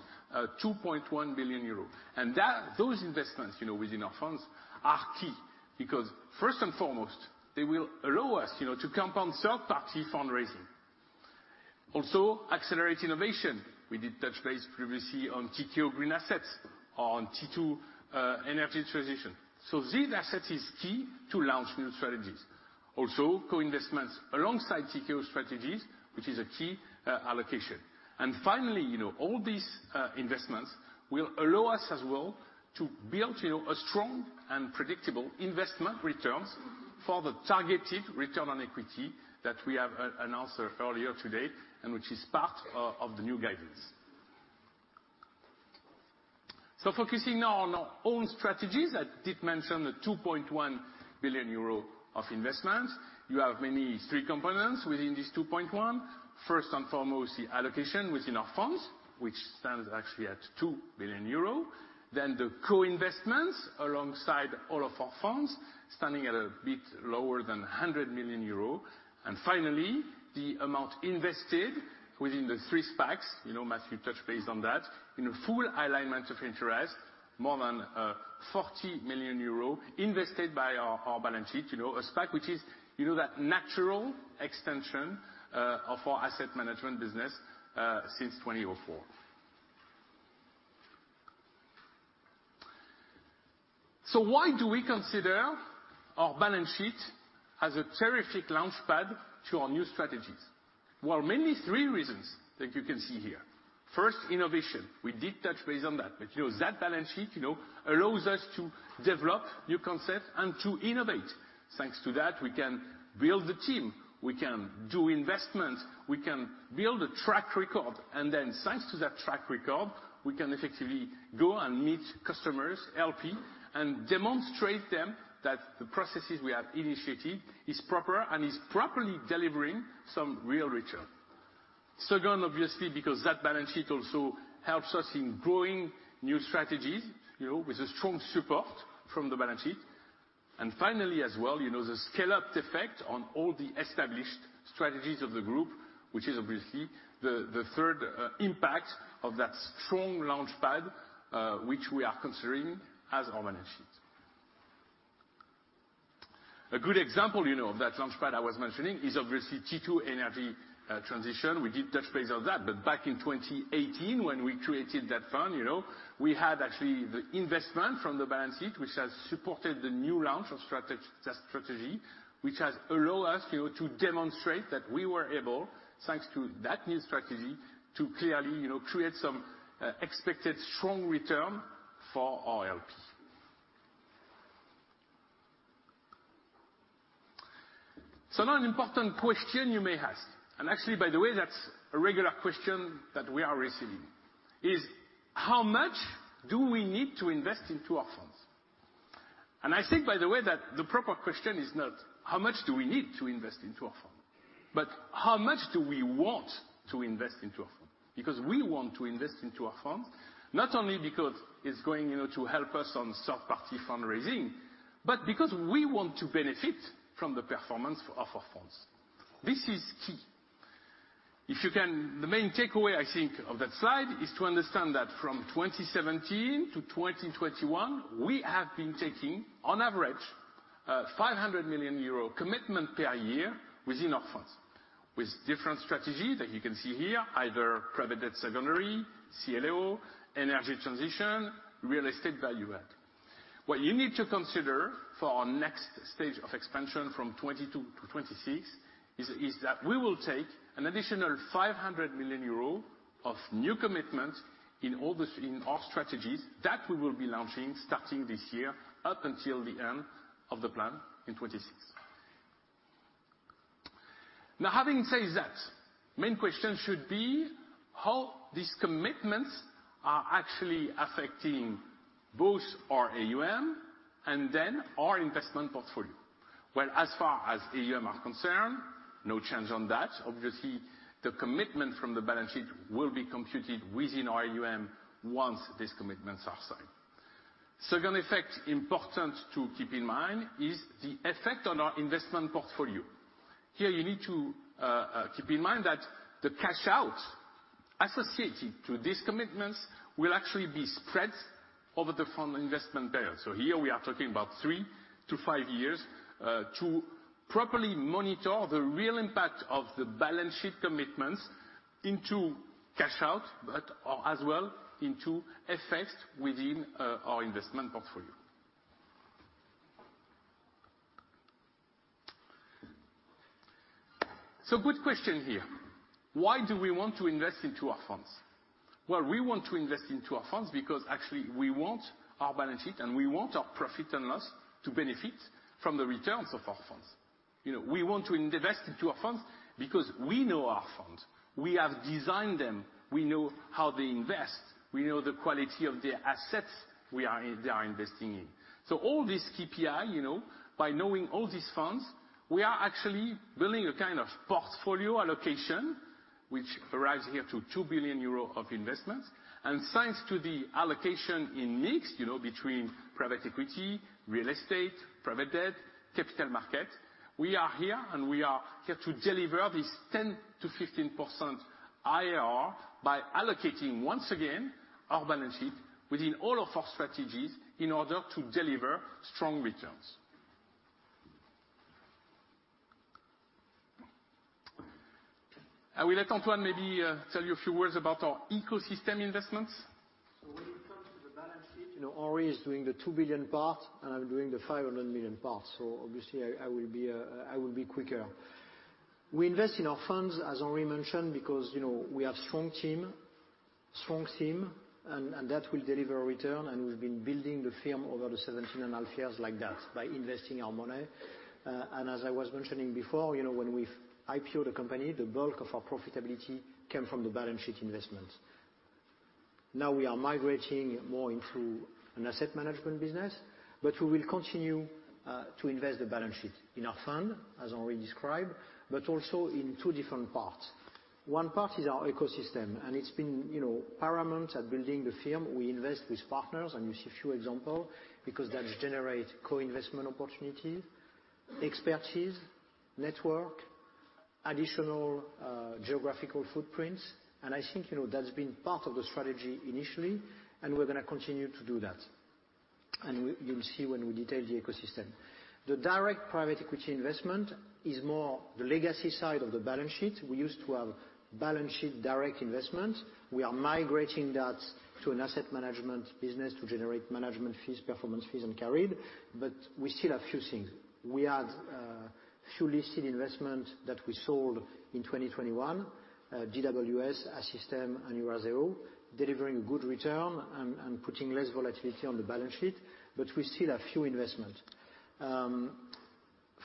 2.1 billion euro. Those investments, you know, within our funds are key because first and foremost, they will allow us, you know, to compound third-party fundraising. Also accelerate innovation. We did touch base previously on Tikehau Green Assets, on T2 energy transition. These assets is key to launch new strategies. Also, co-investments alongside Tikehau strategies, which is a key allocation. Finally, you know, all these investments will allow us as well to build, you know, a strong and predictable investment returns for the targeted return on equity that we have announced earlier today, and which is part of the new guidance. Focusing now on our own strategies. I did mention the 2.1 million euro of investments. You have mainly three components within this 2.1. First and foremost, the allocation within our funds, which stands actually at 2 billion euro. Then the co-investments alongside all of our funds, standing at a bit lower than 100 million euro. Finally, the amount invested within the three SPACs, you know Matthew touched base on that, in a full alignment of interest, more than 40 million euros invested by our balance sheet, you know, a SPAC which is, you know, that natural extension of our asset management business since 2004. Why do we consider our balance sheet as a terrific launchpad to our new strategies? Well, mainly three reasons that you can see here. First, innovation. We did touch base on that. You know, that balance sheet, you know, allows us to develop new concepts and to innovate. Thanks to that, we can build the team, we can do investment, we can build a track record, and then thanks to that track record, we can effectively go and meet customers, LP, and demonstrate them that the processes we have initiated is proper and is properly delivering some real return. Second, obviously, because that balance sheet also helps us in growing new strategies, you know, with a strong support from the balance sheet. Finally, as well, you know, the scale-up effect on all the established strategies of the group, which is obviously the third impact of that strong launchpad which we are considering as our balance sheet. A good example, you know, of that launchpad I was mentioning is obviously T2 Energy Transition. We did touch base on that, but back in 2018 when we created that fund, you know, we had actually the investment from the balance sheet, which has supported the new launch of that strategy, which has allow us, you know, to demonstrate that we were able, thanks to that new strategy, to clearly, you know, create some expected strong return for our LP. Now an important question you may ask, and actually, by the way, that's a regular question that we are receiving, is how much do we need to invest into our funds? I think, by the way, that the proper question is not how much do we need to invest into our fund, but how much do we want to invest into our fund? Because we want to invest into our funds, not only because it's going, you know, to help us on third-party fundraising, but because we want to benefit from the performance of our funds. This is key. The main takeaway, I think, of that slide is to understand that from 2017-2021, we have been taking on average 500 million euro commitment per year within our funds, with different strategies that you can see here, either private debt secondary, CLO, energy transition, real estate value add. What you need to consider for our next stage of expansion from 2022-2026 is that we will take an additional 500 million euro of new commitment in all in our strategies that we will be launching starting this year up until the end of the plan in 2026. Now, having said that, main question should be how these commitments are actually affecting both our AUM and then our investment portfolio. Well, as far as AUM are concerned, no change on that. Obviously, the commitment from the balance sheet will be computed within our AUM once these commitments are signed. Second effect important to keep in mind is the effect on our investment portfolio. Here you need to keep in mind that the cash out associated to these commitments will actually be spread over the fund investment period. So here we are talking about 3-5 years to properly monitor the real impact of the balance sheet commitments into cash out, but, or as well, into effects within our investment portfolio. So good question here: Why do we want to invest into our funds? Well, we want to invest into our funds because actually we want our balance sheet and we want our profit and loss to benefit from the returns of our funds. You know, we want to invest into our funds because we know our funds. We have designed them. We know how they invest. We know the quality of the assets we are in, they are investing in. All this KPI, you know, by knowing all these funds, we are actually building a kind of portfolio allocation, which arrives here to 2 billion euro of investments. Thanks to the allocation in mix, you know, between private equity, real estate, private debt, capital market, we are here, and we are here to deliver this 10%-15% IRR by allocating, once again, our balance sheet within all of our strategies in order to deliver strong returns. I will let Antoine maybe tell you a few words about our ecosystem investments. When it comes to the balance sheet, you know, Aryeh is doing the 2 billion part, and I'm doing the 500 million part, so obviously I will be quicker. We invest in our funds, as Aryeh mentioned, because, you know, we have strong team and that will deliver a return, and we've been building the firm over the 17.5 years like that, by investing our money. And as I was mentioning before, you know, when we've IPO'd the company, the bulk of our profitability came from the balance sheet investment. Now we are migrating more into an asset management business, but we will continue to invest the balance sheet in our fund, as already described, but also in two different parts. One part is our ecosystem, and it's been, you know, paramount at building the firm. We invest with partners, and you see a few examples, because that generates co-investment opportunities, expertise, network, additional geographical footprints. I think, you know, that's been part of the strategy initially, and we're gonna continue to do that. You'll see when we detail the ecosystem. The direct private equity investment is more the legacy side of the balance sheet. We used to have balance sheet direct investment. We are migrating that to an asset management business to generate management fees, performance fees, and carried, but we still have a few things. We had a few listed investments that we sold in 2021, GWS, Assystem, and Eurazeo, delivering a good return and putting less volatility on the balance sheet. We still have a few investments.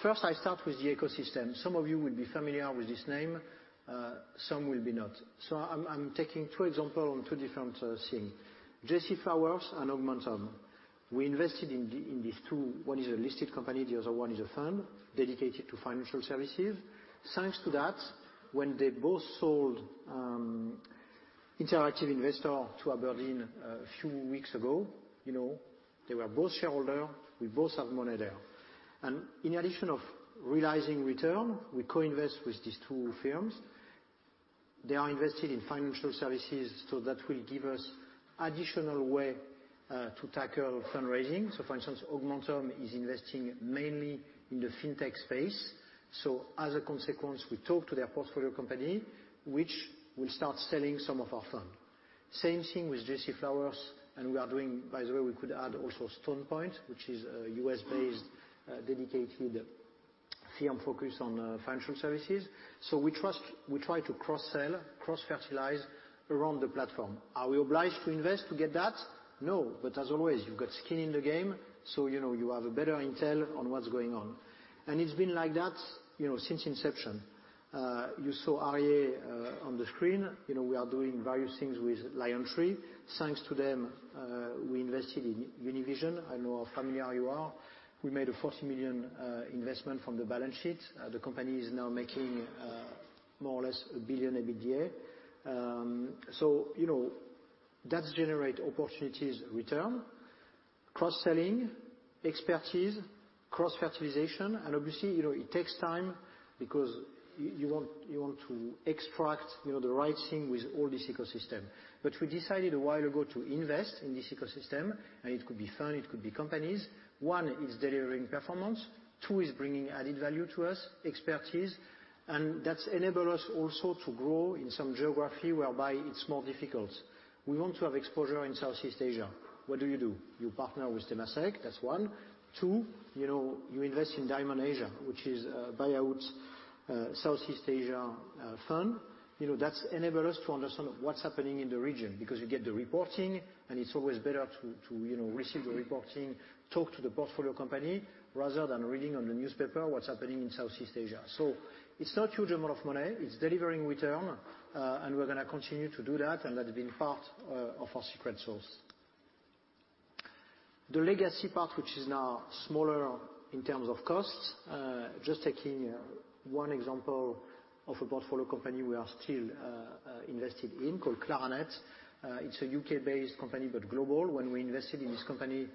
First, I start with the ecosystem. Some of you will be familiar with this name, some will not. I'm taking two examples on two different things, J.C. Flowers and Augmentum. We invested in these two. One is a listed company, the other one is a fund dedicated to financial services. Thanks to that, when they both sold Interactive Investor to Aberdeen a few weeks ago, you know, they were both shareholders, we both have money there. In addition to realizing returns, we co-invest with these two firms. They are invested in financial services, so that will give us additional ways to tackle fundraising. For instance, Augmentum is investing mainly in the fintech space. As a consequence, we talk to their portfolio companies, which will start selling some of our funds. Same thing with J.C. Flowers, and we are doing. By the way, we could add also Stone Point Capital, which is a U.S.-based dedicated firm focused on financial services. We trust, we try to cross-sell, cross-fertilize around the platform. Are we obliged to invest to get that? No. But as always, you've got skin in the game, so you know, you have a better intel on what's going on. It's been like that, you know, since inception. You saw Aryeh on the screen. You know, we are doing various things with LionTree. Thanks to them, we invested in Univision. I don't know how familiar you are. We made a 40 million investment from the balance sheet. The company is now making more or less a 1 billion EBITDA. You know, that generate opportunities return, cross-selling, expertise, cross-fertilization, and obviously, you know, it takes time because you want to extract, you know, the right thing with all this ecosystem. We decided a while ago to invest in this ecosystem, and it could be fund, it could be companies. One, it's delivering performance. Two, it's bringing added value to us, expertise, and that's enable us also to grow in some geography whereby it's more difficult. We want to have exposure in Southeast Asia. What do you do? You partner with Temasek, that's one. Two, you know, you invest in Dymon Asia, which is a buyout Southeast Asia fund. You know, that enables us to understand what's happening in the region because you get the reporting and it's always better to, you know, receive the reporting, talk to the portfolio company, rather than reading on the newspaper what's happening in Southeast Asia. It's not huge amount of money. It's delivering return, and we're gonna continue to do that, and that has been part of our secret sauce. The legacy part, which is now smaller in terms of costs, just taking one example of a portfolio company we are still invested in called Claranet. It's a U.K.-based company but global. When we invested in this company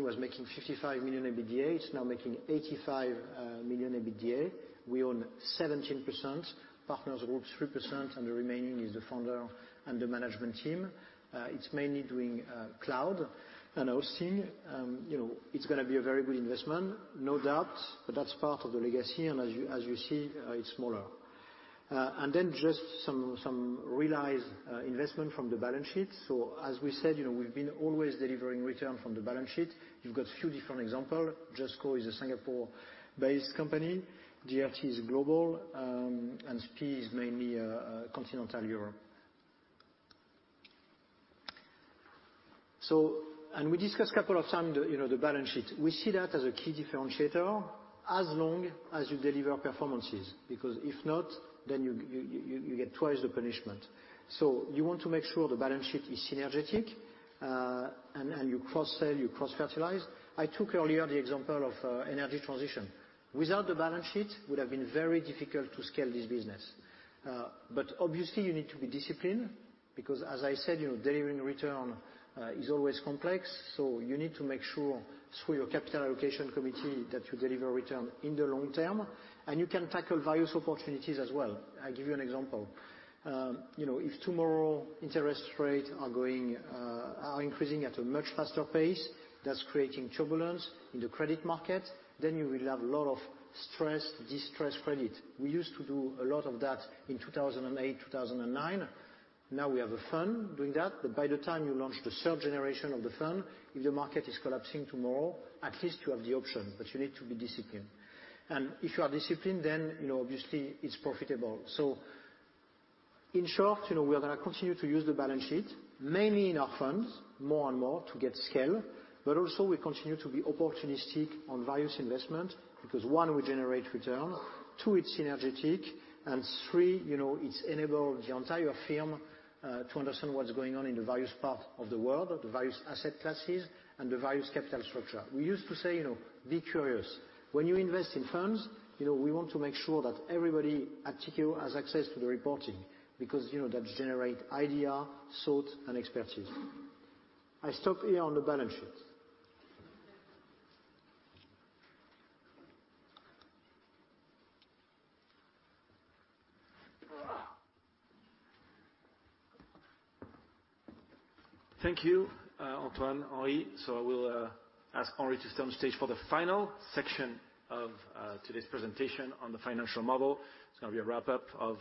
was making 55 million EBITDA. It's now making 85 million EBITDA. We own 17%. Partners hold 3%, and the remaining is the founder and the management team. It's mainly doing cloud and hosting. You know, it's gonna be a very good investment, no doubt, but that's part of the legacy, and as you see, it's smaller. And then just some realized investment from the balance sheet. As we said, you know, we've been always delivering return from the balance sheet. You've got a few different examples. JESCO is a Singapore-based company. JRT is global. And SPI is mainly Continental Europe. We discussed a couple of times the balance sheet, you know. We see that as a key differentiator as long as you deliver performances because if not, then you get twice the punishment. You want to make sure the balance sheet is synergetic, and you cross-sell, you cross-fertilize. I took earlier the example of energy transition. Without the balance sheet, it would have been very difficult to scale this business. Obviously you need to be disciplined because as I said, you know, delivering return is always complex. You need to make sure through your capital allocation committee that you deliver return in the long term, and you can tackle various opportunities as well. I give you an example. You know, if tomorrow interest rates are increasing at a much faster pace, that's creating turbulence in the credit market, then you will have a lot of stressed, distressed credit. We used to do a lot of that in 2008, 2009. Now we have a fund doing that. By the time you launch the third generation of the fund, if the market is collapsing tomorrow, at least you have the option, but you need to be disciplined. If you are disciplined, then, you know, obviously it's profitable. In short, you know, we are gonna continue to use the balance sheet, mainly in our funds more and more to get scale, but also we continue to be opportunistic on various investment because, one, we generate return, two, it's synergetic, and three, you know, it's enabled the entire firm to understand what is going on in the various part of the world, the various asset classes, and the various capital structure. We used to say, you know, be curious. When you invest in funds, you know, we want to make sure that everybody at Tikehau has access to the reporting because, you know, that generate idea, thought, and expertise. I stop here on the balance sheet. Thank you, Antoine, Aryeh. I will ask Aryeh to stay on stage for the final section of today's presentation on the financial model. It's gonna be a wrap-up of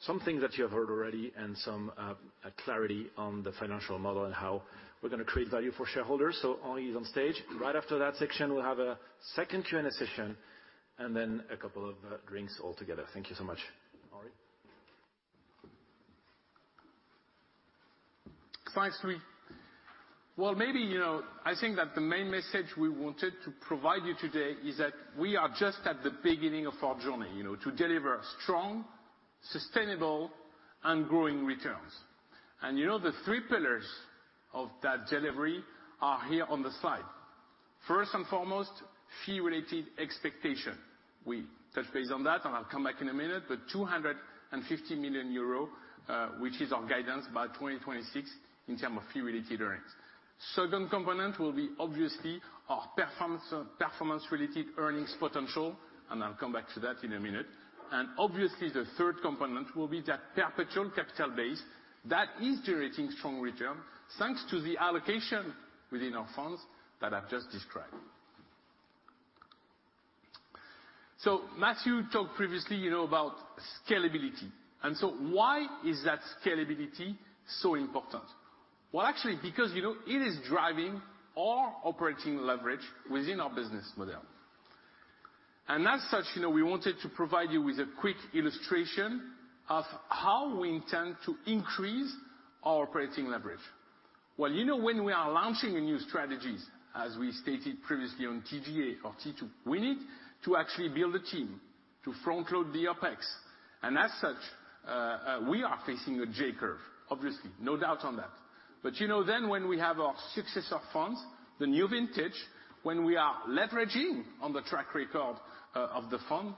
some things that you have heard already and some clarity on the financial model and how we're gonna crate value for shareholders. Aryeh is on stage. Right after that section, we'll have a second Q&A session, and then a couple of drinks all together. Thank you so much. Aryeh. Thanks, Louis. Well, maybe, you know, I think that the main message we wanted to provide you today is that we are just at the beginning of our journey, you know, to deliver strong, sustainable, and growing returns. You know, the three pillars of that delivery are here on the slide. First and foremost, fee-related expectation. We touched base on that, and I'll come back in a minute, but 250 million euro, which is our guidance by 2026 in terms of fee-related earnings. Second component will be obviously our performance-related earnings potential, and I'll come back to that in a minute. Obviously, the third component will be that perpetual capital base that is generating strong return thanks to the allocation within our funds that I've just described. Mathieu talked previously, you know, about scalability, and why is that scalability so important? Well, actually, because, you know, it is driving our operating leverage within our business model. As such, you know, we wanted to provide you with a quick illustration of how we intend to increase our operating leverage. You know, when we are launching a new strategies, as we stated previously on TGA for T2, we need to actually build a team to frontload the OpEx. As such, we are facing a J curve, obviously. No doubt on that. You know, then when we have our successor funds, the new vintage, when we are leveraging on the track record of the fund,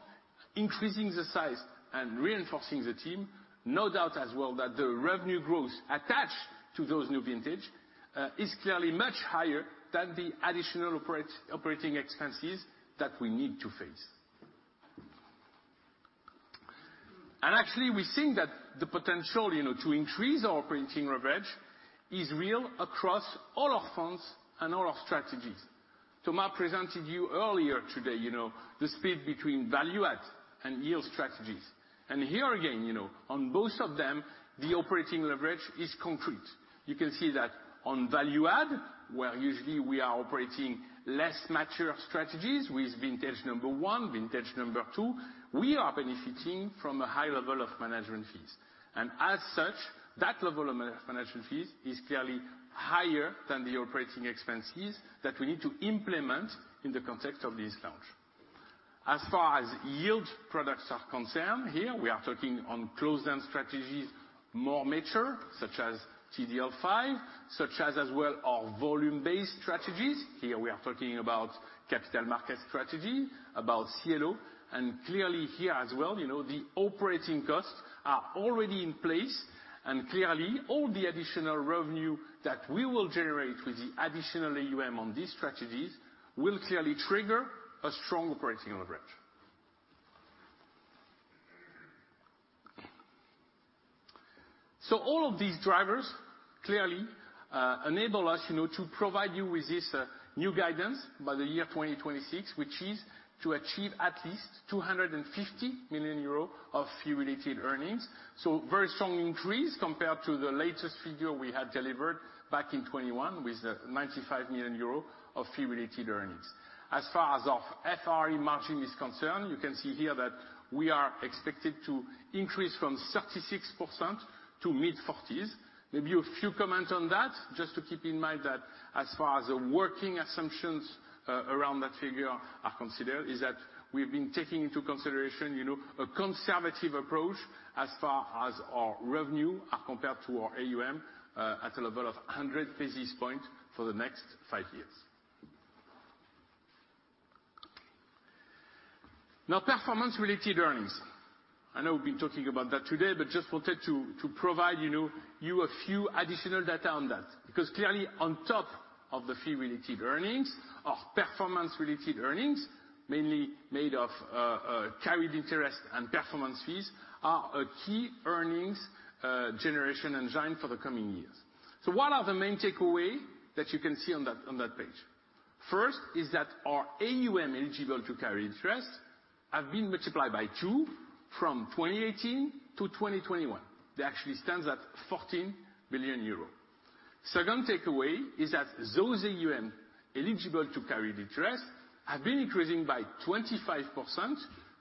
increasing the size and reinforcing the team, no doubt as well that the revenue growth attached to those new vintage is clearly much higher than the additional operating expenses that we need to face. Actually, we think that the potential, you know, to increase our operating leverage is real across all our funds and all our strategies. Thomas presented you earlier today, you know, the split between value add and yield strategies. Here again, you know, on both of them, the operating leverage is concrete. You can see that on value add, where usually we are operating less mature strategies with vintage number one, vintage number two, we are benefiting from a high level of management fees. As such, that level of man-management fees is clearly higher than the operating expenses that we need to implement in the context of this launch. As far as yield products are concerned here, we are talking on closed-end strategies more mature, such as TDL V, such as well our volume-based strategies. Here, we are talking about capital market strategy, about CLO, and clearly here as well, you know, the operating costs are already in place. Clearly, all the additional revenue that we will generate with the additional AUM on these strategies will clearly trigger a strong operating leverage. All of these drivers clearly enable us, you know, to provide you with this new guidance by the year 2026, which is to achieve at least 250 million euro of fee-related earnings. Very strong increase compared to the latest figure we had delivered back in 2021 with 95 million euro of fee-related earnings. As far as our FRE margin is concerned, you can see here that we are expected to increase from 36% to mid-40s. Maybe a few comments on that, just to keep in mind that as far as the working assumptions around that figure are considered is that we've been taking into consideration, you know, a conservative approach as far as our revenue are compared to our AUM at a level of 100 basis points for the next five years. Performance-related earnings. I know we've been talking about that today, but just wanted to provide, you know, you a few additional data on that. Because clearly, on top of the fee-related earnings, our performance-related earnings, mainly made of, carried interest and performance fees, are a key earnings generation engine for the coming years. What are the main takeaway that you can see on that page? First is that our AUM eligible to carry interest have been multiplied by two from 2018-2021. That actually stands at 14 billion euro. Second takeaway is that those AUM eligible to carry the interest have been increasing by 25%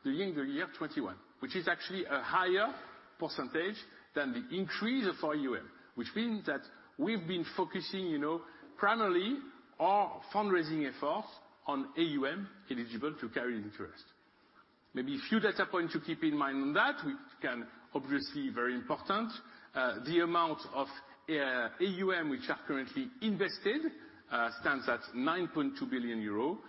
during the year 2021, which is actually a higher percentage than the increase of our AUM. Which means that we've been focusing, you know, primarily our fundraising efforts on AUM eligible to carry interest. Maybe a few data points to keep in mind on that, which can obviously very important, the amount of AUM which are currently invested stands at 9.2 billion euro.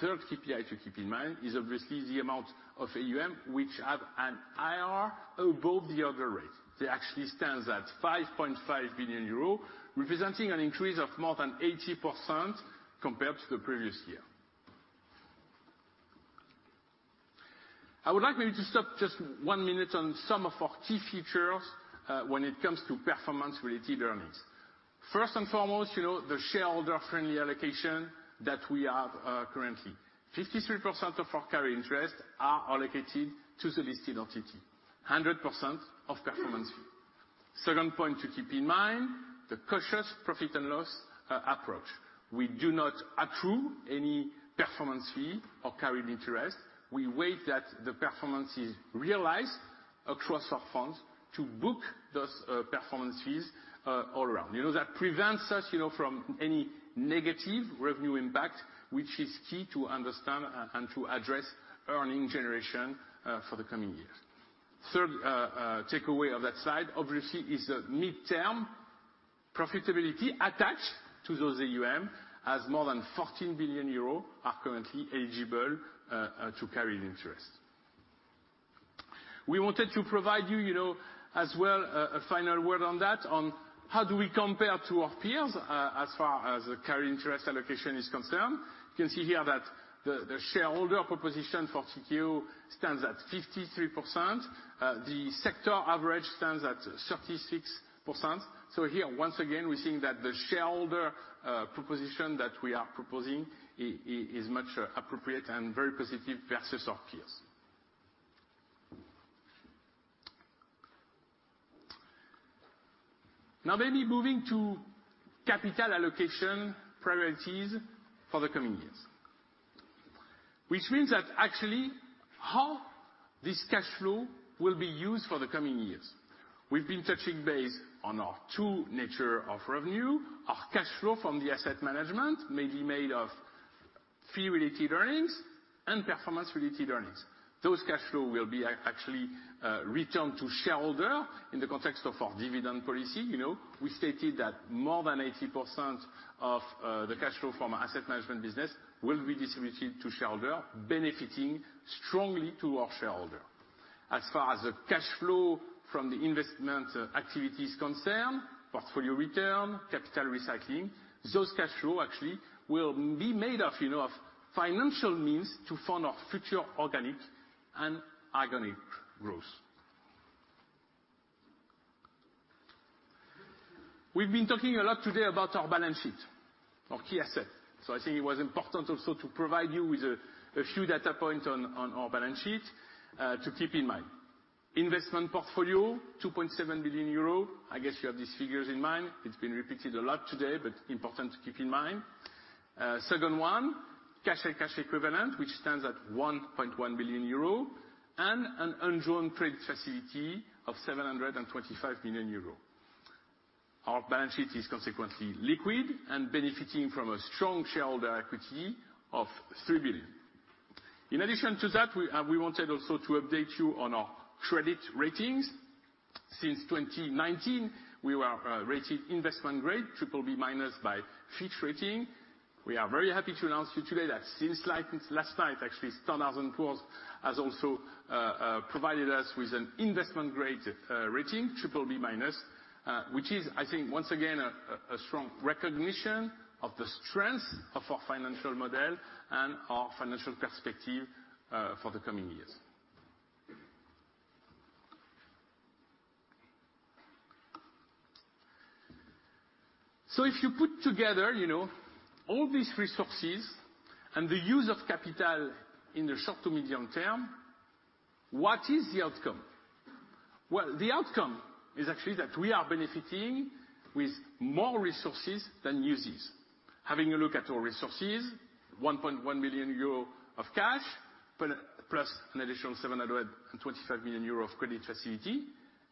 Third KPI to keep in mind is obviously the amount of AUM which have an IRR above the hurdle rate. It actually stands at 5.5 billion euro, representing an increase of more than 80% compared to the previous year. I would like maybe to stop just one minute on some of our key features when it comes to performance-related earnings. First and foremost, you know, the shareholder friendly allocation that we have currently. 53% of our carry interests are allocated to the listed entity. 100% of performance fee. Second point to keep in mind, the cautious profit and loss approach. We do not accrue any performance fee or carried interest. We wait that the performance is realized across our funds to book those performance fees all around. You know, that prevents us, you know, from any negative revenue impact, which is key to understand and to address earnings generation for the coming years. Third takeaway of that slide, obviously, is the midterm profitability attached to those AUM, as more than 14 billion euros are currently eligible to carried interest. We wanted to provide you know, as well, a final word on that, on how do we compare to our peers as far as the carried interest allocation is concerned. You can see here that the shareholder proposition for Tikehau stands at 53%. The sector average stands at 36%. Here, once again, we're seeing that the shareholder proposition that we are proposing is much more appropriate and very positive versus our peers. Now maybe moving to capital allocation priorities for the coming years, which means that actually how this cash flow will be used for the coming years. We've been touching base on our two natures of revenue, our cash flow from the asset management, mainly made of fee-related earnings and performance-related earnings. Those cash flows will be actually returned to shareholders in the context of our dividend policy. You know, we stated that more than 80% of the cash flow from our asset management business will be distributed to shareholders, benefiting strongly to our shareholders. As far as the cash flow from the investment activity is concerned, portfolio return, capital recycling, those cash flow actually will be made of, you know, of financial means to fund our future organic and inorganic growth. We've been talking a lot today about our balance sheet, our key asset. I think it was important also to provide you with a few data points on our balance sheet to keep in mind. Investment portfolio, 2.7 billion euros. I guess you have these figures in mind. It's been repeated a lot today, but important to keep in mind. Second one, cash and cash equivalent, which stands at 1.1 billion euro, and an undrawn credit facility of 725 million euro. Our balance sheet is consequently liquid and benefiting from a strong shareholder equity of 3 billion. In addition to that, we wanted also to update you on our credit ratings. Since 2019, we were rated investment-grade BBB- by Fitch Ratings. We are very happy to announce to you today that since last night, actually, Standard & Poor's has also provided us with an investment-grade rating, BBB-, which is, I think, once again a strong recognition of the strength of our financial model and our financial perspective for the coming years. If you put together, you know, all these resources and the use of capital in the short to medium term, what is the outcome? Well, the outcome is actually that we are benefiting with more resources than uses. Having a look at our resources, 1.1 billion euro of cash, plus an additional 725 million euro of credit facility.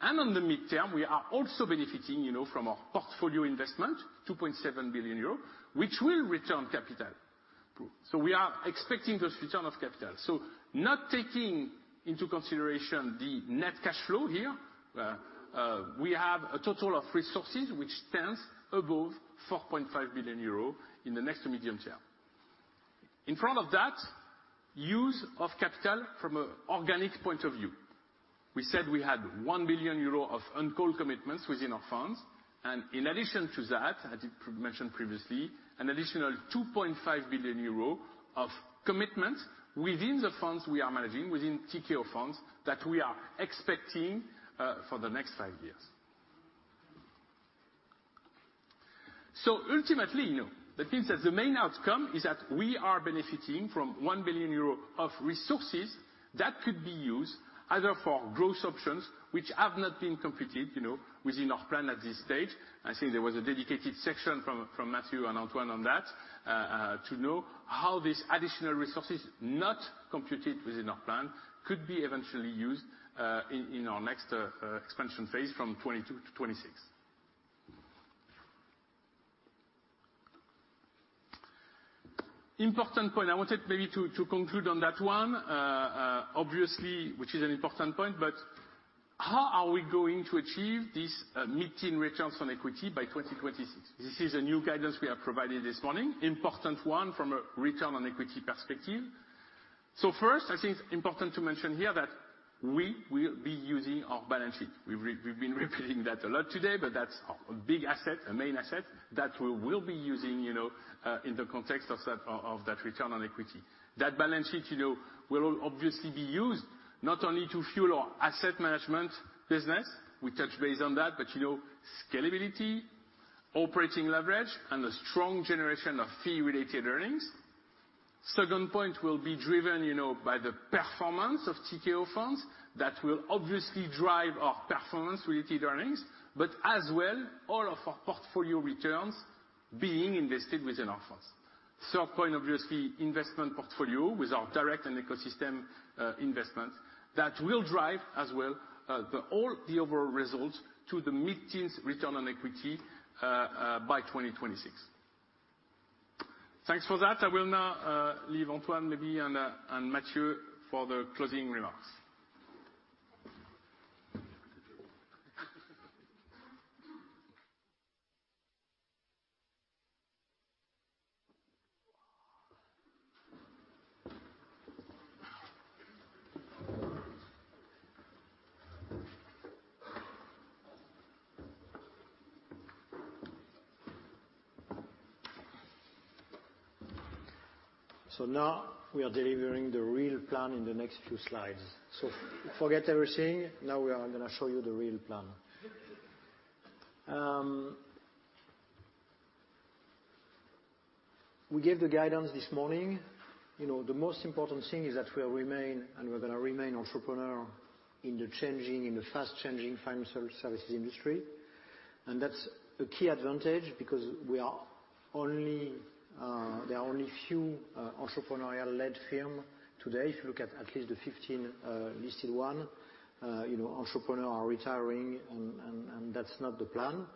On the midterm, we are also benefiting, you know, from our portfolio investment, 2.7 billion euros, which will return capital. We are expecting this return of capital. Not taking into consideration the net cash flow here, we have a total of resources which stands above 4.5 billion euro in the next medium term. In front of that, use of capital from an organic point of view. We said we had 1 billion euro of uncalled commitments within our funds, and in addition to that, as mentioned previously, an additional 2.5 billion euro of commitment within the funds we are managing, within Tikehau funds, that we are expecting for the next five years. Ultimately, you know, that means that the main outcome is that we are benefiting from 1 billion euro of resources that could be used either for growth options which have not been completed, you know, within our plan at this stage. I think there was a dedicated section from Mathieu and Antoine on that to know how these additional resources not computed within our plan could be eventually used in our next expansion phase from 2022 to 2026. Important point, I wanted maybe to conclude on that one. Obviously, which is an important point, but how are we going to achieve this mid-teen returns on equity by 2026? This is a new guidance we have provided this morning, important one from a return on equity perspective. First, I think it's important to mention here that we will be using our balance sheet. We've been repeating that a lot today, but that's a big asset, a main asset that we will be using, you know, in the context of that return on equity. That balance sheet, you know, will obviously be used not only to fuel our asset management business, we touch base on that, but, you know, scalability, operating leverage and a strong generation of fee-related earnings. Second point will be driven, you know, by the performance of Tikehau funds that will obviously drive our performance-related earnings, but as well all of our portfolio returns being invested within our funds. Third point obviously, investment portfolio with our direct and ecosystem investments that will drive as well the overall results to the mid-teens return on equity by 2026. Thanks for that. I will now leave Antoine maybe and Mathieu for the closing remarks. Now we are delivering the real plan in the next few slides. Forget everything. Now we are gonna show you the real plan. We gave the guidance this morning. You know, the most important thing is that we remain and we're gonna remain entrepreneurial in the changing, in the fast changing financial services industry. That's a key advantage because there are only a few entrepreneurial-led firms today. If you look at least the 15, you know, entrepreneurs are retiring, and that's not the plan.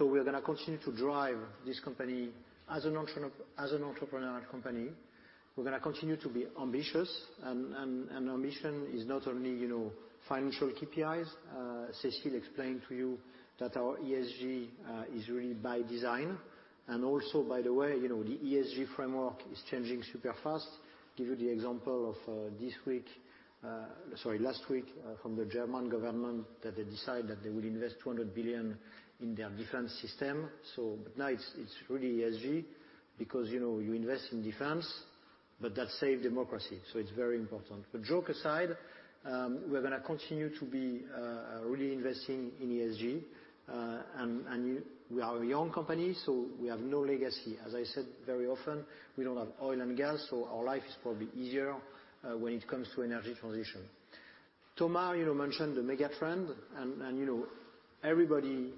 We're gonna continue to drive this company as an entrepreneur, as an entrepreneurial company. We're gonna continue to be ambitious, and our mission is not only, you know, financial KPIs. Cécile explained to you that our ESG is really by design. Also, by the way, you know, the ESG framework is changing super fast. Give you the example of this week, sorry, last week, from the German government, that they decided that they will invest 200 billion in their defense system. But now it's really ESG because, you know, you invest in defense, but that saves democracy, so it's very important. Joke aside, we're gonna continue to be really investing in ESG, and we are a young company, so we have no legacy. As I said very often, we don't have oil and gas, so our life is probably easier when it comes to energy transition. Thomas, you know, mentioned the mega-trend, and you know, everybody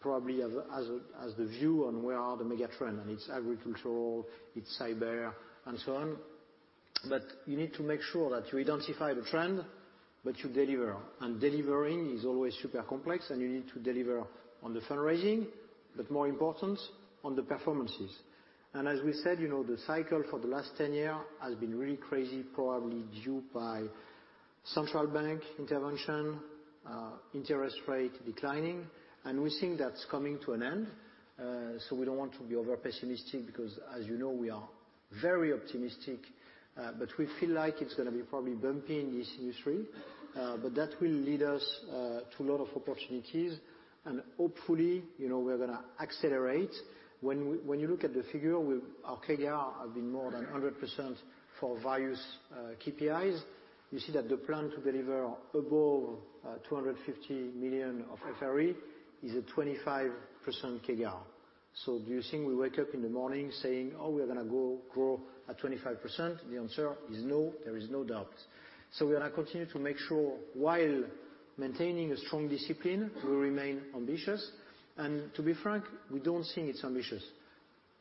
probably has the view on where the mega trend is and it's agricultural, it's cyber and so on. You need to make sure that you identify the trend, but you deliver. Delivering is always super complex, and you need to deliver on the fundraising, but more important on the performances. As we said, you know, the cycle for the last 10-year has been really crazy, probably due to central bank intervention, interest rate declining, and we think that's coming to an end. We don't want to be over-pessimistic because as you know, we are very optimistic, but we feel like it's gonna be probably bumpy in this industry. That will lead us to a lot of opportunities and hopefully, you know, we are gonna accelerate. When you look at the figure with our CAGR have been more than 100% for various KPIs, you see that the plan to deliver above 250 million of FRE is a 25% CAGR. Do you think we wake up in the morning saying, "Oh, we're gonna go grow at 25%?" The answer is no. There is no doubt. We're gonna continue to make sure while maintaining a strong discipline, we remain ambitious. To be frank, we don't think it's ambitious.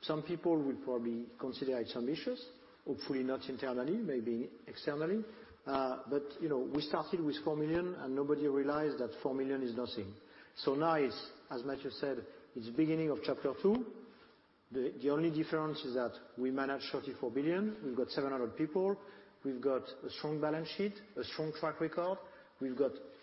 Some people would probably consider it's ambitious, hopefully not internally, maybe externally. You know, we started with 4 million, and nobody realized that 4 million is nothing. Now it's, as Mathieu said, it's beginning of chapter two. The only difference is that we manage 34 billion. We've got 700 people. We've got a strong balance sheet, a strong track record. We've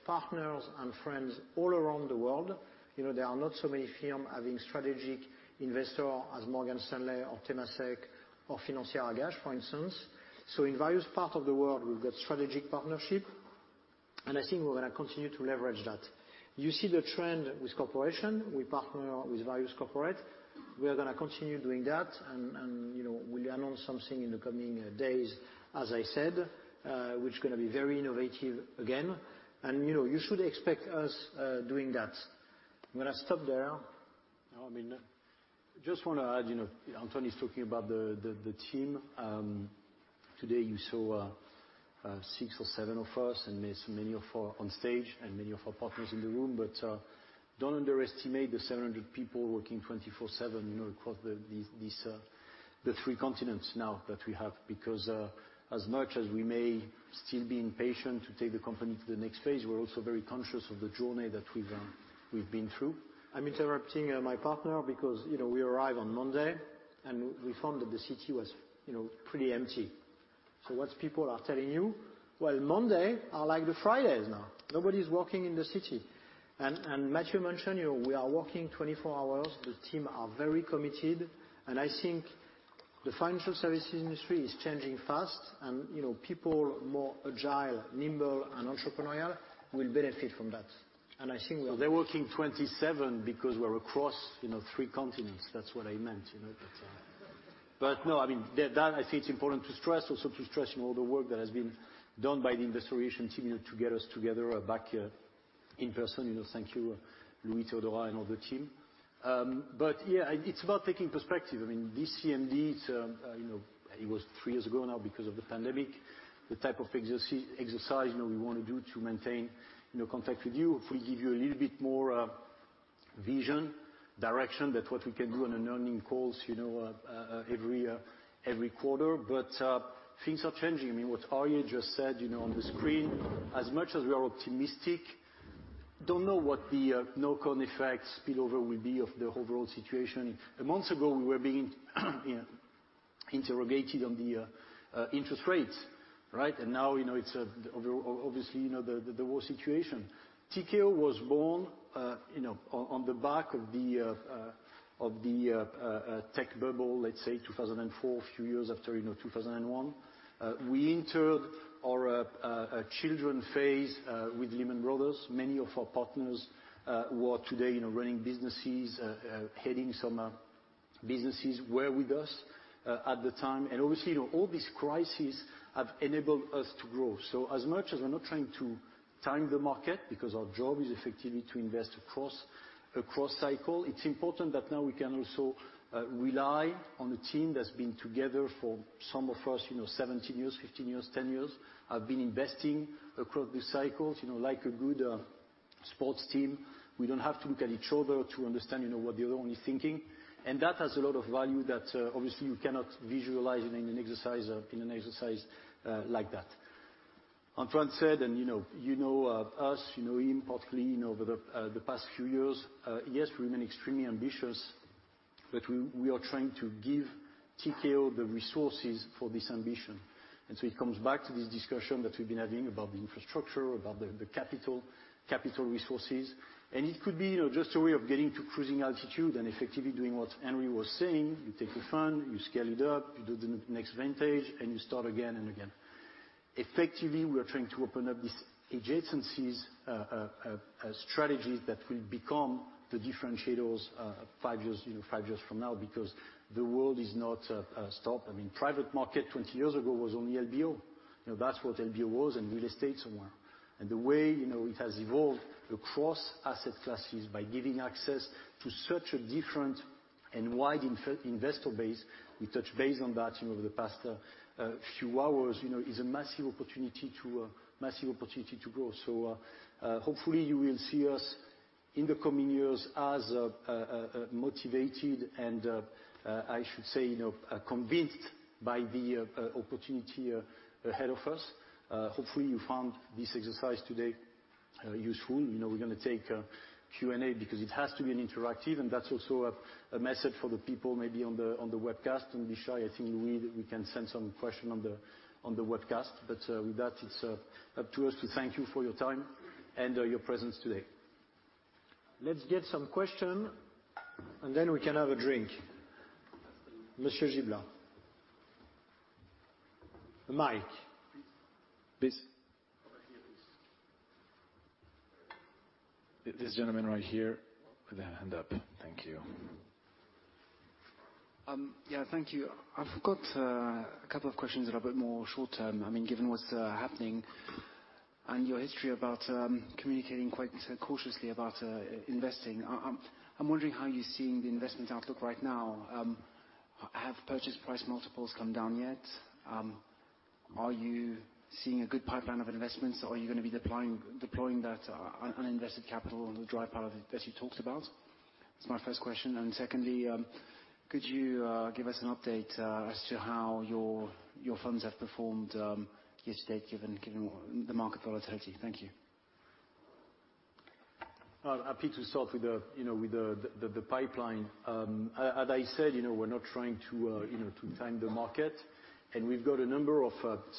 got partners and friends all around the world. You know, there are not so many firms having strategic investors such as Morgan Stanley or Temasek or Financière Agache, for instance. In various parts of the world, we've got strategic partnerships, and I think we're gonna continue to leverage that. You see the trend with corporations. We partner with various corporates. We are gonna continue doing that and, you know, we announce something in the coming days, as I said, which gonna be very innovative again. You know, you should expect us doing that. I'm gonna stop there. No, I mean, just wanna add, you know, Antoine is talking about the team. Today, you saw six or seven of us, and there's many of us onstage and many of our partners in the room. Don't underestimate the 700 people working 24/7, you know, across the three continents now that we have. Because as much as we may still be impatient to take the company to the next phase, we're also very conscious of the journey that we've been through. I'm interrupting my partner because, you know, we arrive on Monday, and we found that the city was, you know, pretty empty. What people are telling you, well, Monday are like the Fridays now. Nobody's working in the city. Mathieu mentioned, you know, we are working 24 hours. The team are very committed, and I think the financial services industry is changing fast. You know, people more agile, nimble, and entrepreneurial will benefit from that. I think we are- They're working 27 because we're across, you know, three continents. That's what I meant, you know, but. No, I mean, that I think it's important to stress. Also to stress, you know, the work that has been done by the Investor Relations team, you know, to get us together back here in person. You know, thank you, Louis, Theodora and all the team. Yeah, it's about taking perspective. I mean, this CMD, it's, you know, it was three years ago now because of the pandemic. The type of exercise, you know, we wanna do to maintain, you know, contact with you. If we give you a little bit more vision, direction than what we can do on an earnings calls, you know, every quarter. Things are changing. I mean, what Aryeh just said, you know, on the screen. As much as we are optimistic, don't know what the knock-on effect spillover will be of the overall situation. A month ago, we were being, you know, interrogated on the interest rates, right? Now, you know, it's over, obviously, you know, the war situation. Tikehau was born, you know, on the back of the tech bubble, let's say 2004, a few years after, you know, 2001. We entered our childhood phase with Lehman Brothers. Many of our partners who are today, you know, running businesses, heading some businesses were with us at the time. Obviously, you know, all these crises have enabled us to grow. As much as we're not trying to time the market, because our job is effectively to invest across cycle, it's important that now we can also rely on a team that's been together for some of us, you know, 17 years, 15 years, 10 years, have been investing across the cycles. You know, like a good sports team, we don't have to look at each other to understand, you know, what the other one is thinking. That has a lot of value that obviously you cannot visualize in an exercise like that. Antoine said, and you know us, you know him particularly, you know, over the past few years, yes, we remain extremely ambitious, but we are trying to give Tikehau the resources for this ambition. It comes back to this discussion that we've been having about the infrastructure, about the capital resources. It could be, you know, just a way of getting to cruising altitude and effectively doing what Aryeh was saying. You take a fund, you scale it up, you do the next vintage, and you start again and again. Effectively, we are trying to open up these adjacencies, strategies that will become the differentiators, five years, you know, five years from now because the world is not stopped. I mean, private market 20 years ago was only LBO. You know, that's what LBO was and real estate somewhere. The way, you know, it has evolved across asset classes by giving access to such a different and wide investor base, we touched base on that, you know, over the past few hours, you know, is a massive opportunity to grow. Hopefully you will see us in the coming years as motivated and, I should say, you know, convinced by the opportunity ahead of us. WHopefully you found this exercise today useful. You know, we're gonna take Q&A because it has to be an interactive, and that's also a message for the people maybe on the webcast. Don't be shy. I think we can send some question on the webcast. With that, it's up to us to thank you for your time and your presence today. Let's get some question, and then we can have a drink. Monsieur Gibela. The mic. Please. Please. Over here, please. This gentleman right here with a hand up. Thank you. Yeah, thank you. I've got a couple of questions that are a bit more short-term. I mean, given what's happening and your history about communicating quite cautiously about investing, I'm wondering how you're seeing the investment outlook right now. Have purchase price multiples come down yet? Are you seeing a good pipeline of investments? Are you gonna be deploying that uninvested capital on the dry powder as you talked about? That's my first question. Secondly, could you give us an update as to how your funds have performed year to date, given the market volatility? Thank you. Well, happy to start with the pipeline. As I said, you know, we're not trying to time the market, and we've got a number of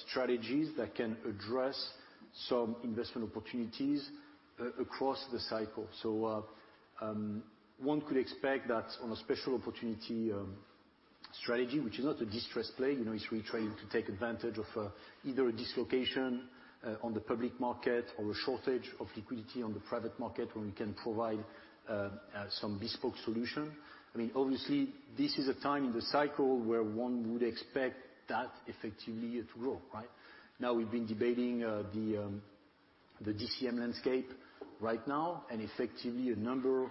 strategies that can address some investment opportunities across the cycle. One could expect that on a Special Opportunities strategy, which is not a distressed play, you know, it's really trying to take advantage of either a dislocation on the public market or a shortage of liquidity on the private market where we can provide some bespoke solution. I mean, obviously this is a time in the cycle where one would expect that effectively it will, right? Now, we've been debating the DCM landscape right now, and effectively a number of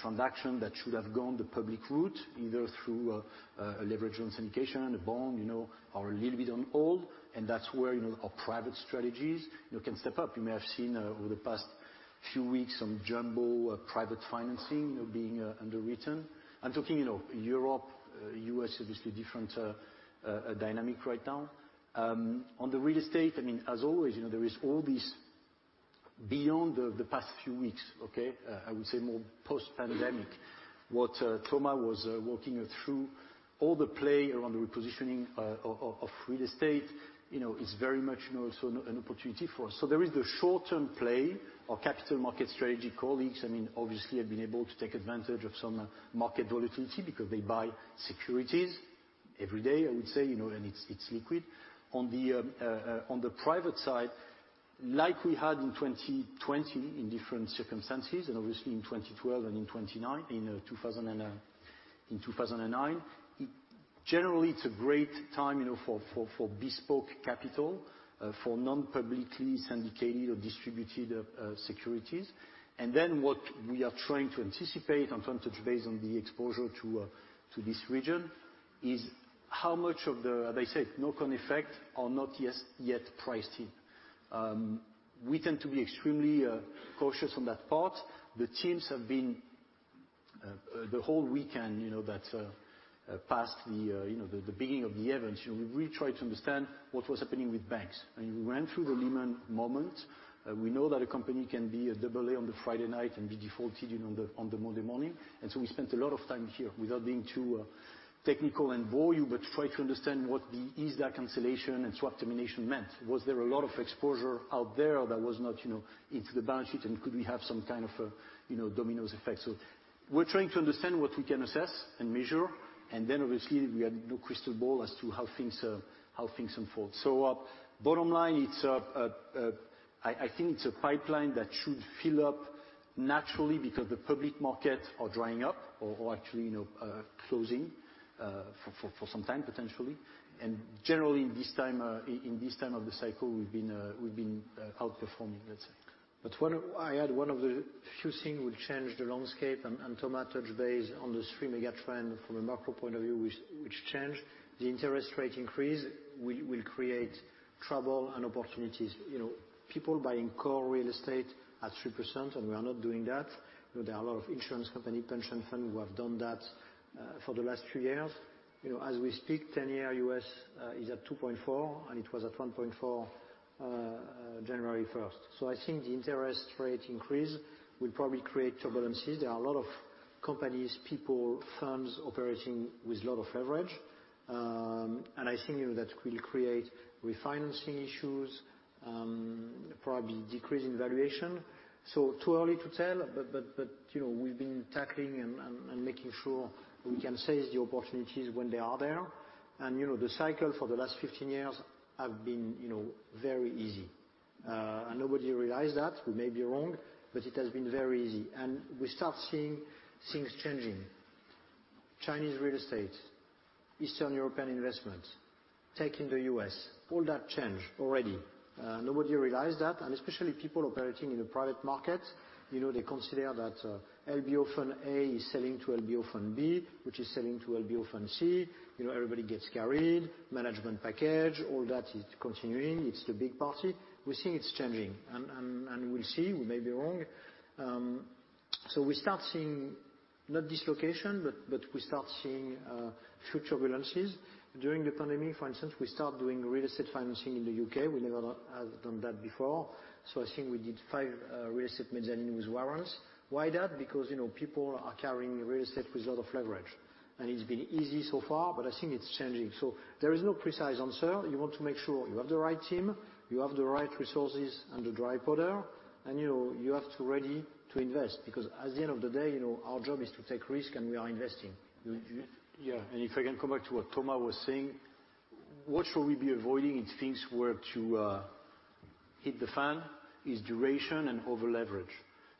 transactions that should have gone the public route, either through a leveraged loan syndication, a bond, you know, are a little bit on hold, and that's where, you know, our private strategies, you know, can step up. You may have seen over the past few weeks some jumbo private financing, you know, being underwritten. I'm talking, you know, Europe, U.S., obviously different dynamic right now. On the real estate, I mean, as always, you know, there is all this beyond the past few weeks, okay? I would say more post-pandemic, what Thomas was walking through all the plays around the repositioning of real estate, you know, is very much also an opportunity for us. There is the short-term play. Our capital market strategy colleagues, I mean, obviously have been able to take advantage of some market volatility because they buy securities every day, I would say, you know, and it's liquid. On the private side, like we had in 2020 in different circumstances, and obviously in 2012 and in 2009, it generally is a great time, you know, for bespoke capital, for non-publicly syndicated or distributed securities. What we are trying to anticipate and trying to base on the exposure to this region is how much of the, as I said, knock-on effect are not yet priced in. We tend to be extremely cautious on that part. The teams have been the whole weekend, you know, that past the beginning of the events, you know, we really tried to understand what was happening with banks. We ran through the Lehman moment. We know that a company can be a AA on the Friday night and be defaulted, you know, on the Monday morning. We spent a lot of time here, without being too technical and boring you, but try to understand what the ISDA cancellation and swap termination meant. Was there a lot of exposure out there that was not, you know, on the balance sheet? Could we have some kind of a, you know, domino effect? We're trying to understand what we can assess and measure. Obviously we have no crystal ball as to how things unfold. Bottom line, it's I think it's a pipeline that should fill up naturally because the public markets are drying up or actually, you know, closing for some time, potentially. Generally, this time of the cycle, we've been outperforming, let's say. One of the few things will change the landscape, and Thomas touched on these three megatrends from a macro point of view, which the interest rate increase will create trouble and opportunities. You know, people buying core real estate at 3%, and we are not doing that. There are a lot of insurance company, pension fund who have done that for the last three years. You know, as we speak, 10-year U.S. is at 2.4, and it was at one point four January 1st. I think the interest rate increase will probably create turbulence. There are a lot of companies, people, firms operating with a lot of leverage. I think that will create refinancing issues, probably decrease in valuation. Too early to tell, but you know, we've been tackling and making sure we can seize the opportunities when they are there. You know, the cycle for the last 15 years have been, you know, very easy. Nobody realized that. We may be wrong, but it has been very easy. We start seeing things changing. Chinese real estate, Eastern European investment, taking the U.S., all that change already. Nobody realized that. Especially people operating in a private market, you know, they consider that LBO fund A is selling to LBO fund B, which is selling to LBO fund C. You know, everybody gets carried, management package, all that is continuing. It's the big party. We're seeing it's changing, and we'll see. We may be wrong. We start seeing not dislocation, but future violences. During the pandemic, for instance, we start doing real estate financing in the U.K. We never have done that before. I think we did five real estate mezzanine with warrants. Why that? Because, you know, people are carrying real estate with a lot of leverage. It's been easy so far, but I think it's changing. There is no precise answer. You want to make sure you have the right team, you have the right resources and the dry powder, and you have to be ready to invest, because at the end of the day, you know, our job is to take risk, and we are investing. Yeah. If I can come back to what Thomas Friedberger was saying, what should we be avoiding if things were to hit the fan is duration and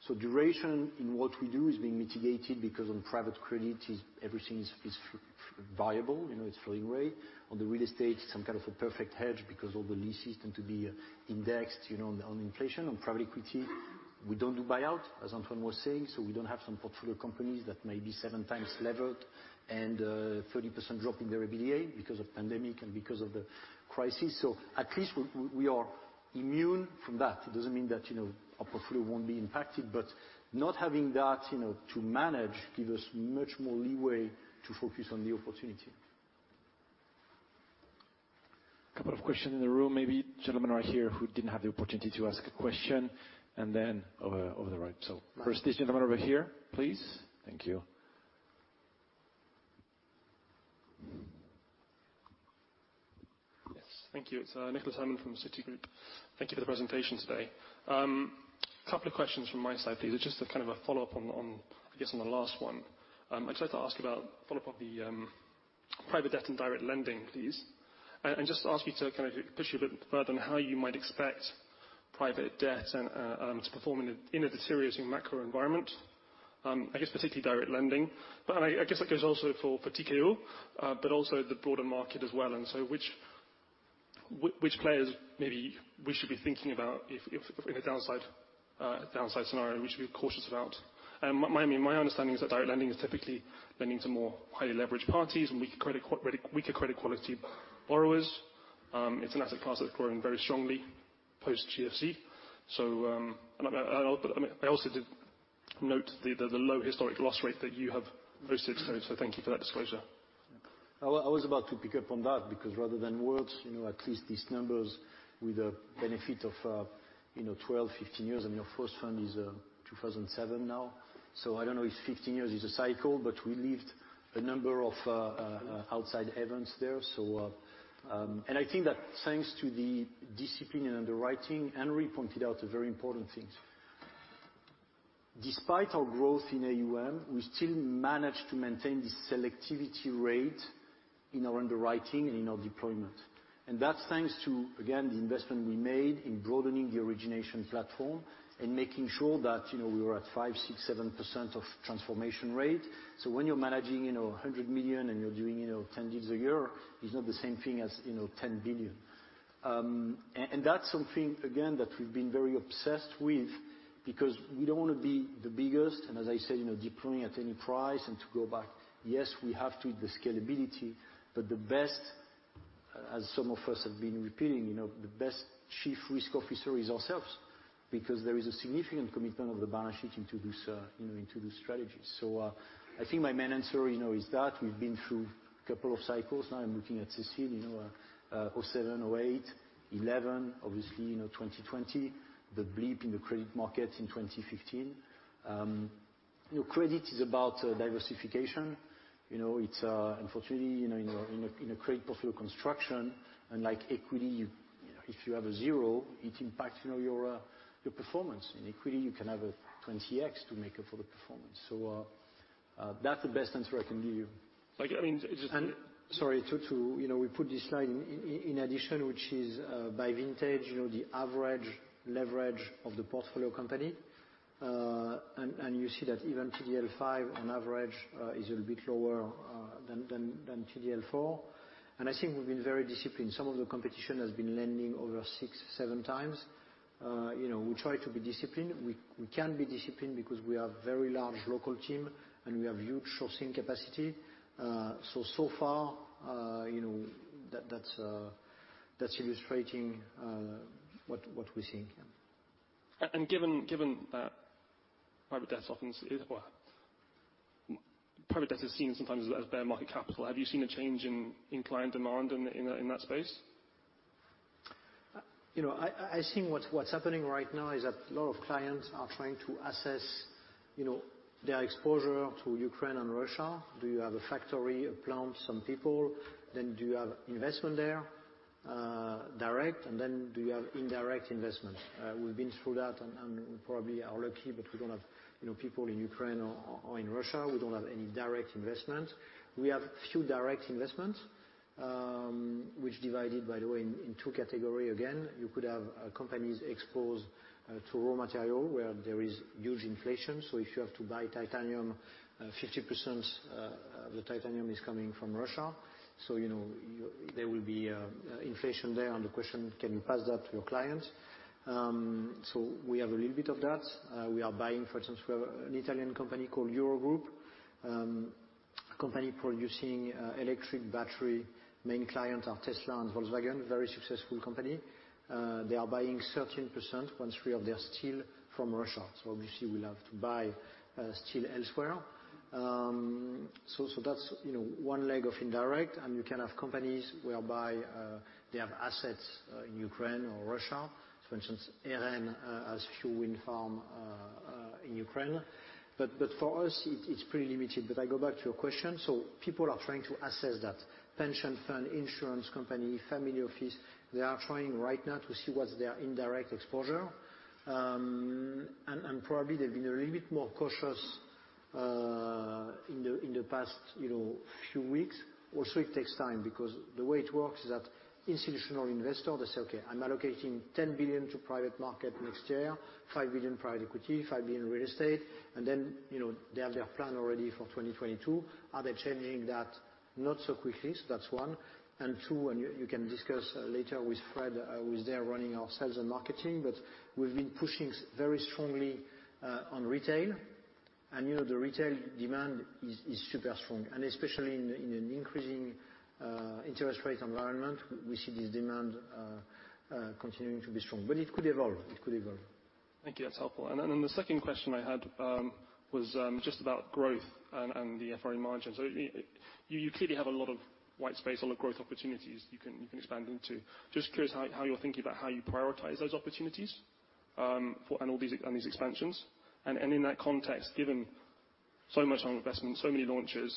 over-leverage. Duration in what we do is being mitigated because in private credit everything is variable, you know, it's floating rate. On the real estate, some kind of a perfect hedge because all the leases tend to be indexed, you know, on inflation. On private equity, we don't do buyout, as Antoine Flamarion was saying. We don't have some portfolio companies that may be 7x levered and 30% drop in their EBITDA because of pandemic and because of the crisis. At least we are immune from that. It doesn't mean that, you know, our portfolio won't be impacted, but not having that, you know, to manage give us much more leeway to focus on the opportunity. Couple of questions in the room, maybe the gentleman right here who didn't have the opportunity to ask a question and then over the right. First, this gentleman over here, please. Thank you. Thank you. It's Nicholas Hammond from Citigroup. Thank you for the presentation today. A couple of questions from my side, please. They're just a kind of follow-up on, I guess, the last one. I'd like to ask about follow-up on the private debt and direct lending, please. Just ask you to kind of push you a bit further on how you might expect private debt and to perform in a deteriorating macro environment, I guess particularly direct lending. But I guess that goes also for TKO, but also the broader market as well, so which players maybe we should be thinking about if in a downside scenario we should be cautious about. I mean, my understanding is that direct lending is typically lending to more highly leveraged parties and weaker credit quality borrowers. It's an asset class that's grown very strongly post GFC. I also did note the low historic loss rate that you have posted. Mm-hmm. Thank you for that disclosure. I was about to pick up on that because rather than words, you know, at least these numbers with the benefit of 12, 15 years, and your first fund is 2007 now. I don't know if 15 years is a cycle, but we lived a number of outside events there. I think that thanks to the discipline and underwriting, Aryeh pointed out a very important thing. Despite our growth in AUM, we still manage to maintain the selectivity rate in our underwriting and in our deployment. That's thanks to, again, the investment we made in broadening the origination platform and making sure that, you know, we were at 5%, 6%, 7% of transformation rate. When you're managing, you know, 100 million and you're doing, you know, 10 deals a year, it's not the same thing as, you know, 10 billion. That's something again that we've been very obsessed with because we don't wanna be the biggest and as I said, you know, deploying at any price and to go back. Yes, we have the scalability, but the best, as some of us have been repeating, you know, the best chief risk officer is ourselves because there is a significant commitment of the balance sheet into this, you know, into this strategy. I think my main answer, you know, is that we've been through a couple of cycles now. I'm looking at Cécile, you know, 2007, 2008, 2011, obviously, you know, 2020. The blip in the credit market in 2015. You know, credit is about diversification. You know, it's unfortunately, you know, in a credit portfolio construction, unlike equity, you know, if you have a zero, it impacts, you know, your performance. In equity, you can have a 20x to make up for the performance. That's the best answer I can give you. Like, I mean, it just Sorry, to... You know, we put this slide in addition, which is by vintage, you know, the average leverage of the portfolio company. You see that even TDL V on average is a little bit lower than TDL IV. I think we've been very disciplined. Some of the competition has been lending over 6x-7x. You know, we try to be disciplined. We can be disciplined because we have very large local team and we have huge sourcing capacity. So far, you know, that's illustrating what we're seeing. Given that private debt often is what? Private debt is seen sometimes as bear market capital. Have you seen a change in client demand in that space? You know, I think what's happening right now is that a lot of clients are trying to assess, you know, their exposure to Ukraine and Russia. Do you have a factory, a plant, some people? Then do you have investment there, direct? And then do you have indirect investments? We've been through that and probably are lucky, but we don't have, you know, people in Ukraine or in Russia. We don't have any direct investment. We have few direct investments, which divided by the way in two category again. You could have companies exposed to raw material where there is huge inflation. So if you have to buy titanium, 50%, the titanium is coming from Russia. So, you know, there will be inflation there. The question, can you pass that to your clients? We have a little bit of that. We are buying, for instance, we have an Italian company called EuroGroup, a company producing electric battery. Main clients are Tesla and Volkswagen, very successful company. They are buying 13% one third of their steel from Russia. Obviously we'll have to buy steel elsewhere. That's, you know, one leg of indirect. You can have companies whereby they have assets in Ukraine or Russia. For instance, Total Eren has few wind farm in Ukraine. But for us it's pretty limited. But I go back to your question. People are trying to assess that pension fund, insurance company, family office. They are trying right now to see what's their indirect exposure. Probably they've been a little bit more cautious in the past, you know, few weeks. Also, it takes time because the way it works is that institutional investor, they say, "Okay, I'm allocating 10 billion to private market next year, 5 billion private equity, 5 billion real estate." Then, you know, they have their plan already for 2022. Are they changing that? Not so quickly. That's one. Two, you can discuss later with Fred, who's there running our sales and marketing, but we've been pushing very strongly on retail. You know, the retail demand is super strong. Especially in an increasing interest rate environment, we see this demand continuing to be strong. But it could evolve. Thank you. That's helpful. Then the second question I had was just about growth and the FRE margin. I mean, you clearly have a lot of white space, a lot of growth opportunities you can expand into. Just curious how you're thinking about how you prioritize those opportunities and all these expansions. In that context, given so much on investment, so many launches.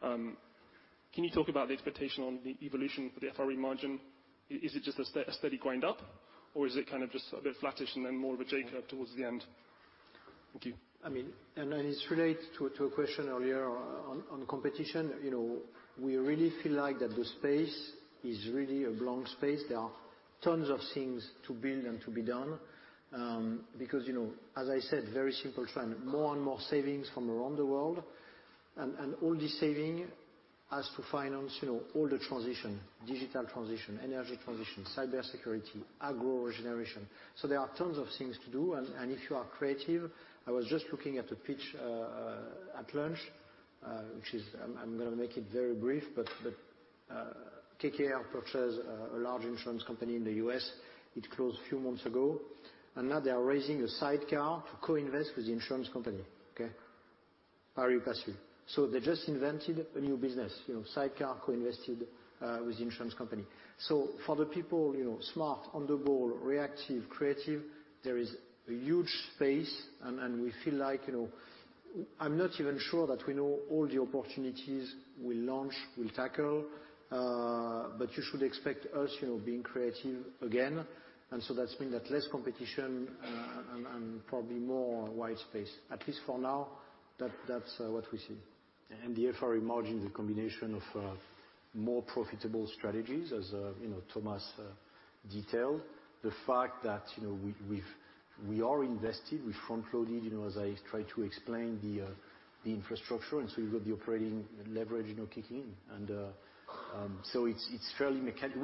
Can you talk about the expectation on the evolution for the FRE margin? Is it just a steady grind up, or is it kind of just a bit flattish and then more of a jump towards the end? Thank you. I mean, it's related to a question earlier on competition. You know, we really feel like the space is really a blank space. There are tons of things to build and to be done, because, you know, as I said, very simple trend, more and more savings from around the world and all this saving has to finance, you know, all the transition, digital transition, energy transition, cybersecurity, agro regeneration. There are tons of things to do and if you are creative, I was just looking at a pitch at lunch, which is, I'm gonna make it very brief, but KKR purchased a large insurance company in the U.S. It closed a few months ago, and now they are raising a sidecar to co-invest with the insurance company, okay? Very passive. They just invented a new business, you know, sidecar co-invested with the insurance company. For the people, you know, smart, on the ball, reactive, creative, there is a huge space and we feel like, you know, I'm not even sure that we know all the opportunities we'll launch, we'll tackle, but you should expect us, you know, being creative again. That's been that less competition and probably more wide space, at least for now. That's what we see. The FRE margin is a combination of more profitable strategies as you know, Thomas, detailed. The fact that you know we are invested, we front-loaded you know as I tried to explain the infrastructure, and so we've got the operating leverage you know kicking in.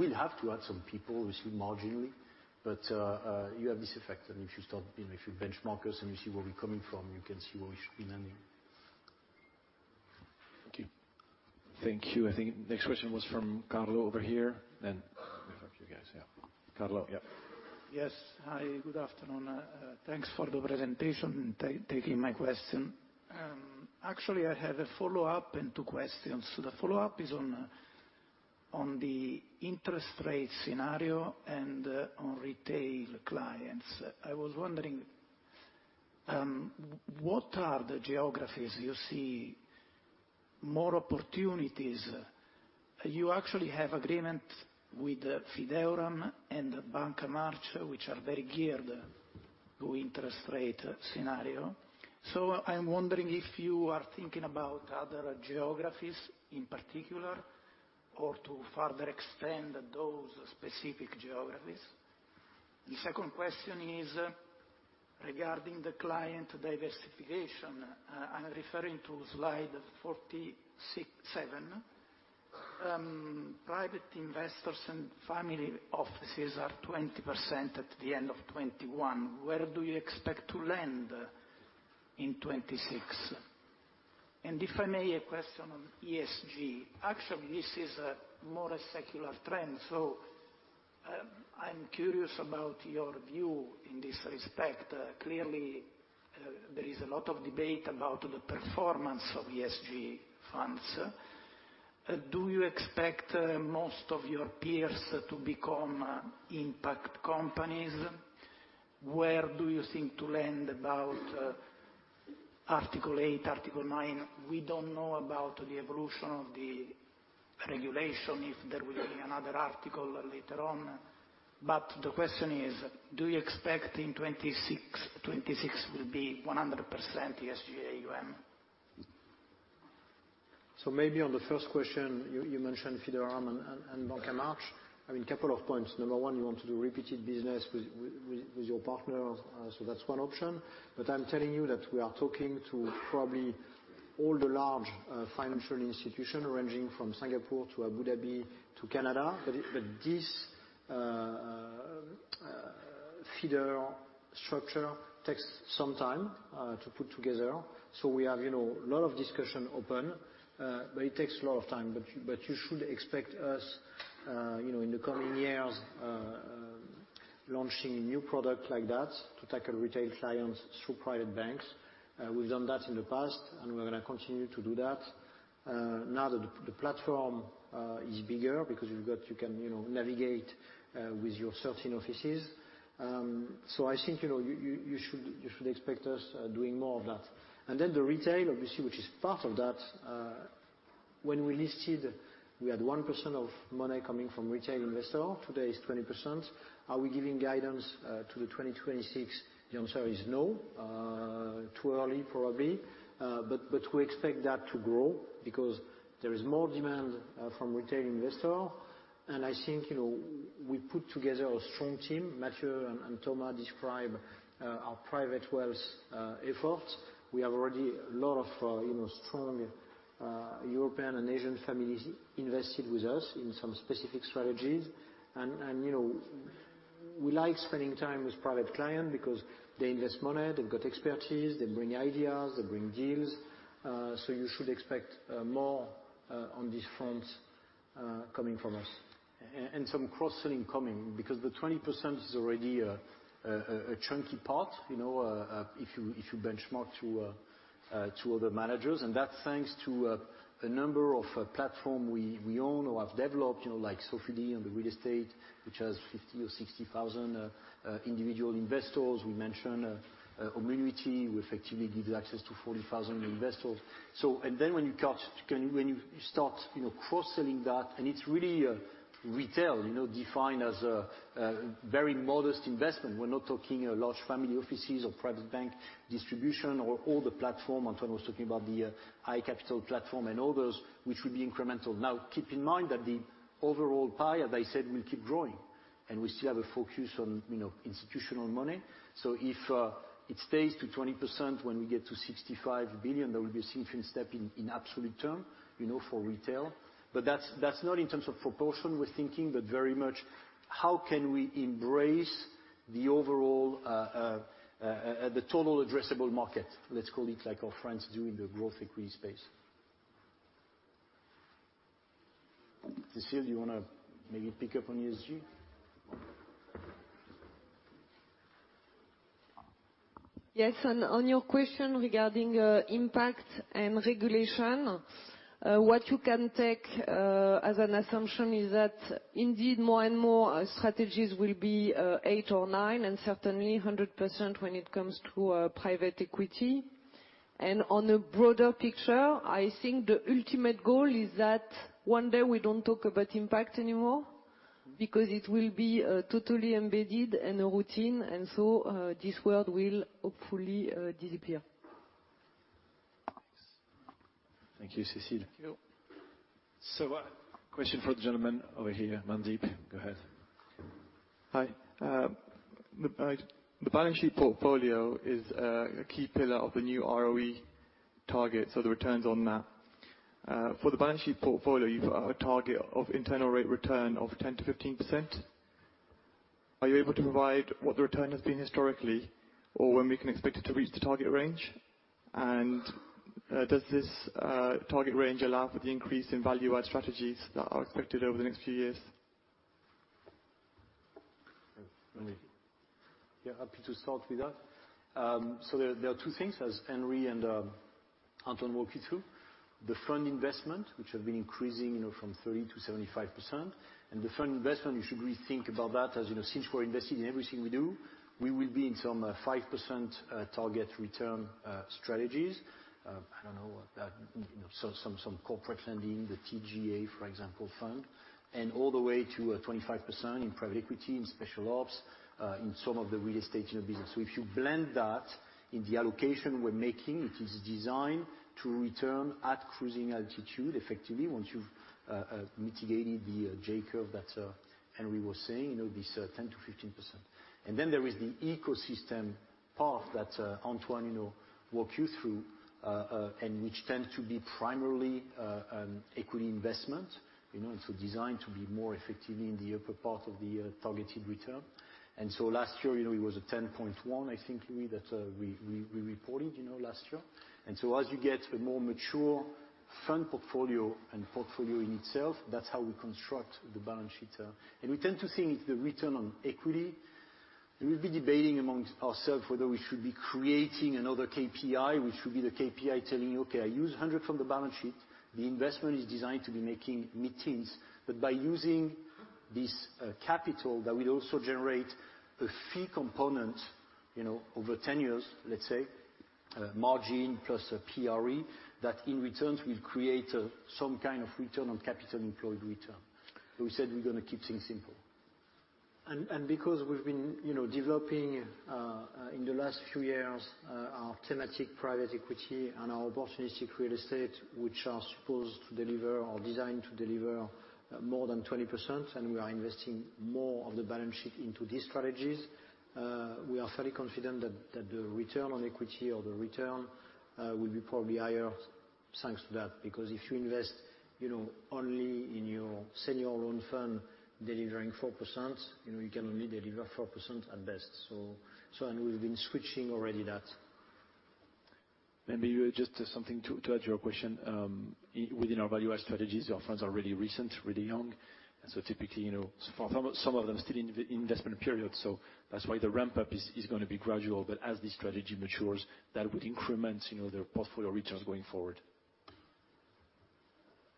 We'll have to add some people, obviously marginally, but you have this effect. If you start you know if you benchmark us and you see where we're coming from, you can see where we should be landing. Thank you. Thank you. I think next question was from Carlo over here, then a few guys. Yeah. Carlo? Yeah. Yes. Hi, good afternoon. Thanks for the presentation and taking my question. Actually, I have a follow-up and two questions. The follow-up is on the interest rate scenario and on retail clients. I was wondering what are the geographies you see more opportunities? You actually have agreement with Fideuram and Banca March, which are very geared to interest rate scenario. I'm wondering if you are thinking about other geographies in particular or to further extend those specific geographies. The second question is regarding the client diversification. I'm referring to Slide 47. Private investors and family offices are 20% at the end of 2021. Where do you expect to land in 2026? If I may, a question on ESG. Actually, this is more a secular trend. I'm curious about your view in this respect. Clearly, there is a lot of debate about the performance of ESG funds. Do you expect most of your peers to become impact companies? Where do you think to land about Article 8, Article 9? We don't know about the evolution of the regulation, if there will be another article later on. The question is, do you expect in 2026 2026 will be 100% ESG AUM? Maybe on the first question, you mentioned Fideuram and Banca March. I mean, a couple of points. Number one, you want to do repeated business with your partners, so that's one option. I'm telling you that we are talking to probably all the large financial institution ranging from Singapore to Abu Dhabi to Canada. This feeder structure takes some time to put together. We have, you know, a lot of discussion open, but it takes a lot of time. You should expect us, you know, in the coming years launching a new product like that to tackle retail clients through private banks. We've done that in the past, and we're gonna continue to do that. Now that the platform is bigger because you can navigate with your certain offices. I think you should expect us doing more of that. The retail, obviously, which is part of that, when we listed, we had 1% of money coming from retail investor. Today, it's 20%. Are we giving guidance to 2026? The answer is no. Too early, probably. But we expect that to grow because there is more demand from retail investor, and I think we put together a strong team. Mathieu and Thomas describe our private wealth efforts. We have already a lot of strong European and Asian families invested with us in some specific strategies. You know, we like spending time with private client because they invest money, they've got expertise, they bring ideas, they bring deals. You should expect more on this front coming from us. Some cross-selling coming because the 20% is already a chunky part, you know, if you benchmark to other managers, and that's thanks to a number of platforms we own or have developed, you know, like Sofidy on the real estate, which has 50 or 60 thousand individual investors. We mentioned Omnity, who effectively gives access to 40 thousand investors. When you start, you know, cross-selling that, and it's really retail, you know, defined as very modest investment. We're not talking large family offices or private bank distribution or all the platforms Antoine was talking about, the high capital platforms and others, which will be incremental. Now, keep in mind that the overall pie, as I said, will keep growing, and we still have a focus on, you know, institutional money. So if it stays to 20% when we get to 65 billion, there will be a significant step in absolute term, you know, for retail. But that's not in terms of proportion we're thinking, but very much how can we embrace the overall, the total addressable market, let's call it like our friends do in the growth equity space. Cécile, do you wanna maybe pick up on ESG? Yes. On your question regarding impact and regulation, what you can take as an assumption is that indeed, more and more strategies will be Article 8 or Article 9, and certainly 100% when it comes to private equity. On a broader picture, I think the ultimate goal is that one day we don't talk about impact anymore because it will be totally embedded and a routine. This word will hopefully disappear. Thank you, Cécile. Thank you. Question for the gentleman over here. Mandeep, go ahead. Hi. The balance sheet portfolio is a key pillar of the new ROE target. The returns on that. For the balance sheet portfolio, you've a target of internal rate of return of 10%-15%. Are you able to provide what the return has been historically or when we can expect it to reach the target range? Does this target range allow for the increase in value-add strategies that are expected over the next few years? Yeah. Happy to start with that. So there are two things, as Aryeh and Antoine walk you through. The fund investment, which have been increasing, you know, from 30%-75%. The fund investment, you should really think about that. As you know, since we're invested in everything we do, we will be in some 5% target return strategies. I don't know, you know, some corporate lending, the TGA, for example, fund, and all the way to 25% in private equity, in special ops, in some of the real estate, you know, business. So if you blend that in the allocation we're making, it is designed to return at cruising altitude effectively, once you've mitigated the J curve that Aryeh was saying, you know, this 10%-15%. Then there is the ecosystem path that, Antoine, you know, walk you through, and which tends to be primarily, equity investment. You know, it's designed to be more effectively in the upper part of the targeted return. Last year, you know, it was a 10.1%, I think, Louis, that we reported, you know, last year. As you get a more mature fund portfolio and portfolio in itself, that's how we construct the balance sheet. And we tend to think it's the return on equity. We'll be debating among ourselves whether we should be creating another KPI, which would be the KPI telling you, "Okay, I use 100 from the balance sheet." The investment is designed to be making mid-teens, but by using this, capital that will also generate a fee component, you know, over 10 years, let's say, margin plus a PRE, that in returns will create, some kind of return on capital employed return. We said we're gonna keep things simple. Because we've been, you know, developing in the last few years our thematic private equity and our opportunistic real estate, which are supposed to deliver or designed to deliver more than 20%, and we are investing more of the balance sheet into these strategies, we are fairly confident that the return on equity or the return will be probably higher thanks to that. Because if you invest, you know, only in your senior loan fund delivering 4%, you know you can only deliver 4% at best. And we've been switching already that. Maybe just something to add to your question. Within our value add strategies, our funds are really recent, really young. So typically, you know, some of them still in investment period. So that's why the ramp up is gonna be gradual. But as this strategy matures, that would increment, you know, their portfolio returns going forward.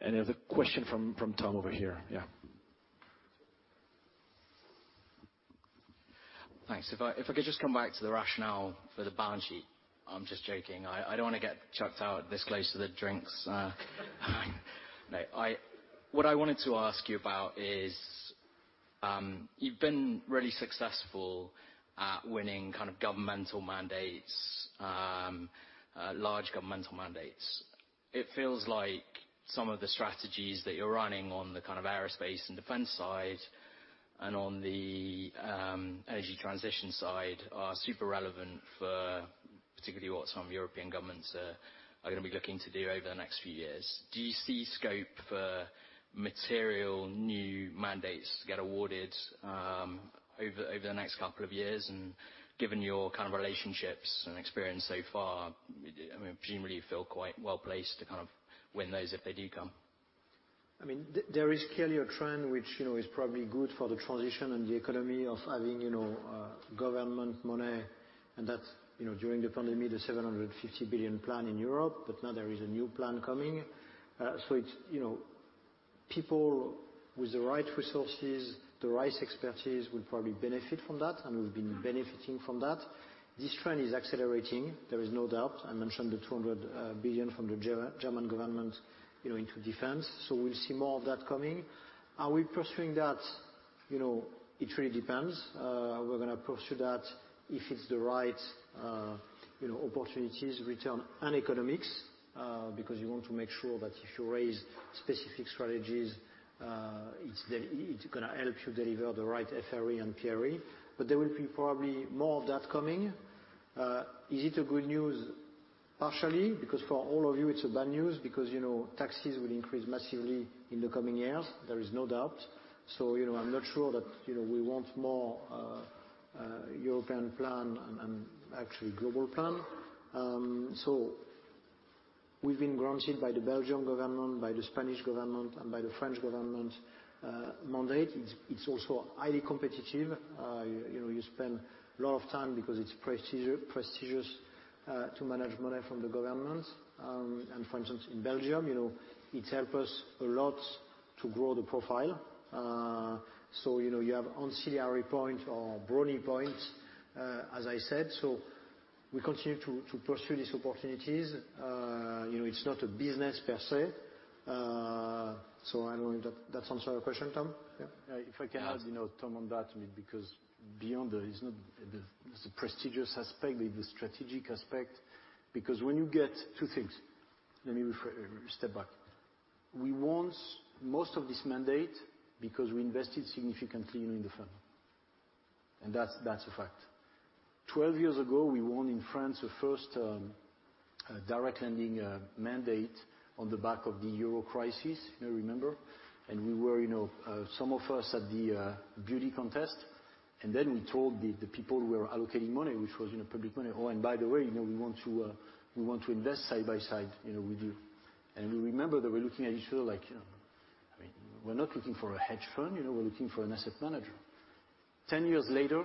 Any other question from Tom over here? Yeah. Thanks. If I could just come back to the rationale for the balance sheet. I'm just joking. I don't want to get chucked out this close to the drinks. No. What I wanted to ask you about is, you've been really successful at winning kind of governmental mandates, large governmental mandates. It feels like some of the strategies that you're running on the kind of aerospace and defense side and on the energy transition side are super relevant for particularly what some European governments are gonna be looking to do over the next few years. Do you see scope for material new mandates to get awarded over the next couple of years? Given your kind of relationships and experience so far, I mean, presumably you feel quite well placed to kind of win those if they do come. I mean, there is clearly a trend which, you know, is probably good for the transition and the economy of having, you know, government money, and that's, you know, during the pandemic, the 750 billion plan in Europe, but now there is a new plan coming. So it's, you know, people with the right resources, the right expertise will probably benefit from that, and we've been benefiting from that. This trend is accelerating, there is no doubt. I mentioned the 200 billion from the German government, you know, into defense. So we'll see more of that coming. Are we pursuing that? You know, it really depends. We're gonna pursue that if it's the right, you know, opportunities, return and economics, because you want to make sure that if you raise specific strategies, it's gonna help you deliver the right FRE and PRE. There will be probably more of that coming. Is it a good news? Partially, because for all of you, it's bad news because, you know, taxes will increase massively in the coming years, there is no doubt. You know, I'm not sure that, you know, we want more European plan and actually global plan. We've been granted by the Belgian government, by the Spanish government, and by the French government mandate. It's also highly competitive. You know, you spend a lot of time because it's prestigious to manage money from the government. For instance, in Belgium, you know, it helps us a lot to grow the profile. You know, you have Antin or Bridgepoint, as I said. We continue to pursue these opportunities. You know, it's not a business per se. I don't know if that answers your question, Tom? Yeah. Yeah. If I can add, you know, Tom, on that, I mean, because beyond the, it's not the prestigious aspect, the strategic aspect. Because when you get two things, step back. We want most of this mandate because we invested significantly in the firm, and that's a fact. 12 years ago, we won in France the first direct lending mandate on the back of the Euro crisis. You may remember. We were, you know, some of us at the beauty contest, and then we told the people we were allocating money, which was, you know, public money, "Oh, and by the way, you know, we want to invest side by side, you know, with you." We remember that we're looking at each other like, you know, I mean, we're not looking for a hedge fund. You know, we're looking for an asset manager. 10 years later,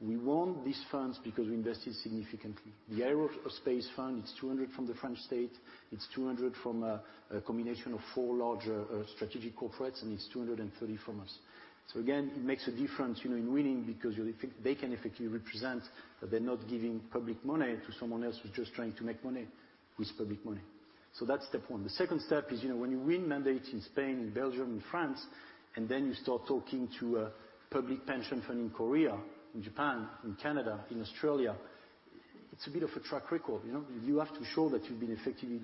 we won these funds because we invested significantly. The Aerospace Fund, it's 200 million from the French state, it's 200 million from a combination of four large strategic corporates, and it's 230 million from us. So again, it makes a difference, you know, in winning because you effect. They can effectively represent that they're not giving public money to someone else who's just trying to make money with public money. That's step one. The second step is, you know, when you win mandates in Spain, in Belgium, in France, and then you start talking to a public pension fund in Korea, in Japan, in Canada, in Australia, it's a bit of a track record, you know? You have to show that you've been effectively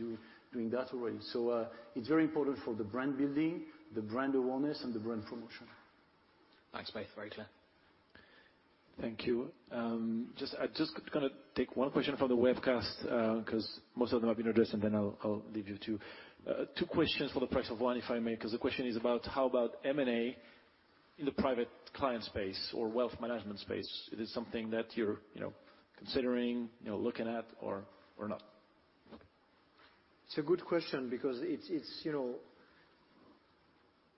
doing that already. It's very important for the brand building, the brand awareness, and the brand promotion. Thanks, both. Very clear. Thank you. I'm just gonna take one question from the webcast, 'cause most of them have been addressed, and then I'll leave you two. Two questions for the price of one, if I may, 'cause the question is about how about M&A in the private client space or wealth management space. It is something that you're, you know, considering, you know, looking at or not? It's a good question because it's you know.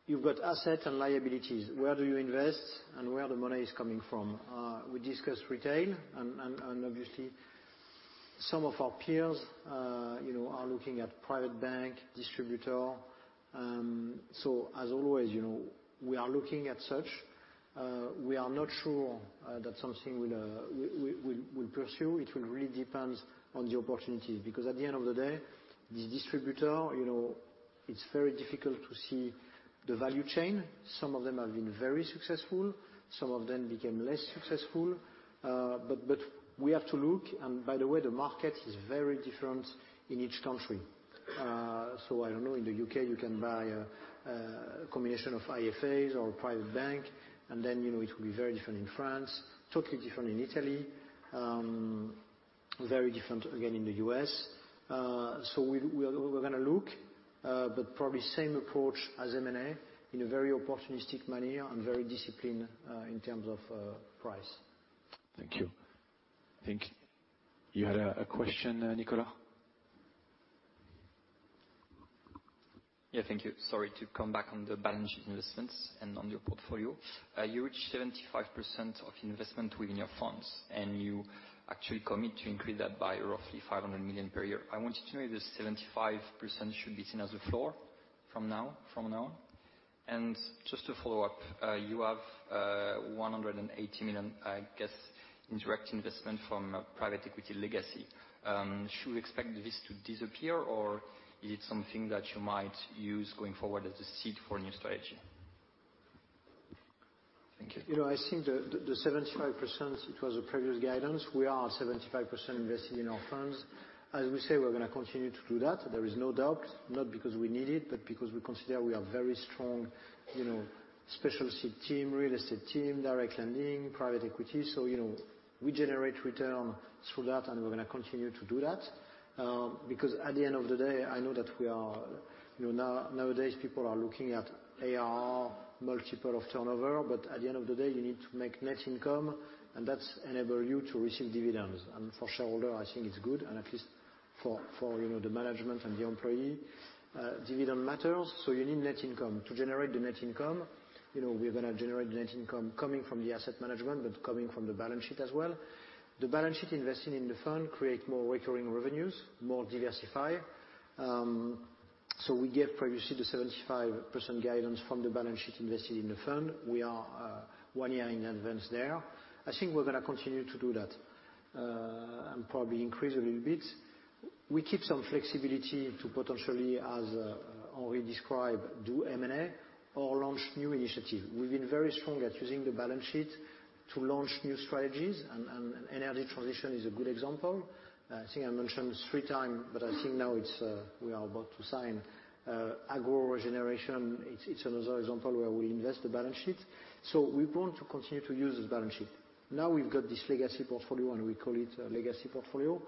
You've got assets and liabilities. Where do you invest, and where the money is coming from? We discussed retail and obviously some of our peers you know are looking at private bank distributor. As always you know we are looking at such. We are not sure that's something we'll pursue. It will really depends on the opportunity because at the end of the day the distributor you know it's very difficult to see the value chain. Some of them have been very successful. Some of them became less successful. We have to look, and by the way, the market is very different in each country. I don't know. In the U.K., you can buy a combination of IFAs or a private bank, and then, you know, it will be very different in France, totally different in Italy, very different again in the U.S. We’re gonna look, but probably same approach as M&A in a very opportunistic manner and very disciplined in terms of price. Thank you. I think you had a question, Nicolas. Yeah. Thank you. Sorry. To come back on the balanced investments and on your portfolio, you reached 75% of investment within your funds, and you actually commit to increase that by roughly 500 million per year. I want to know if the 75% should be seen as a floor from now on. Just to follow up, you have, I guess, EUR 180 million indirect investment from a private equity legacy. Should we expect this to disappear, or is it something that you might use going forward as a seed for a new strategy? Thank you. You know, I think the 75%, it was a previous guidance. We are 75% invested in our funds. As we say, we're gonna continue to do that, there is no doubt. Not because we need it, but because we consider we are very strong, you know, specialty team, real estate team, direct lending, private equity. So, you know, we generate return through that, and we're gonna continue to do that. Because at the end of the day, I know that we are. You know, nowadays, people are looking at ARR, multiple of turnover, but at the end of the day, you need to make net income, and that's enable you to receive dividends. For shareholder, I think it's good and at least. For you know, the management and the employee, dividend matters, so you need net income. To generate the net income, you know, we're gonna generate net income coming from the asset management, but coming from the balance sheet as well. The balance sheet investing in the fund create more recurring revenues, more diversify. We gave previously the 75% guidance from the balance sheet invested in the fund. We are one year in advance there. I think we're gonna continue to do that, and probably increase a little bit. We keep some flexibility to potentially, as Aryeh described, do M&A or launch new initiative. We've been very strong at using the balance sheet to launch new strategies and energy transition is a good example. I think I mentioned three times, but I think now it's we are about to sign agro-regeneration. It's another example where we invest the balance sheet, so we want to continue to use this balance sheet. Now we've got this legacy portfolio, and we call it a legacy portfolio.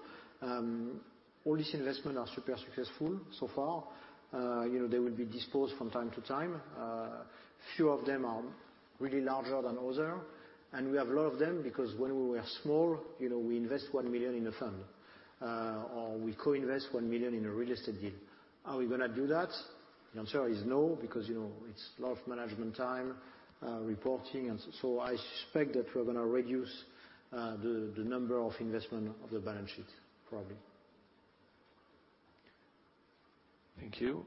All this investment are super successful so far. You know, they will be disposed from time to time. Few of them are really larger than other, and we have a lot of them because when we were small, you know, we invest 1 million in a fund. Or we co-invest 1 million in a real estate deal. Are we gonna do that? The answer is no, because, you know, it's a lot of management time, reporting and so I suspect that we're gonna reduce the number of investment of the balance sheet probably. Thank you.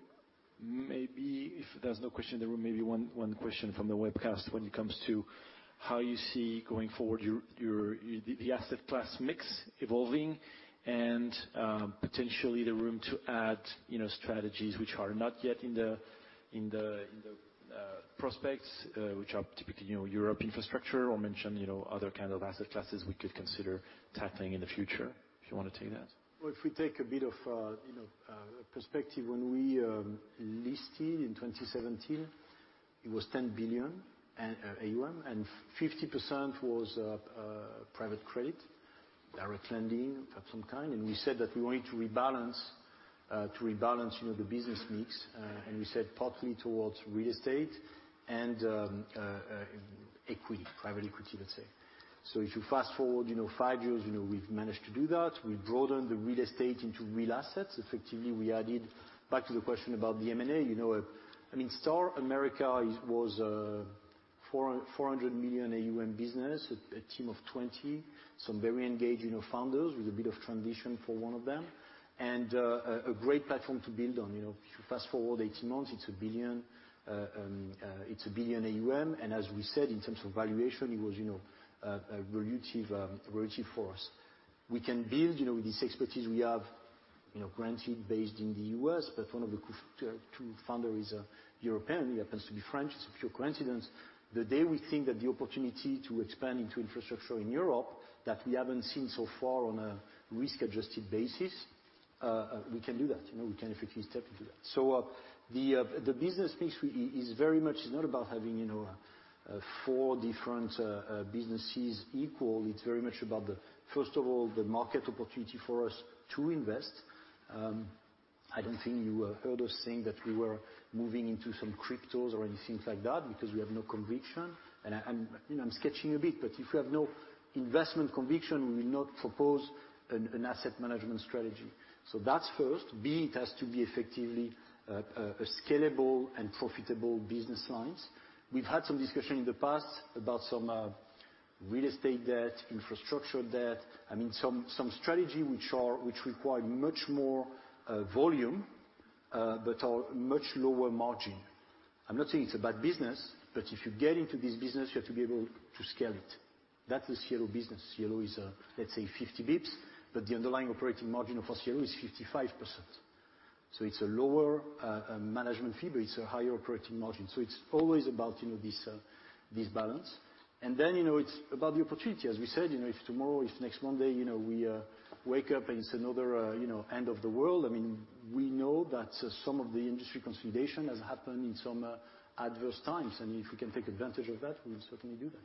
Maybe if there's no question, there were maybe one question from the webcast when it comes to how you see going forward your asset class mix evolving and, potentially the room to add, you know, strategies which are not yet in the prospectus, which are typically, you know, European infrastructure or mezzanine, you know, other kind of asset classes we could consider tackling in the future. If you wanna take that. Well, if we take a bit of, you know, perspective when we listed in 2017, it was 10 billion AUM, and 50% was private credit, direct lending of some kind. We said that we wanted to rebalance, you know, the business mix, and we said partly towards real estate and equity, private equity, let's say. If you fast-forward, you know, five years, you know, we've managed to do that. We've broadened the real estate into real assets. Effectively, we added back to the question about the M&A, you know, I mean, Star America is, was, 400 million AUM business, a team of 20, some very engaged, you know, founders with a bit of transition for one of them. A great platform to build on, you know. If you fast-forward 18 months, it's 1 billion AUM, and as we said, in terms of valuation, it was, you know, a relative for us. We can build, you know, with this expertise we have, you know, granted based in the U.S., but one of the two founder is a European. He happens to be French. It's a pure coincidence. Today we think that the opportunity to expand into infrastructure in Europe that we haven't seen so far on a risk-adjusted basis, we can do that. You know, we can effectively step into that. The business mix is very much not about having, you know, four different businesses equal. It's very much about, first of all, the market opportunity for us to invest. I don't think you heard us saying that we were moving into some cryptos or anything like that because we have no conviction. I'm, you know, I'm sketching a bit, but if you have no investment conviction, we will not propose an asset management strategy. That's first. B, it has to be effectively a scalable and profitable business lines. We've had some discussion in the past about some real estate debt, infrastructure debt. I mean, some strategy which require much more volume, but are much lower margin. I'm not saying it's a bad business, but if you get into this business, you have to be able to scale it. That is yellow business. Yellow is, let's say 50 basis points, but the underlying operating margin of our yellow is 55%. It's a lower management fee, but it's a higher operating margin. It's always about, you know, this balance. You know, it's about the opportunity. As we said, you know, if tomorrow, if next Monday, you know, we wake up and it's another, you know, end of the world, I mean, we know that some of the industry consolidation has happened in some adverse times, and if we can take advantage of that, we will certainly do that.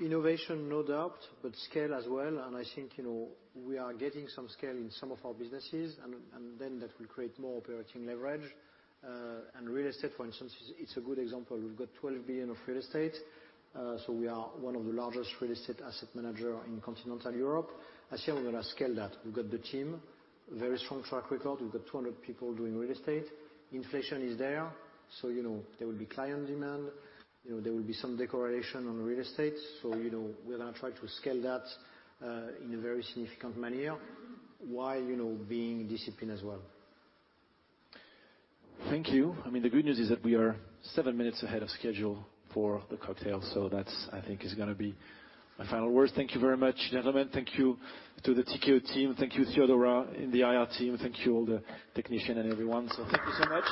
Innovation, no doubt, but scale as well, and I think, you know, we are getting some scale in some of our businesses, and then that will create more operating leverage. Real estate, for instance, it's a good example. We've got 12 billion of real estate, so we are one of the largest real estate asset manager in continental Europe. I say we're gonna scale that. We've got the team, very strong track record. We've got 200 people doing real estate. Inflation is there, so you know, there will be client demand. You know, there will be some dislocation on real estate. You know, we're gonna try to scale that, in a very significant manner while, you know, being disciplined as well. Thank you. I mean, the good news is that we are seven minutes ahead of schedule for the cocktail. That's, I think, is gonna be my final words. Thank you very much, gentlemen. Thank you to the Tikehau team. Thank you, Theodora in the IR team. Thank you all the technician and everyone. Thank you so much.